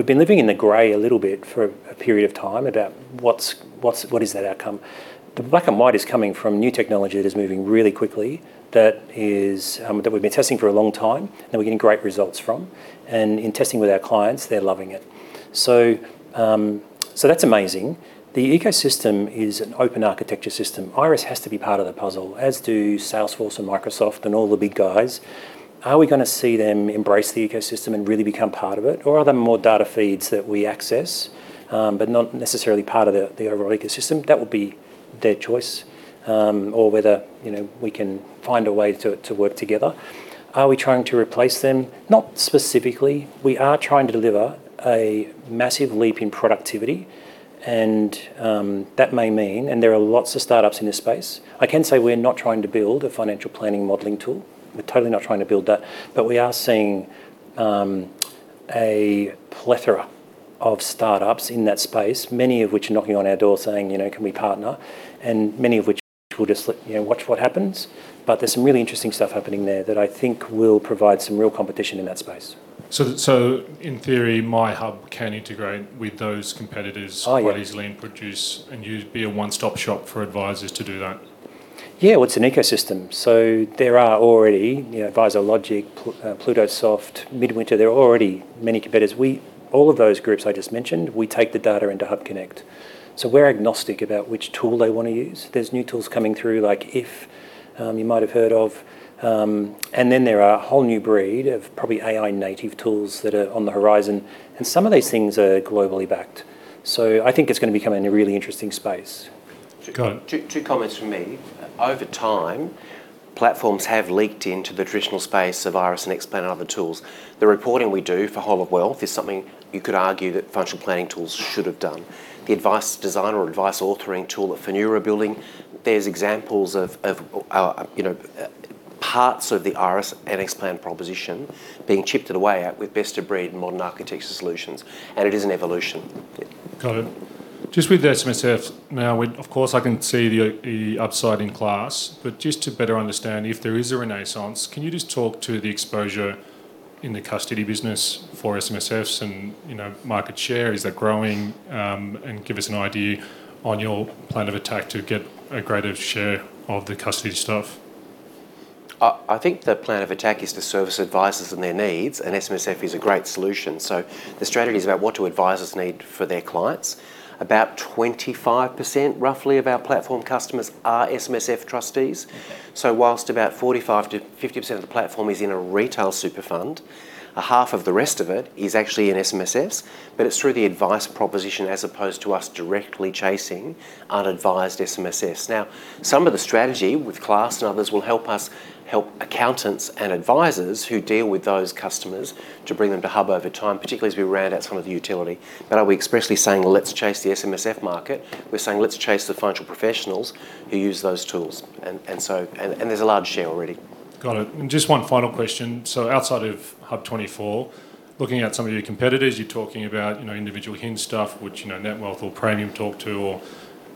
have been living in the gray a little bit for a period of time about what is that outcome. The black and white is coming from new technology that is moving really quickly that we have been testing for a long time and we are getting great results from. In testing with our clients, they are loving it. That is amazing. The ecosystem is an open architecture system. Iress has to be part of the puzzle, as do Salesforce and Microsoft and all the big guys. Are we going to see them embrace the ecosystem and really become part of it, or are there more data feeds that we access but not necessarily part of the overall ecosystem? That would be their choice, or whether we can find a way to work together. Are we trying to replace them? Not specifically. We are trying to deliver a massive leap in productivity, and that may mean—there are lots of startups in this space. I can say we're not trying to build a financial planning modelling tool. We're totally not trying to build that. We are seeing a plethora of startups in that space, many of which are knocking on our door saying, "Can we partner?" Many of which will just watch what happens. There's some really interesting stuff happening there that I think will provide some real competition in that space. In theory, myHUB can integrate with those competitors quite easily and be a one-stop shop for advisors to do that. Yeah, it's an ecosystem. There are already AdvisorLogic, Plutosoft, Midwinter. There are already many competitors. All of those groups I just mentioned, we take the data into HUB Connect. We're agnostic about which tool they want to use. There are new tools coming through like IF you might have heard of. There are a whole new breed of probably AI-native tools that are on the horizon. Some of these things are globally backed. I think it's going to become a really interesting space. Two comments from me. Over time, platforms have leaked into the traditional space of IRESS and XPLAN and other tools. The reporting we do for whole of wealth is something you could argue that functional planning tools should have done. The Advice Designer or advice authoring tool at Finura building, there's examples of parts of the Iress and XPLAN proposition being chipped away at with best-of-breed modern architecture solutions. It is an evolution. Got it. Just with the SMSF now, of course, I can see the upside in CLASS, but just to better understand, if there is a renaissance, can you just talk to the exposure in the custody business for SMSFs and market share? Is that growing? Give us an idea on your plan of attack to get a greater share of the custody stuff. I think the plan of attack is to service advisors and their needs, and SMSF is a great solution. The strategy is about what do advisors need for their clients. About 25% of our platform customers are SMSF trustees. Whilst about 45-50% of the platform is in a retail super fund, half of the rest of it is actually in SMSFs, but it is through the advice proposition as opposed to us directly chasing unadvised SMSFs. Some of the strategy with CLASS and others will help us help accountants and advisors who deal with those customers to bring them to HUB24 over time, particularly as we round out some of the utility. Are we expressly saying, "Let's chase the SMSF market"? We are saying, "Let's chase the financial professionals who use those tools." There is a large share already. Got it. Just one final question. Outside of HUB24, looking at some of your competitors, you're talking about individual HIN stuff, which Netwealth or Praemium talk to, or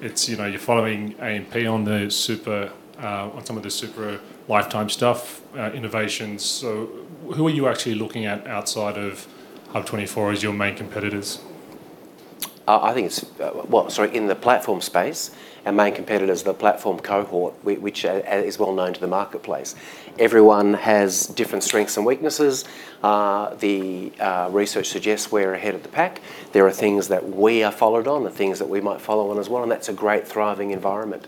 you're following AMP on some of the super lifetime stuff, innovations. Who are you actually looking at outside of HUB24 as your main competitors? In the platform space, our main competitor is the platform cohort, which is well known to the marketplace. Everyone has different strengths and weaknesses. The research suggests we're ahead of the pack. There are things that we are followed on, the things that we might follow on as well. That's a great thriving environment.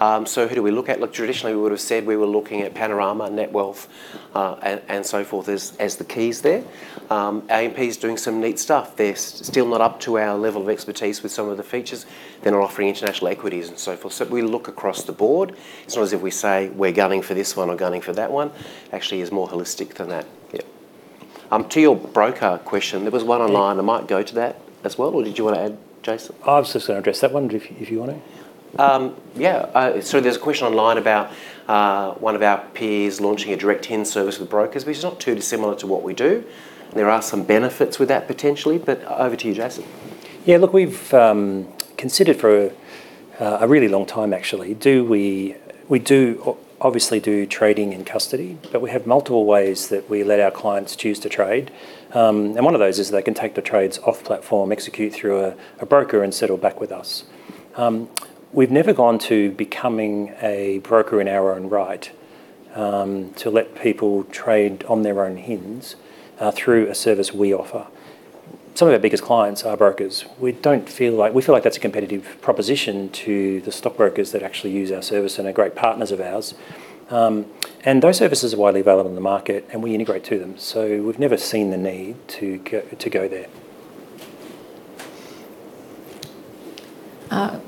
Who do we look at? Traditionally, we would have said we were looking at Panorama, Netwealth, and so forth as the keys there. AMP is doing some neat stuff. They're still not up to our level of expertise with some of the features. They're not offering international equities and so forth. We look across the board. It's not as if we say, "We're gunning for this one or gunning for that one." Actually, it's more holistic than that. Yeah. To your broker question, there was one online. I might go to that as well. Did you want to add, Jason? I was just going to address that one if you want to. Yeah. There's a question online about one of our peers launching a direct HIND service with brokers, which is not too dissimilar to what we do. There are some benefits with that potentially, but over to you, Jason. Yeah. Look, we've considered for a really long time, actually. We do obviously do trading in custody, but we have multiple ways that we let our clients choose to trade. One of those is that they can take the trades off-platform, execute through a broker, and settle back with us. We've never gone to becoming a broker in our own right to let people trade on their own HINs through a service we offer. Some of our biggest clients are brokers. We feel like that's a competitive proposition to the stockbrokers that actually use our service and are great partners of ours. Those services are widely available in the market, and we integrate to them. We've never seen the need to go there.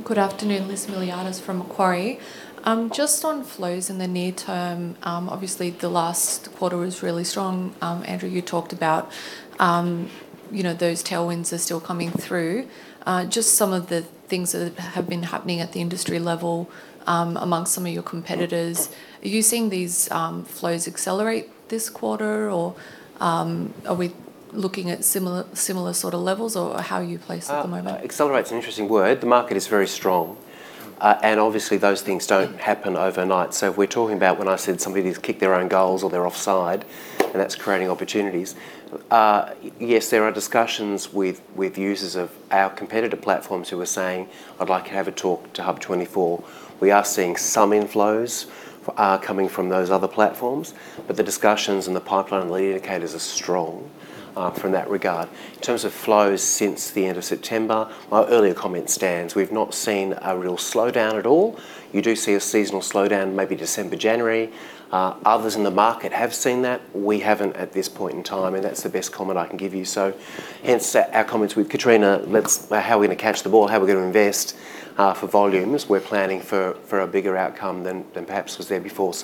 Good afternoon. Liz Milliardis from Macquarie. Just on flows in the near term, obviously, the last quarter was really strong. Andrew, you talked about those tailwinds are still coming through. Just some of the things that have been happening at the industry level amongst some of your competitors. Are you seeing these flows accelerate this quarter, or are we looking at similar sort of levels, or how are you placed at the moment? Accelerate's an interesting word. The market is very strong. Obviously, those things don't happen overnight. If we're talking about when I said somebody has kicked their own goals or they're offside, and that's creating opportunities, yes, there are discussions with users of our competitor platforms who are saying, "I'd like to have a talk to HUB24." We are seeing some inflows coming from those other platforms, but the discussions and the pipeline and the indicators are strong from that regard. In terms of flows since the end of September, my earlier comment stands. We've not seen a real slowdown at all. You do see a seasonal slowdown, maybe December, January. Others in the market have seen that. We haven't at this point in time, and that's the best comment I can give you. Hence our comments with Kitrina, how are we going to catch the ball? How are we going to invest for volumes? We're planning for a bigger outcome than perhaps was there before.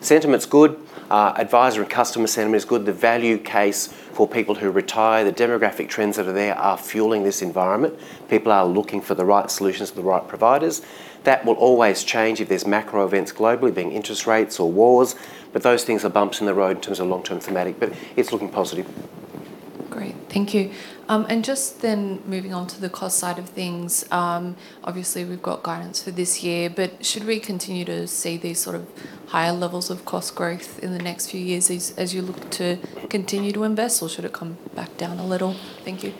Sentiment's good. Advisor and customer sentiment is good. The value case for people who retire, the demographic trends that are there are fueling this environment. People are looking for the right solutions for the right providers. That will always change if there's macro events globally, being interest rates or wars, but those things are bumps in the road in terms of long-term thematic. It's looking positive. Great. Thank you. Just then moving on to the cost side of things, obviously, we've got guidance for this year, but should we continue to see these sort of higher levels of cost growth in the next few years as you look to continue to invest, or should it come back down a little? Thank you.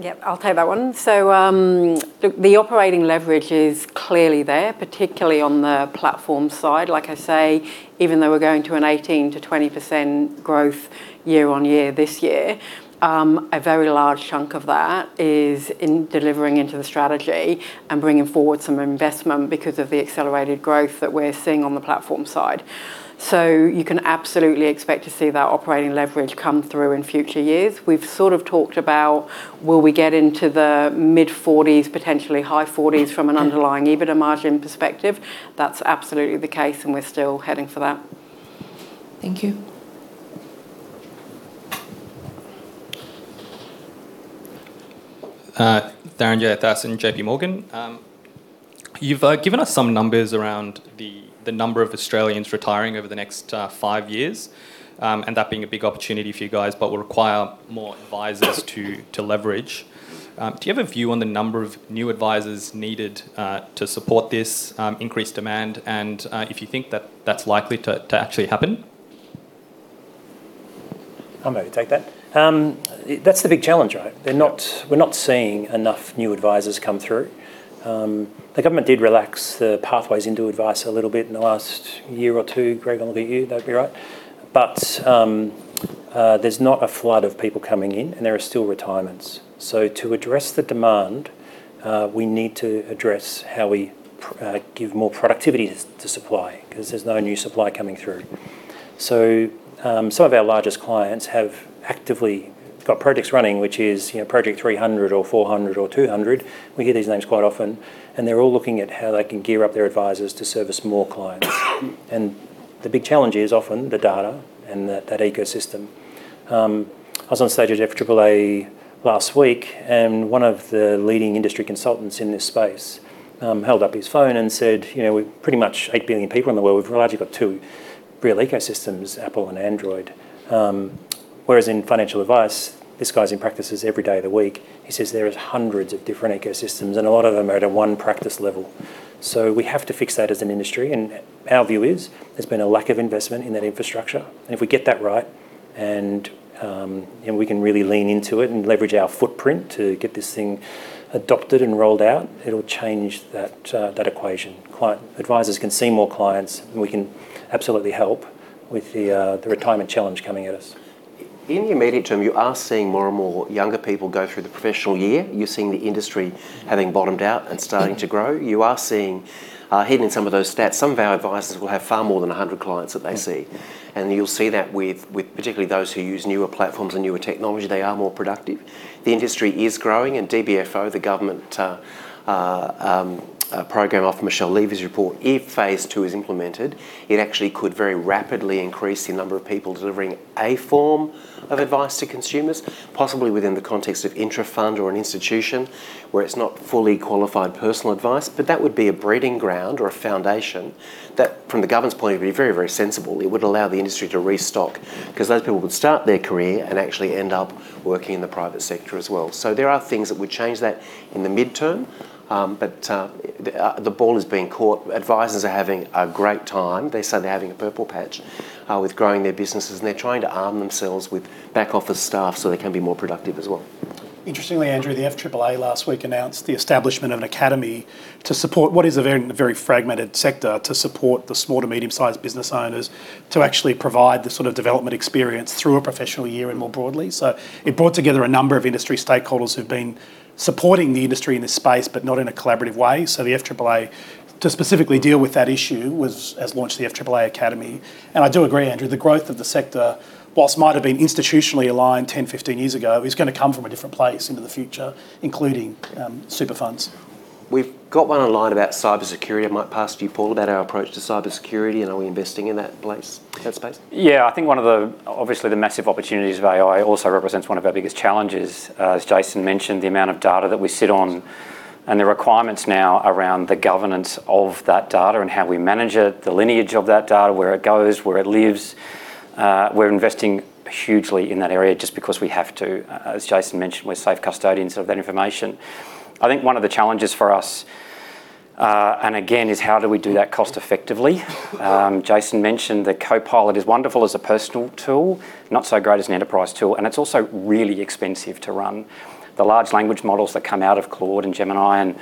Yeah, I'll take that one. The operating leverage is clearly there, particularly on the platform side. Like I say, even though we're going to an 18%-20% growth year on year this year, a very large chunk of that is in delivering into the strategy and bringing forward some investment because of the accelerated growth that we're seeing on the platform side. You can absolutely expect to see that operating leverage come through in future years. We've sort of talked about, will we get into the mid-40s, potentially high 40s from an underlying EBITDA margin perspective? That's absolutely the case, and we're still heading for that. Thank you. Darren J. Athas and J.P. Morgan. You've given us some numbers around the number of Australians retiring over the next five years, and that being a big opportunity for you guys, but will require more advisors to leverage. Do you have a view on the number of new advisors needed to support this increased demand, and if you think that that's likely to actually happen? I'll maybe take that. That's the big challenge, right? We're not seeing enough new advisors come through. The government did relax the pathways into advice a little bit in the last year or two. Greg, I'll look at you. That'd be all right. There is not a flood of people coming in, and there are still retirements. To address the demand, we need to address how we give more productivity to supply because there is no new supply coming through. Some of our largest clients have actively got projects running, which is Project 300 or 400 or 200. We hear these names quite often, and they are all looking at how they can gear up their advisors to service more clients. The big challenge is often the data and that ecosystem. I was on stage at FAAA last week, and one of the leading industry consultants in this space held up his phone and said, "We are pretty much 8 billion people in the world. We have largely got two real ecosystems, Apple and Android." Whereas in financial advice, this guy is in practices every day of the week. He says there are hundreds of different ecosystems, and a lot of them are at a one practice level. We have to fix that as an industry. Our view is there's been a lack of investment in that infrastructure. If we get that right and we can really lean into it and leverage our footprint to get this thing adopted and rolled out, it'll change that equation. Advisors can see more clients, and we can absolutely help with the retirement challenge coming at us. In the immediate term, you are seeing more and more younger people go through the professional year. You're seeing the industry having bottomed out and starting to grow. You are seeing hidden in some of those stats, some of our advisors will have far more than 100 clients that they see. You will see that with particularly those who use newer platforms and newer technology, they are more productive. The industry is growing. DBFO, the government program off Michelle Levy's report, if phase two is implemented, it actually could very rapidly increase the number of people delivering a form of advice to consumers, possibly within the context of intra-fund or an institution where it is not fully qualified personal advice. That would be a breeding ground or a foundation that, from the government's point of view, would be very, very sensible. It would allow the industry to restock because those people would start their career and actually end up working in the private sector as well. There are things that would change that in the midterm, but the ball is being caught. Advisors are having a great time. They say they're having a purple patch with growing their businesses, and they're trying to arm themselves with back-office staff so they can be more productive as well. Interestingly, Andrew, the FAAA last week announced the establishment of an academy to support what is a very fragmented sector to support the small to medium-sized business owners to actually provide the sort of development experience through a professional year and more broadly. It brought together a number of industry stakeholders who've been supporting the industry in this space, but not in a collaborative way. The FAAA, to specifically deal with that issue, has launched the FAAA Academy. I do agree, Andrew, the growth of the sector, whilst might have been institutionally aligned 10, 15 years ago, is going to come from a different place into the future, including super funds. We've got one online about cybersecurity. I might pass to you, Paul, about our approach to cybersecurity and are we investing in that space? Yeah. I think one of the, obviously, the massive opportunities of AI also represents one of our biggest challenges. As Jason mentioned, the amount of data that we sit on and the requirements now around the governance of that data and how we manage it, the lineage of that data, where it goes, where it lives. We're investing hugely in that area just because we have to. As Jason mentioned, we're safe custodians of that information. I think one of the challenges for us, and again, is how do we do that cost-effectively? Jason mentioned the Copilot is wonderful as a personal tool, not so great as an enterprise tool, and it's also really expensive to run. The large language models that come out of Claude and Gemini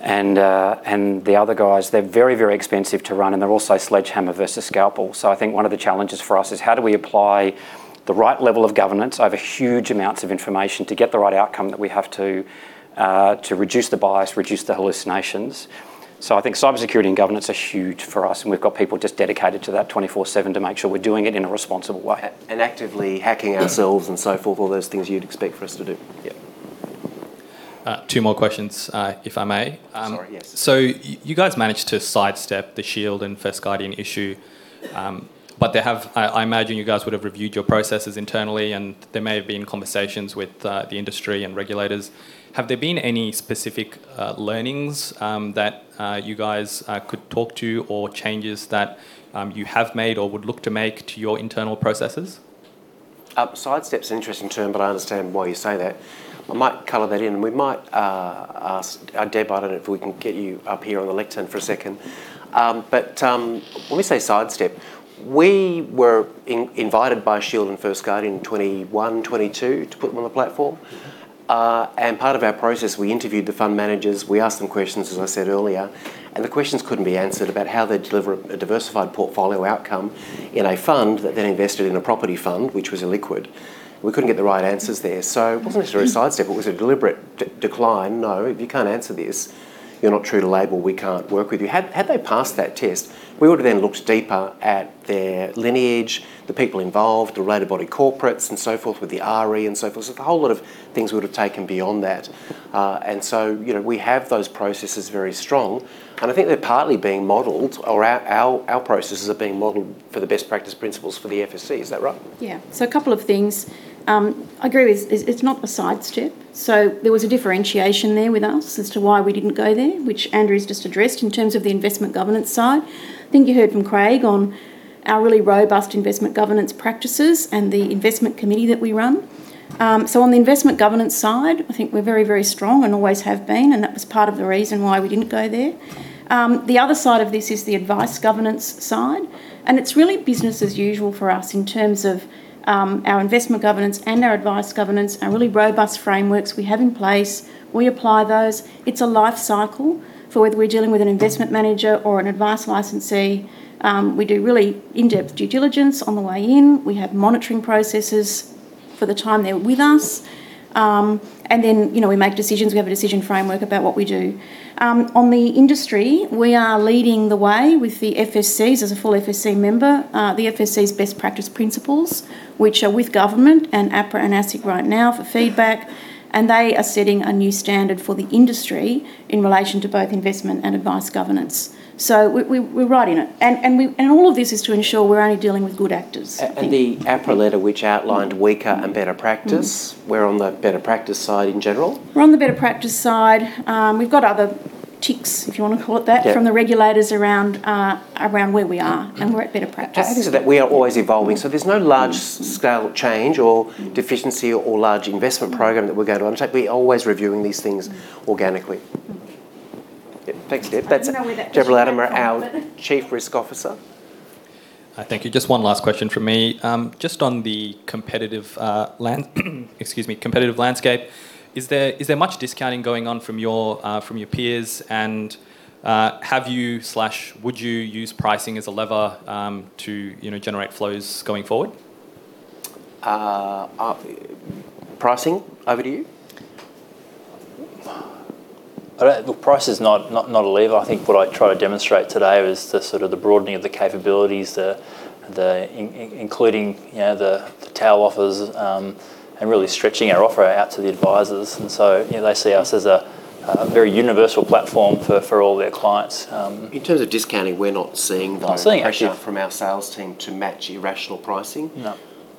and the other guys, they're very, very expensive to run, and they're also sledgehammer versus scalpel. I think one of the challenges for us is how do we apply the right level of governance over huge amounts of information to get the right outcome that we have to reduce the bias, reduce the hallucinations? I think cybersecurity and governance are huge for us, and we've got people just dedicated to that 24/7 to make sure we're doing it in a responsible way. Actively hacking ourselves and so forth, all those things you'd expect for us to do. Yeah. Two more questions, if I may. Sorry. Yes. You guys managed to sidestep the Shield and First Guardian issue, but I imagine you guys would have reviewed your processes internally, and there may have been conversations with the industry and regulators. Have there been any specific learnings that you guys could talk to or changes that you have made or would look to make to your internal processes? Sidestep's an interesting term, but I understand why you say that. I might color that in. We might ask our Deb, I do not know if we can get you up here on the lectern for a second. When we say sidestep, we were invited by Shield and First Guardian in 2021, 2022 to put them on the platform. Part of our process, we interviewed the fund managers. We asked them questions, as I said earlier, and the questions could not be answered about how they deliver a diversified portfolio outcome in a fund that then invested in a property fund, which was illiquid. We could not get the right answers there. It was not necessarily a sidestep. It was a deliberate decline. No, if you cannot answer this, you are not true to label. We cannot work with you. Had they passed that test, we would have then looked deeper at their lineage, the people involved, the related body corporates, and so forth with the ARI and so forth. There is a whole lot of things we would have taken beyond that. We have those processes very strong. I think they are partly being modeled or our processes are being modeled for the best practice principles for the FSC. Is that right? Yeah. A couple of things. I agree with you. It's not a sidestep. There was a differentiation there with us as to why we didn't go there, which Andrew has just addressed in terms of the investment governance side. I think you heard from Craig on our really robust investment governance practices and the investment committee that we run. On the investment governance side, I think we're very, very strong and always have been, and that was part of the reason why we didn't go there. The other side of this is the advice governance side. It's really business as usual for us in terms of our investment governance and our advice governance, our really robust frameworks we have in place. We apply those. It's a life cycle for whether we're dealing with an investment manager or an advice licensee. We do really in-depth due diligence on the way in. We have monitoring processes for the time they're with us. Then we make decisions. We have a decision framework about what we do. On the industry, we are leading the way with the FSCs as a full FSC member, the FSC's best practice principles, which are with government and APRA and ASIC right now for feedback. They are setting a new standard for the industry in relation to both investment and advice governance. We're right in it. All of this is to ensure we're only dealing with good actors. The APRA letter, which outlined weaker and better practice, we're on the better practice side in general. We're on the better practice side. We've got other ticks, if you want to call it that, from the regulators around where we are. We're at better practice so that we are always evolving. There is no large-scale change or deficiency or large investment program that we are going to undertake. We are always reviewing these things organically. Yeah. Thanks, Deb. That is Deborah Laddhammer, our Chief Risk Officer. Thank you. Just one last question from me. Just on the competitive landscape, is there much discounting going on from your peers? And have you or would you use pricing as a lever to generate flows going forward? Pricing over to you. Look, price is not a lever. I think what I try to demonstrate today is the sort of the broadening of the capabilities, including the TAL offers and really stretching our offer out to the advisors. They see us as a very universal platform for all their clients. In terms of discounting, we are not seeing that. Not seeing it, actually. Actually, from our sales team to match irrational pricing.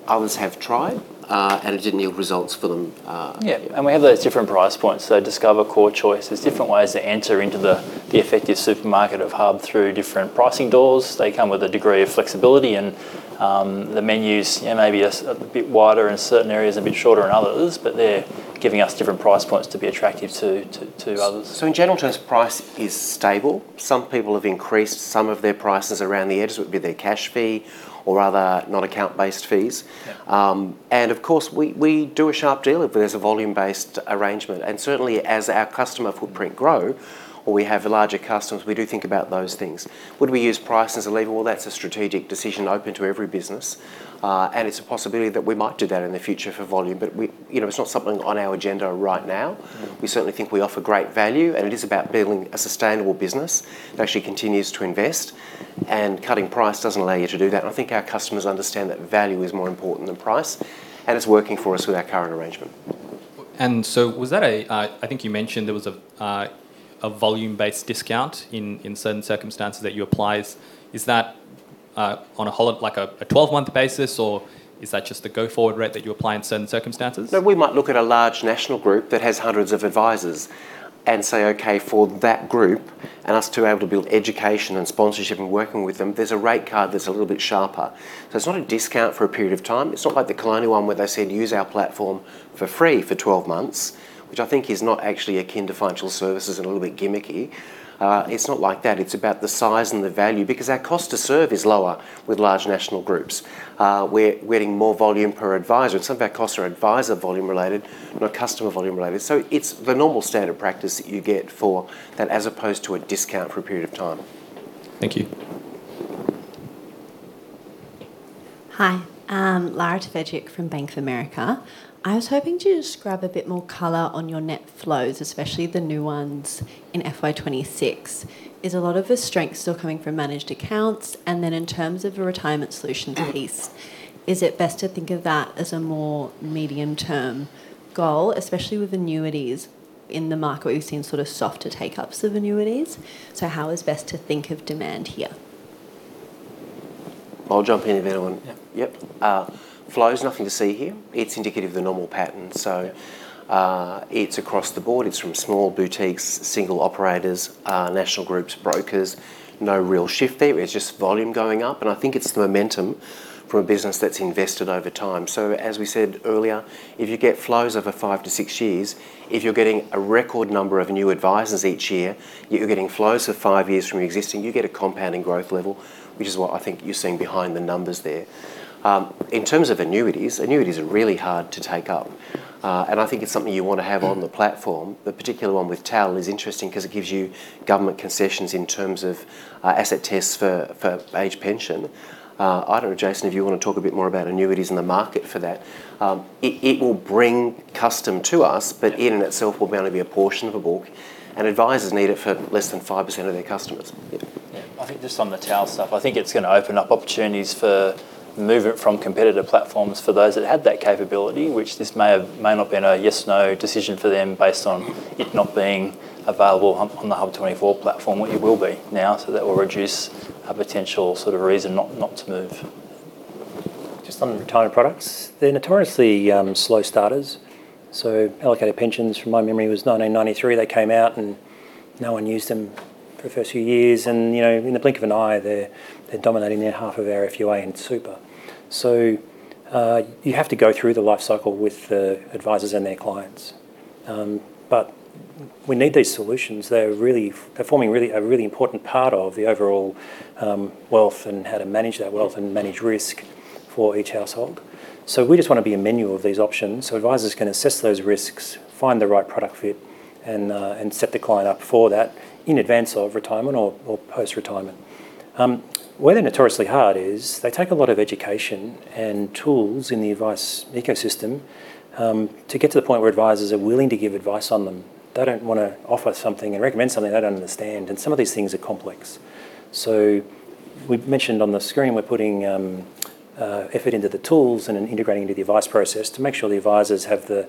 Others have tried, and it didn't yield results for them. Yeah. We have those different price points. Discover, Core, Choice, there's different ways to enter into the effective supermarket of HUB24 through different pricing doors. They come with a degree of flexibility, and the menus may be a bit wider in certain areas and a bit shorter in others, but they're giving us different price points to be attractive to others. In general, price is stable. Some people have increased some of their prices around the edge, with their cash fee or other non-account-based fees. Of course, we do a sharp deal if there's a volume-based arrangement. Certainly, as our customer footprint grows, or we have larger customers, we do think about those things. Would we use price as a lever? That's a strategic decision open to every business. It is a possibility that we might do that in the future for volume, but it is not something on our agenda right now. We certainly think we offer great value, and it is about building a sustainable business that actually continues to invest. Cutting price does not allow you to do that. I think our customers understand that value is more important than price, and it is working for us with our current arrange ment. Was that a—I think you mentioned there was a volume-based discount in certain circumstances that you apply. Is that on a 12-month basis, or is that just the go-forward rate that you apply in certain circumstances? No, we might look at a large national group that has hundreds of advisors and say, "Okay, for that group and us to be able to build education and sponsorship and working with them, there's a rate card that's a little bit sharper." It is not a discount for a period of time. It is not like the [kleiny] one where they said, "Use our platform for free for 12 months," which I think is not actually akin to financial services and a little bit gimmicky. It is not like that. It is about the size and the value because our cost to serve is lower with large national groups. We are getting more volume per advisor. Some of our costs are advisor volume-related, not customer volume-related. It is the normal standard practice that you get for that as opposed to a discount for a period of time. Thank you. Hi. Laura Tverchuk from Bank of America. I was hoping to just grab a bit more color on your net flows, especially the new ones in FY 2026. Is a lot of the strength still coming from managed accounts? In terms of the retirement solutions piece, is it best to think of that as a more medium-term goal, especially with annuities in the market? We've seen sort of softer take-ups of annuities. How is best to think of demand here? I'll jump in if anyone—Yep. Flows, nothing to see here. It's indicative of the normal pattern. It's across the board. It's from small boutiques, single operators, national groups, brokers. No real shift there. It's just volume going up. I think it's the momentum from a business that's invested over time. As we said earlier, if you get flows over five to six years, if you're getting a record number of new advisors each year, you're getting flows for five years from your existing, you get a compounding growth level, which is what I think you're seeing behind the numbers there. In terms of annuities, annuities are really hard to take up. I think it's something you want to have on the platform. The particular one with TAL is interesting because it gives you government concessions in terms of asset tests for age pension. I don't know, Jason, if you want to talk a bit more about annuities in the market for that. It will bring custom to us, but in and itself will only be a portion of a book. Advisors need it for less than 5% of their customers. Yeah. I think just on the TAL stuff, I think it's going to open up opportunities for movement from competitor platforms for those that had that capability, which this may not have been a yes-no decision for them based on it not being available on the HUB24 platform, which it will be now. That will reduce a potential sort of reason not to move. Just on retirement products, they're notoriously slow starters. Allocated pensions, from my memory, was 1993. They came out, and no one used them for the first few years. In the blink of an eye, they're dominating their half of our FUA and super. You have to go through the life cycle with the advisors and their clients. We need these solutions. They're forming a really important part of the overall wealth and how to manage that wealth and manage risk for each household. We just want to be a menu of these options so advisors can assess those risks, find the right product fit, and set the client up for that in advance of retirement or post-retirement. Where they're notoriously hard is they take a lot of education and tools in the advice ecosystem to get to the point where advisors are willing to give advice on them. They don't want to offer something and recommend something they don't understand. Some of these things are complex. We mentioned on the screen we're putting effort into the tools and integrating into the advice process to make sure the advisors have the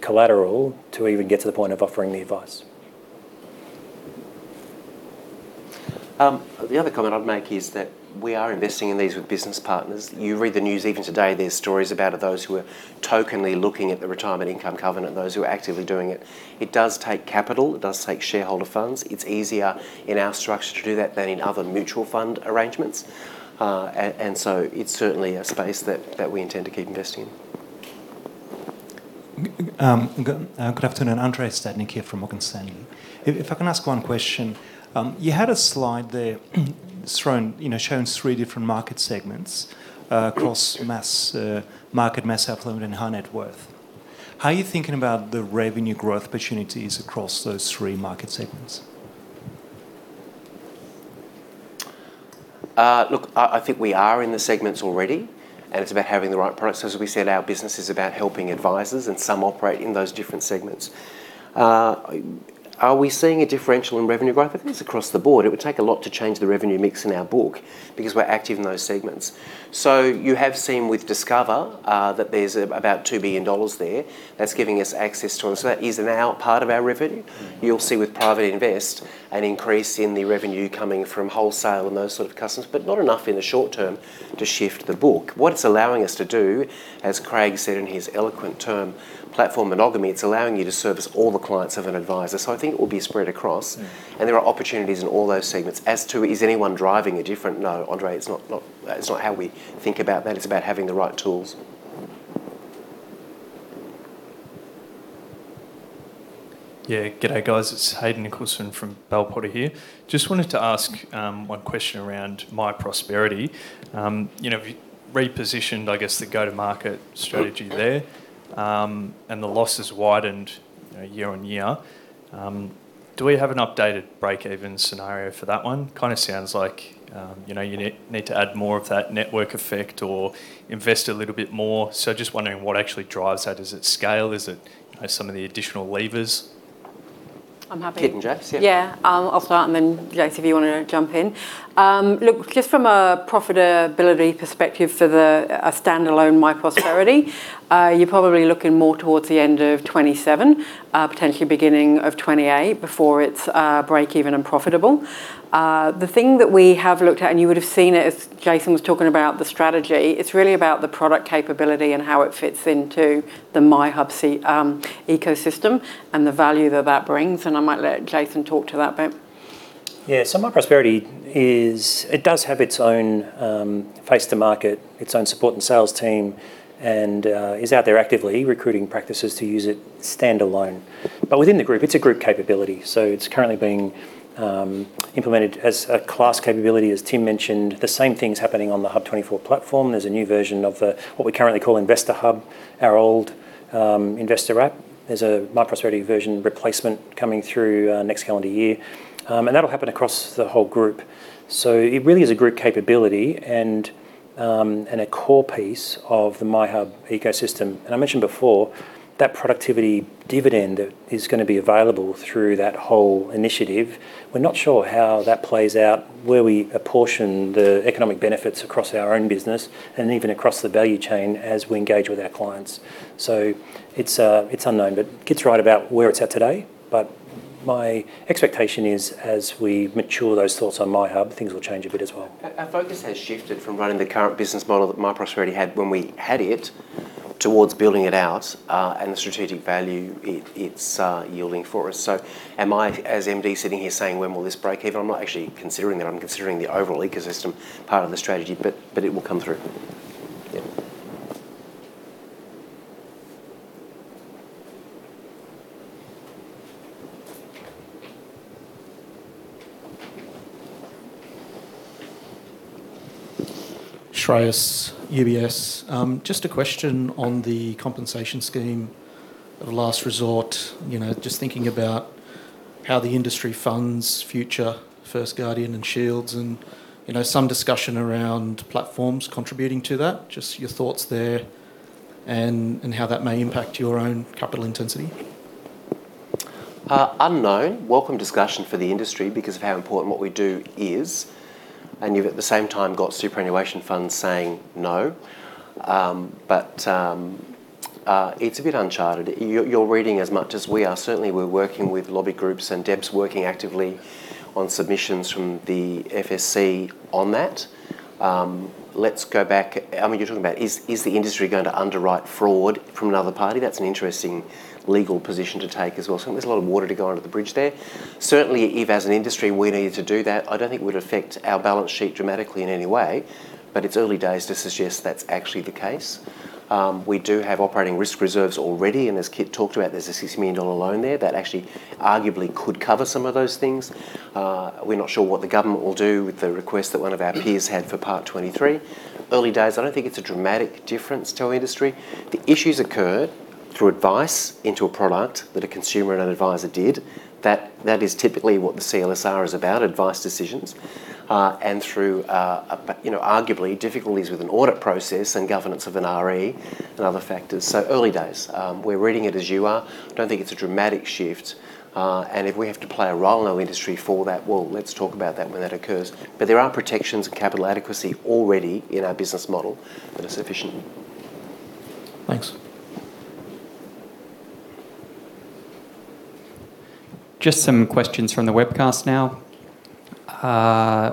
collateral to even get to the point of offering the advice. The other comment I'd make is that we are investing in these with business partners. You read the news even today. There's stories about those who are tokenly looking at the retirement income covenant, those who are actively doing it. It does take capital. It does take shareholder funds. It's easier in our structure to do that than in other mutual fund arrangements. It is certainly a space that we intend to keep investing in. Good afternoon. Andrei Steadnik here from Morgan Stanley. If I can ask one question, you had a slide there showing three different market segments across market, mass outflow, and high net worth. How are you thinking about the revenue growth opportunities across those three market segments? Look, I think we are in the segments already, and it's about having the right products. As we said, our business is about helping advisors, and some operate in those different segments. Are we seeing a differential in revenue growth? I think it's across the board. It would take a lot to change the revenue mix in our book because we're active in those segments. You have seen with Discover that there's about 2 billion dollars there. That's giving us access to—that is now part of our revenue. You'll see with Private Invest an increase in the revenue coming from wholesale and those sort of customers, but not enough in the short term to shift the book. What it's allowing us to do, as Craig said in his eloquent term, platform monogamy, it's allowing you to service all the clients of an advisor. I think it will be spread across. There are opportunities in all those segments. As to is anyone driving a different—no, Andrei, it's not how we think about that. It's about having the right tools. Yeah. G'day, guys. It's Hayden Nicholson from Bell Potter here. Just wanted to ask one question around myProsperity. You've repositioned, I guess, the go-to-market strategy there, and the loss has widened year on year. Do we have an updated break-even scenario for that one? Kind of sounds like you need to add more of that network effect or invest a little bit more. Just wondering what actually drives that. Is it scale? Is it some of the additional levers? I'm happy. Kit and Jeff, yeah. Yeah. I'll start, and then Jeff, if you want to jump in. Look, just from a profitability perspective for a standalone myProsperity, you're probably looking more towards the end of 2027, potentially beginning of 2028 before it's break-even and profitable. The thing that we have looked at, and you would have seen it as Jason was talking about the strategy, it's really about the product capability and how it fits into the myHUB ecosystem and the value that that brings. I might let Jason talk to that bit. Yeah. MyProsperity does have its own face to market, its own support and sales team, and is out there actively recruiting practices to use it standalone. Within the group, it's a group capability. It's currently being implemented as a CLASS capability, as Tim mentioned. The same thing's happening on the HUB24 platform. There's a new version of what we currently call Investor Hub, our old Investor app. There's a MyProsperity version replacement coming through next calendar year. That will happen across the whole group. It really is a group capability and a core piece of the myHUB ecosystem. I mentioned before that productivity dividend is going to be available through that whole initiative. We're not sure how that plays out, where we apportion the economic benefits across our own business and even across the value chain as we engage with our clients. It is unknown, but it is right about where it is at today. My expectation is as we mature those thoughts on myHUB, things will change a bit as well. Our focus has shifted from running the current business model that myProsperity had when we had it towards building it out and the strategic value it is yielding for us. Am I, as MD, sitting here saying, "When will this break-even?" I am not actually considering that. I am considering the overall ecosystem part of the strategy, but it will come through. Yeah. Shreyas, UBS. Just a question on the compensation scheme of last resort, just thinking about how the industry funds future First Guardian and Shield and some discussion around platforms contributing to that. Just your thoughts there and how that may impact your own capital intensity. Unknown. Welcome discussion for the industry because of how important what we do is. You've at the same time got superannuation funds saying no. It's a bit uncharted. You're reading as much as we are. Certainly, we're working with lobby groups and DEPs working actively on submissions from the FSC on that. Let's go back. I mean, you're talking about is the industry going to underwrite frAUD from another party? That's an interesting legal position to take as well. There's a lot of water to go under the bridge there. Certainly, if as an industry we needed to do that, I don't think it would affect our balance sheet dramatically in any way, but it's early days to suggest that's actually the case. We do have operating risk reserves already. And as Kit talked about, there's a 6 million dollar loan there that actually arguably could cover some of those things. We're not sure what the government will do with the request that one of our peers had for Part 23. Early days, I don't think it's a dramatic difference to our industry. The issues occurred through advice into a product that a consumer and an advisor did. That is typically what the CLSR is about, advice decisions, and through arguably difficulties with an AUD it process and governance of an RE and other factors. Early days. We're reading it as you are. I don't think it's a dramatic shift. If we have to play a role in our industry for that, let's talk about that when that occurs. There are protections and capital adequacy already in our business model that are sufficient. Thanks. Just some questions from the webcast now.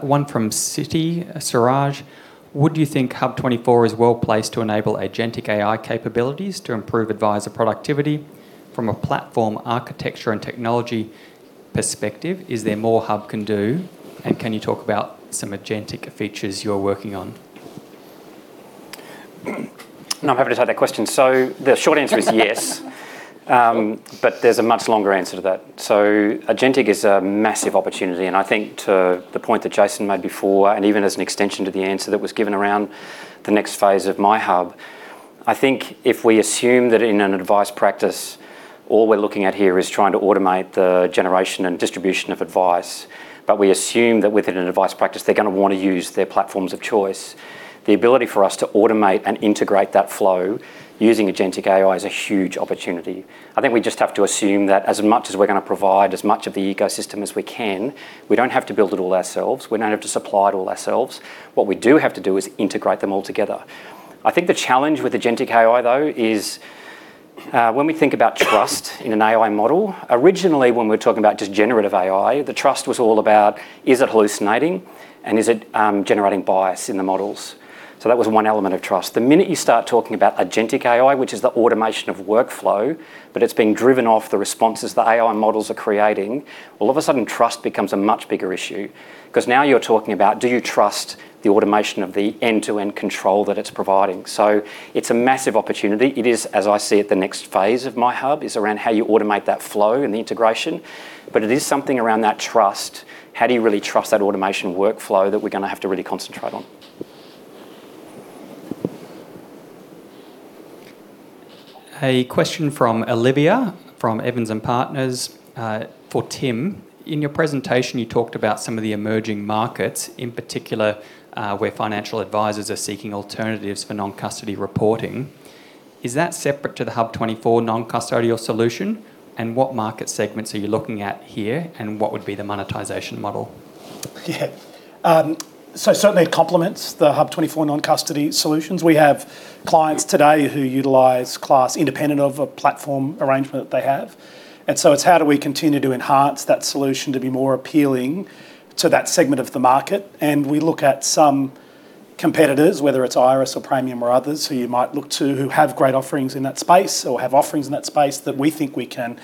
One from Siti, Suraj. Would you think HUB24 is well placed to enable agentic AI capabilities to improve advisor productivity? From a platform architecture and technology perspective, is there more HUB can do? Can you talk about some agentic features you're working on? I'm happy to take that question. The short answer is yes, but there's a much longer answer to that. Agentic is a massive opportunity, and I think to the point that Jason made before and even as an extension to the answer that was given around the next phase of myHUB, I think if we assume that in an advice practice, all we're looking at here is trying to automate the generation and distribution of advice, but we assume that within an advice practice, they're going to want to use their platforms of choice. The ability for us to automate and integrate that flow using agentic AI is a huge opportunity. I think we just have to assume that as much as we're going to provide as much of the ecosystem as we can, we don't have to build it all ourselves. We don't have to supply it all ourselves. What we do have to do is integrate them all together. I think the challenge with agentic AI, though, is when we think about trust in an AI model. Originally, when we were talking about just generative AI, the trust was all about, is it hallucinating? Is it generating bias in the models? That was one element of trust. The minute you start talking about agentic AI, which is the automation of workflow, but it's being driven off the responses the AI models are creating, all of a sudden, trust becomes a much bigger issue because now you're talking about, do you trust the automation of the end-to-end control that it's providing? It is a massive opportunity. It is, as I see it, the next phase of myHUB is around how you automate that flow and the integration. It is something around that trust. How do you really trust that automation workflow that we're going to have to really concentrate on? A question from Olivia from Evans and Partners for Tim. In your presentation, you talked about some of the emerging markets, in particular where financial advisors are seeking alternatives for non-custody reporting. Is that separate to the HUB24 non-custodial solution? What market segments are you looking at here, and what would be the monetization model? Yeah. It certainly complements the HUB24 non-custody solutions. We have clients today who utilize CLASS independent of a platform arrangement that they have. It is how do we continue to enhance that solution to be more appealing to that segment of the market? We look at some competitors, whether it's Iress or Praemium or others who you might look to, who have great offerings in that space or have offerings in that space that we think we can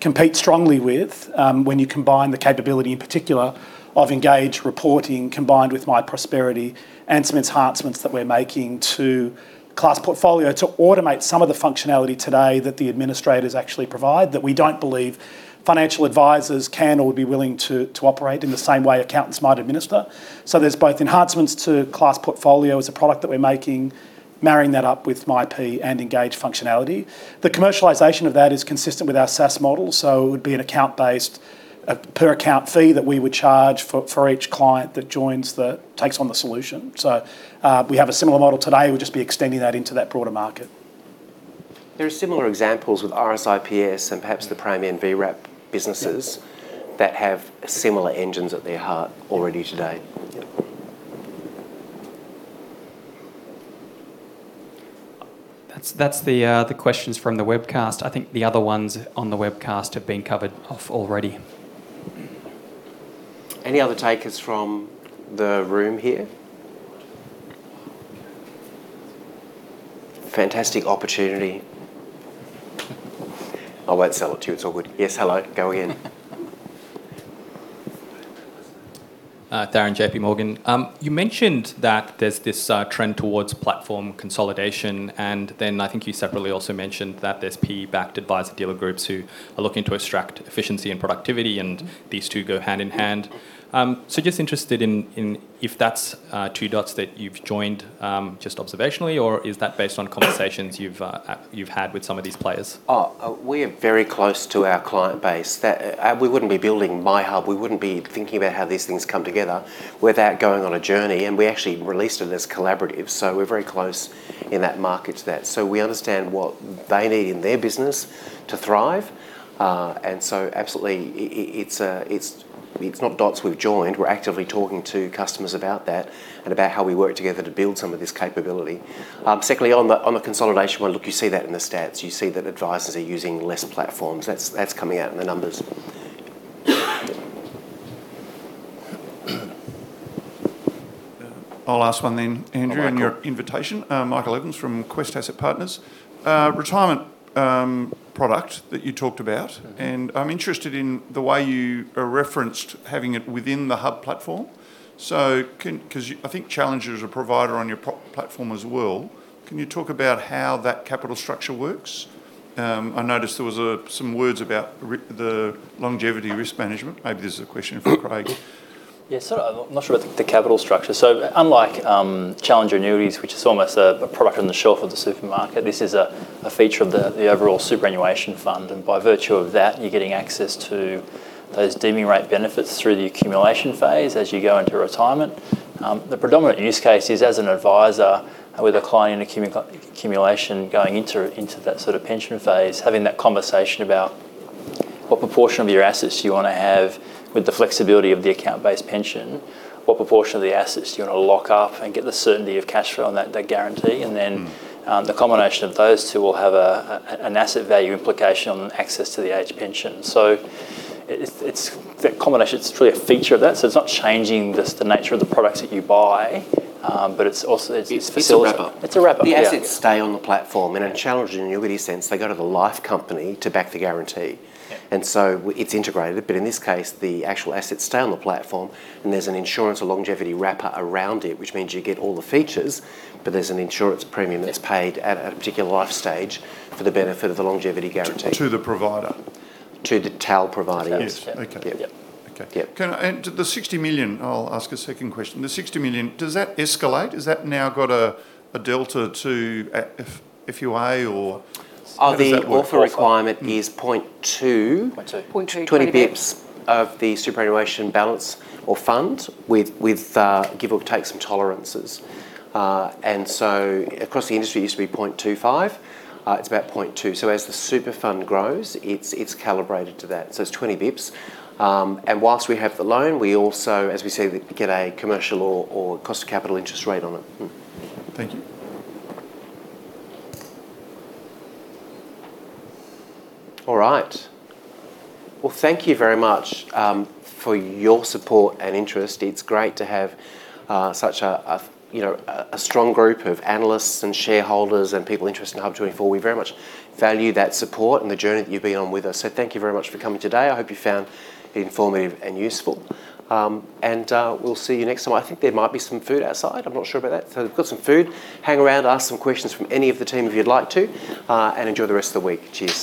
compete strongly with when you combine the capability in particular of Engage reporting combined with myProsperity and some enhancements that we're making to CLASS portfolio to automate some of the functionality today that the administrators actually provide that we don't believe financial advisors can or would be willing to operate in the same way accountants might administer. There are both enhancements to CLASS portfolio as a product that we're making, marrying that up with myProsperity and Engage functionality. The commercialization of that is consistent with our SaaS model. It would be an account-based per-account fee that we would charge for each client that joins and takes on the solution. We have a similar model today. We'll just be extending that into that broader market. There are similar examples with RSIPS and perhaps the Praemium Vrap businesses that have similar engines at their heart already today. That's the questions from the webcast. I think the other ones on the webcast have been covered already. Any other takers from the room here? Fantastic opportunity. I won't sell it to you. It's all good. Yes. Hello. Go again. Darren, J.P. Morgan. You mentioned that there's this trend towards platform consolidation. I think you separately also mentioned that there's P-backed advisor dealer groups who are looking to extract efficiency and productivity, and these two go hand in hand. Just interested in if that's two dots that you've joined just observationally, or is that based on conversations you've had with some of these players? Oh, we are very close to our client base. We wouldn't be building myHUB. We wouldn't be thinking about how these things come together without going on a journey. We actually released it as collaborative. We are very close in that market to that. We understand what they need in their business to thrive. Absolutely, it's not dots we've joined. We are actively talking to customers about that and about how we work together to build some of this capability. Secondly, on the consolidation one, you see that in the stats. You see that advisors are using less platforms. That's coming out in the numbers. I'll ask one then, Andrew, on your invitation. Michael Evans from Quest Asset Partners. Retirement product that you talked about. I'm interested in the way you referenced having it within the HUB24 platform. Because I think Challenger is a provider on your platform as well, can you talk about how that capital structure works? I noticed there were some words about the longevity risk management. Maybe this is a question for Craig. Yeah. I'm not sure about the capital structure. Unlike Challenger Annuities, which is almost a product on the shelf of the supermarket, this is a feature of the overall superannuation fund. By virtue of that, you're getting access to those deeming rate benefits through the accumulation phase as you go into retirement. The predominant use case is as an advisor with a client in accumulation going into that sort of pension phase, having that conversation about what proportion of your assets do you want to have with the flexibility of the account-based pension? What proportion of the assets do you want to lock up and get the certainty of cash flow on that guarantee? The combination of those two will have an asset value implication on access to the age pension. It is a combination. It is truly a feature of that. It is not changing just the nature of the products that you buy, but it is also its facility. It is a wrapper. It is a wrapper. The assets stay on the platform. In Challenger Annuity sense, they go to the life company to back the guarantee. It is integrated. In this case, the actual assets stay on the platform, and there is an insurance or longevity wrapper around it, which means you get all the features, but there is an insurance premium that is paid at a particular life stage for the benefit of the longevity guarantee to the provider. To the TAL providers. Okay. Yeah. Okay. And the 60 million, I'll ask a second question. The 60 million, does that escalate? Has that now got a delta to FUA or is that what? The author requirement is 0.2. 0.2. 20 basis points of the superannuation balance or fund with give or take some tolerances. Across the industry, it used to be 0.25. It's about 0.2. As the super fund grows, it's calibrated to that. It's 20 basis points. Whilst we have the loan, we also, as we say, get a commercial or cost of capital interest rate on it. Thank you. All right. Thank you very much for your support and interest. It's great to have such a strong group of analysts and shareholders and people interested in HUB24. We very much value that support and the journey that you've been on with us. Thank you very much for coming today. I hope you found it informative and useful. We will see you next time. I think there might be some food outside. I am not sure about that. We have got some food. Hang around, ask some questions from any of the team if you would like to, and enjoy the rest of the week. Cheers.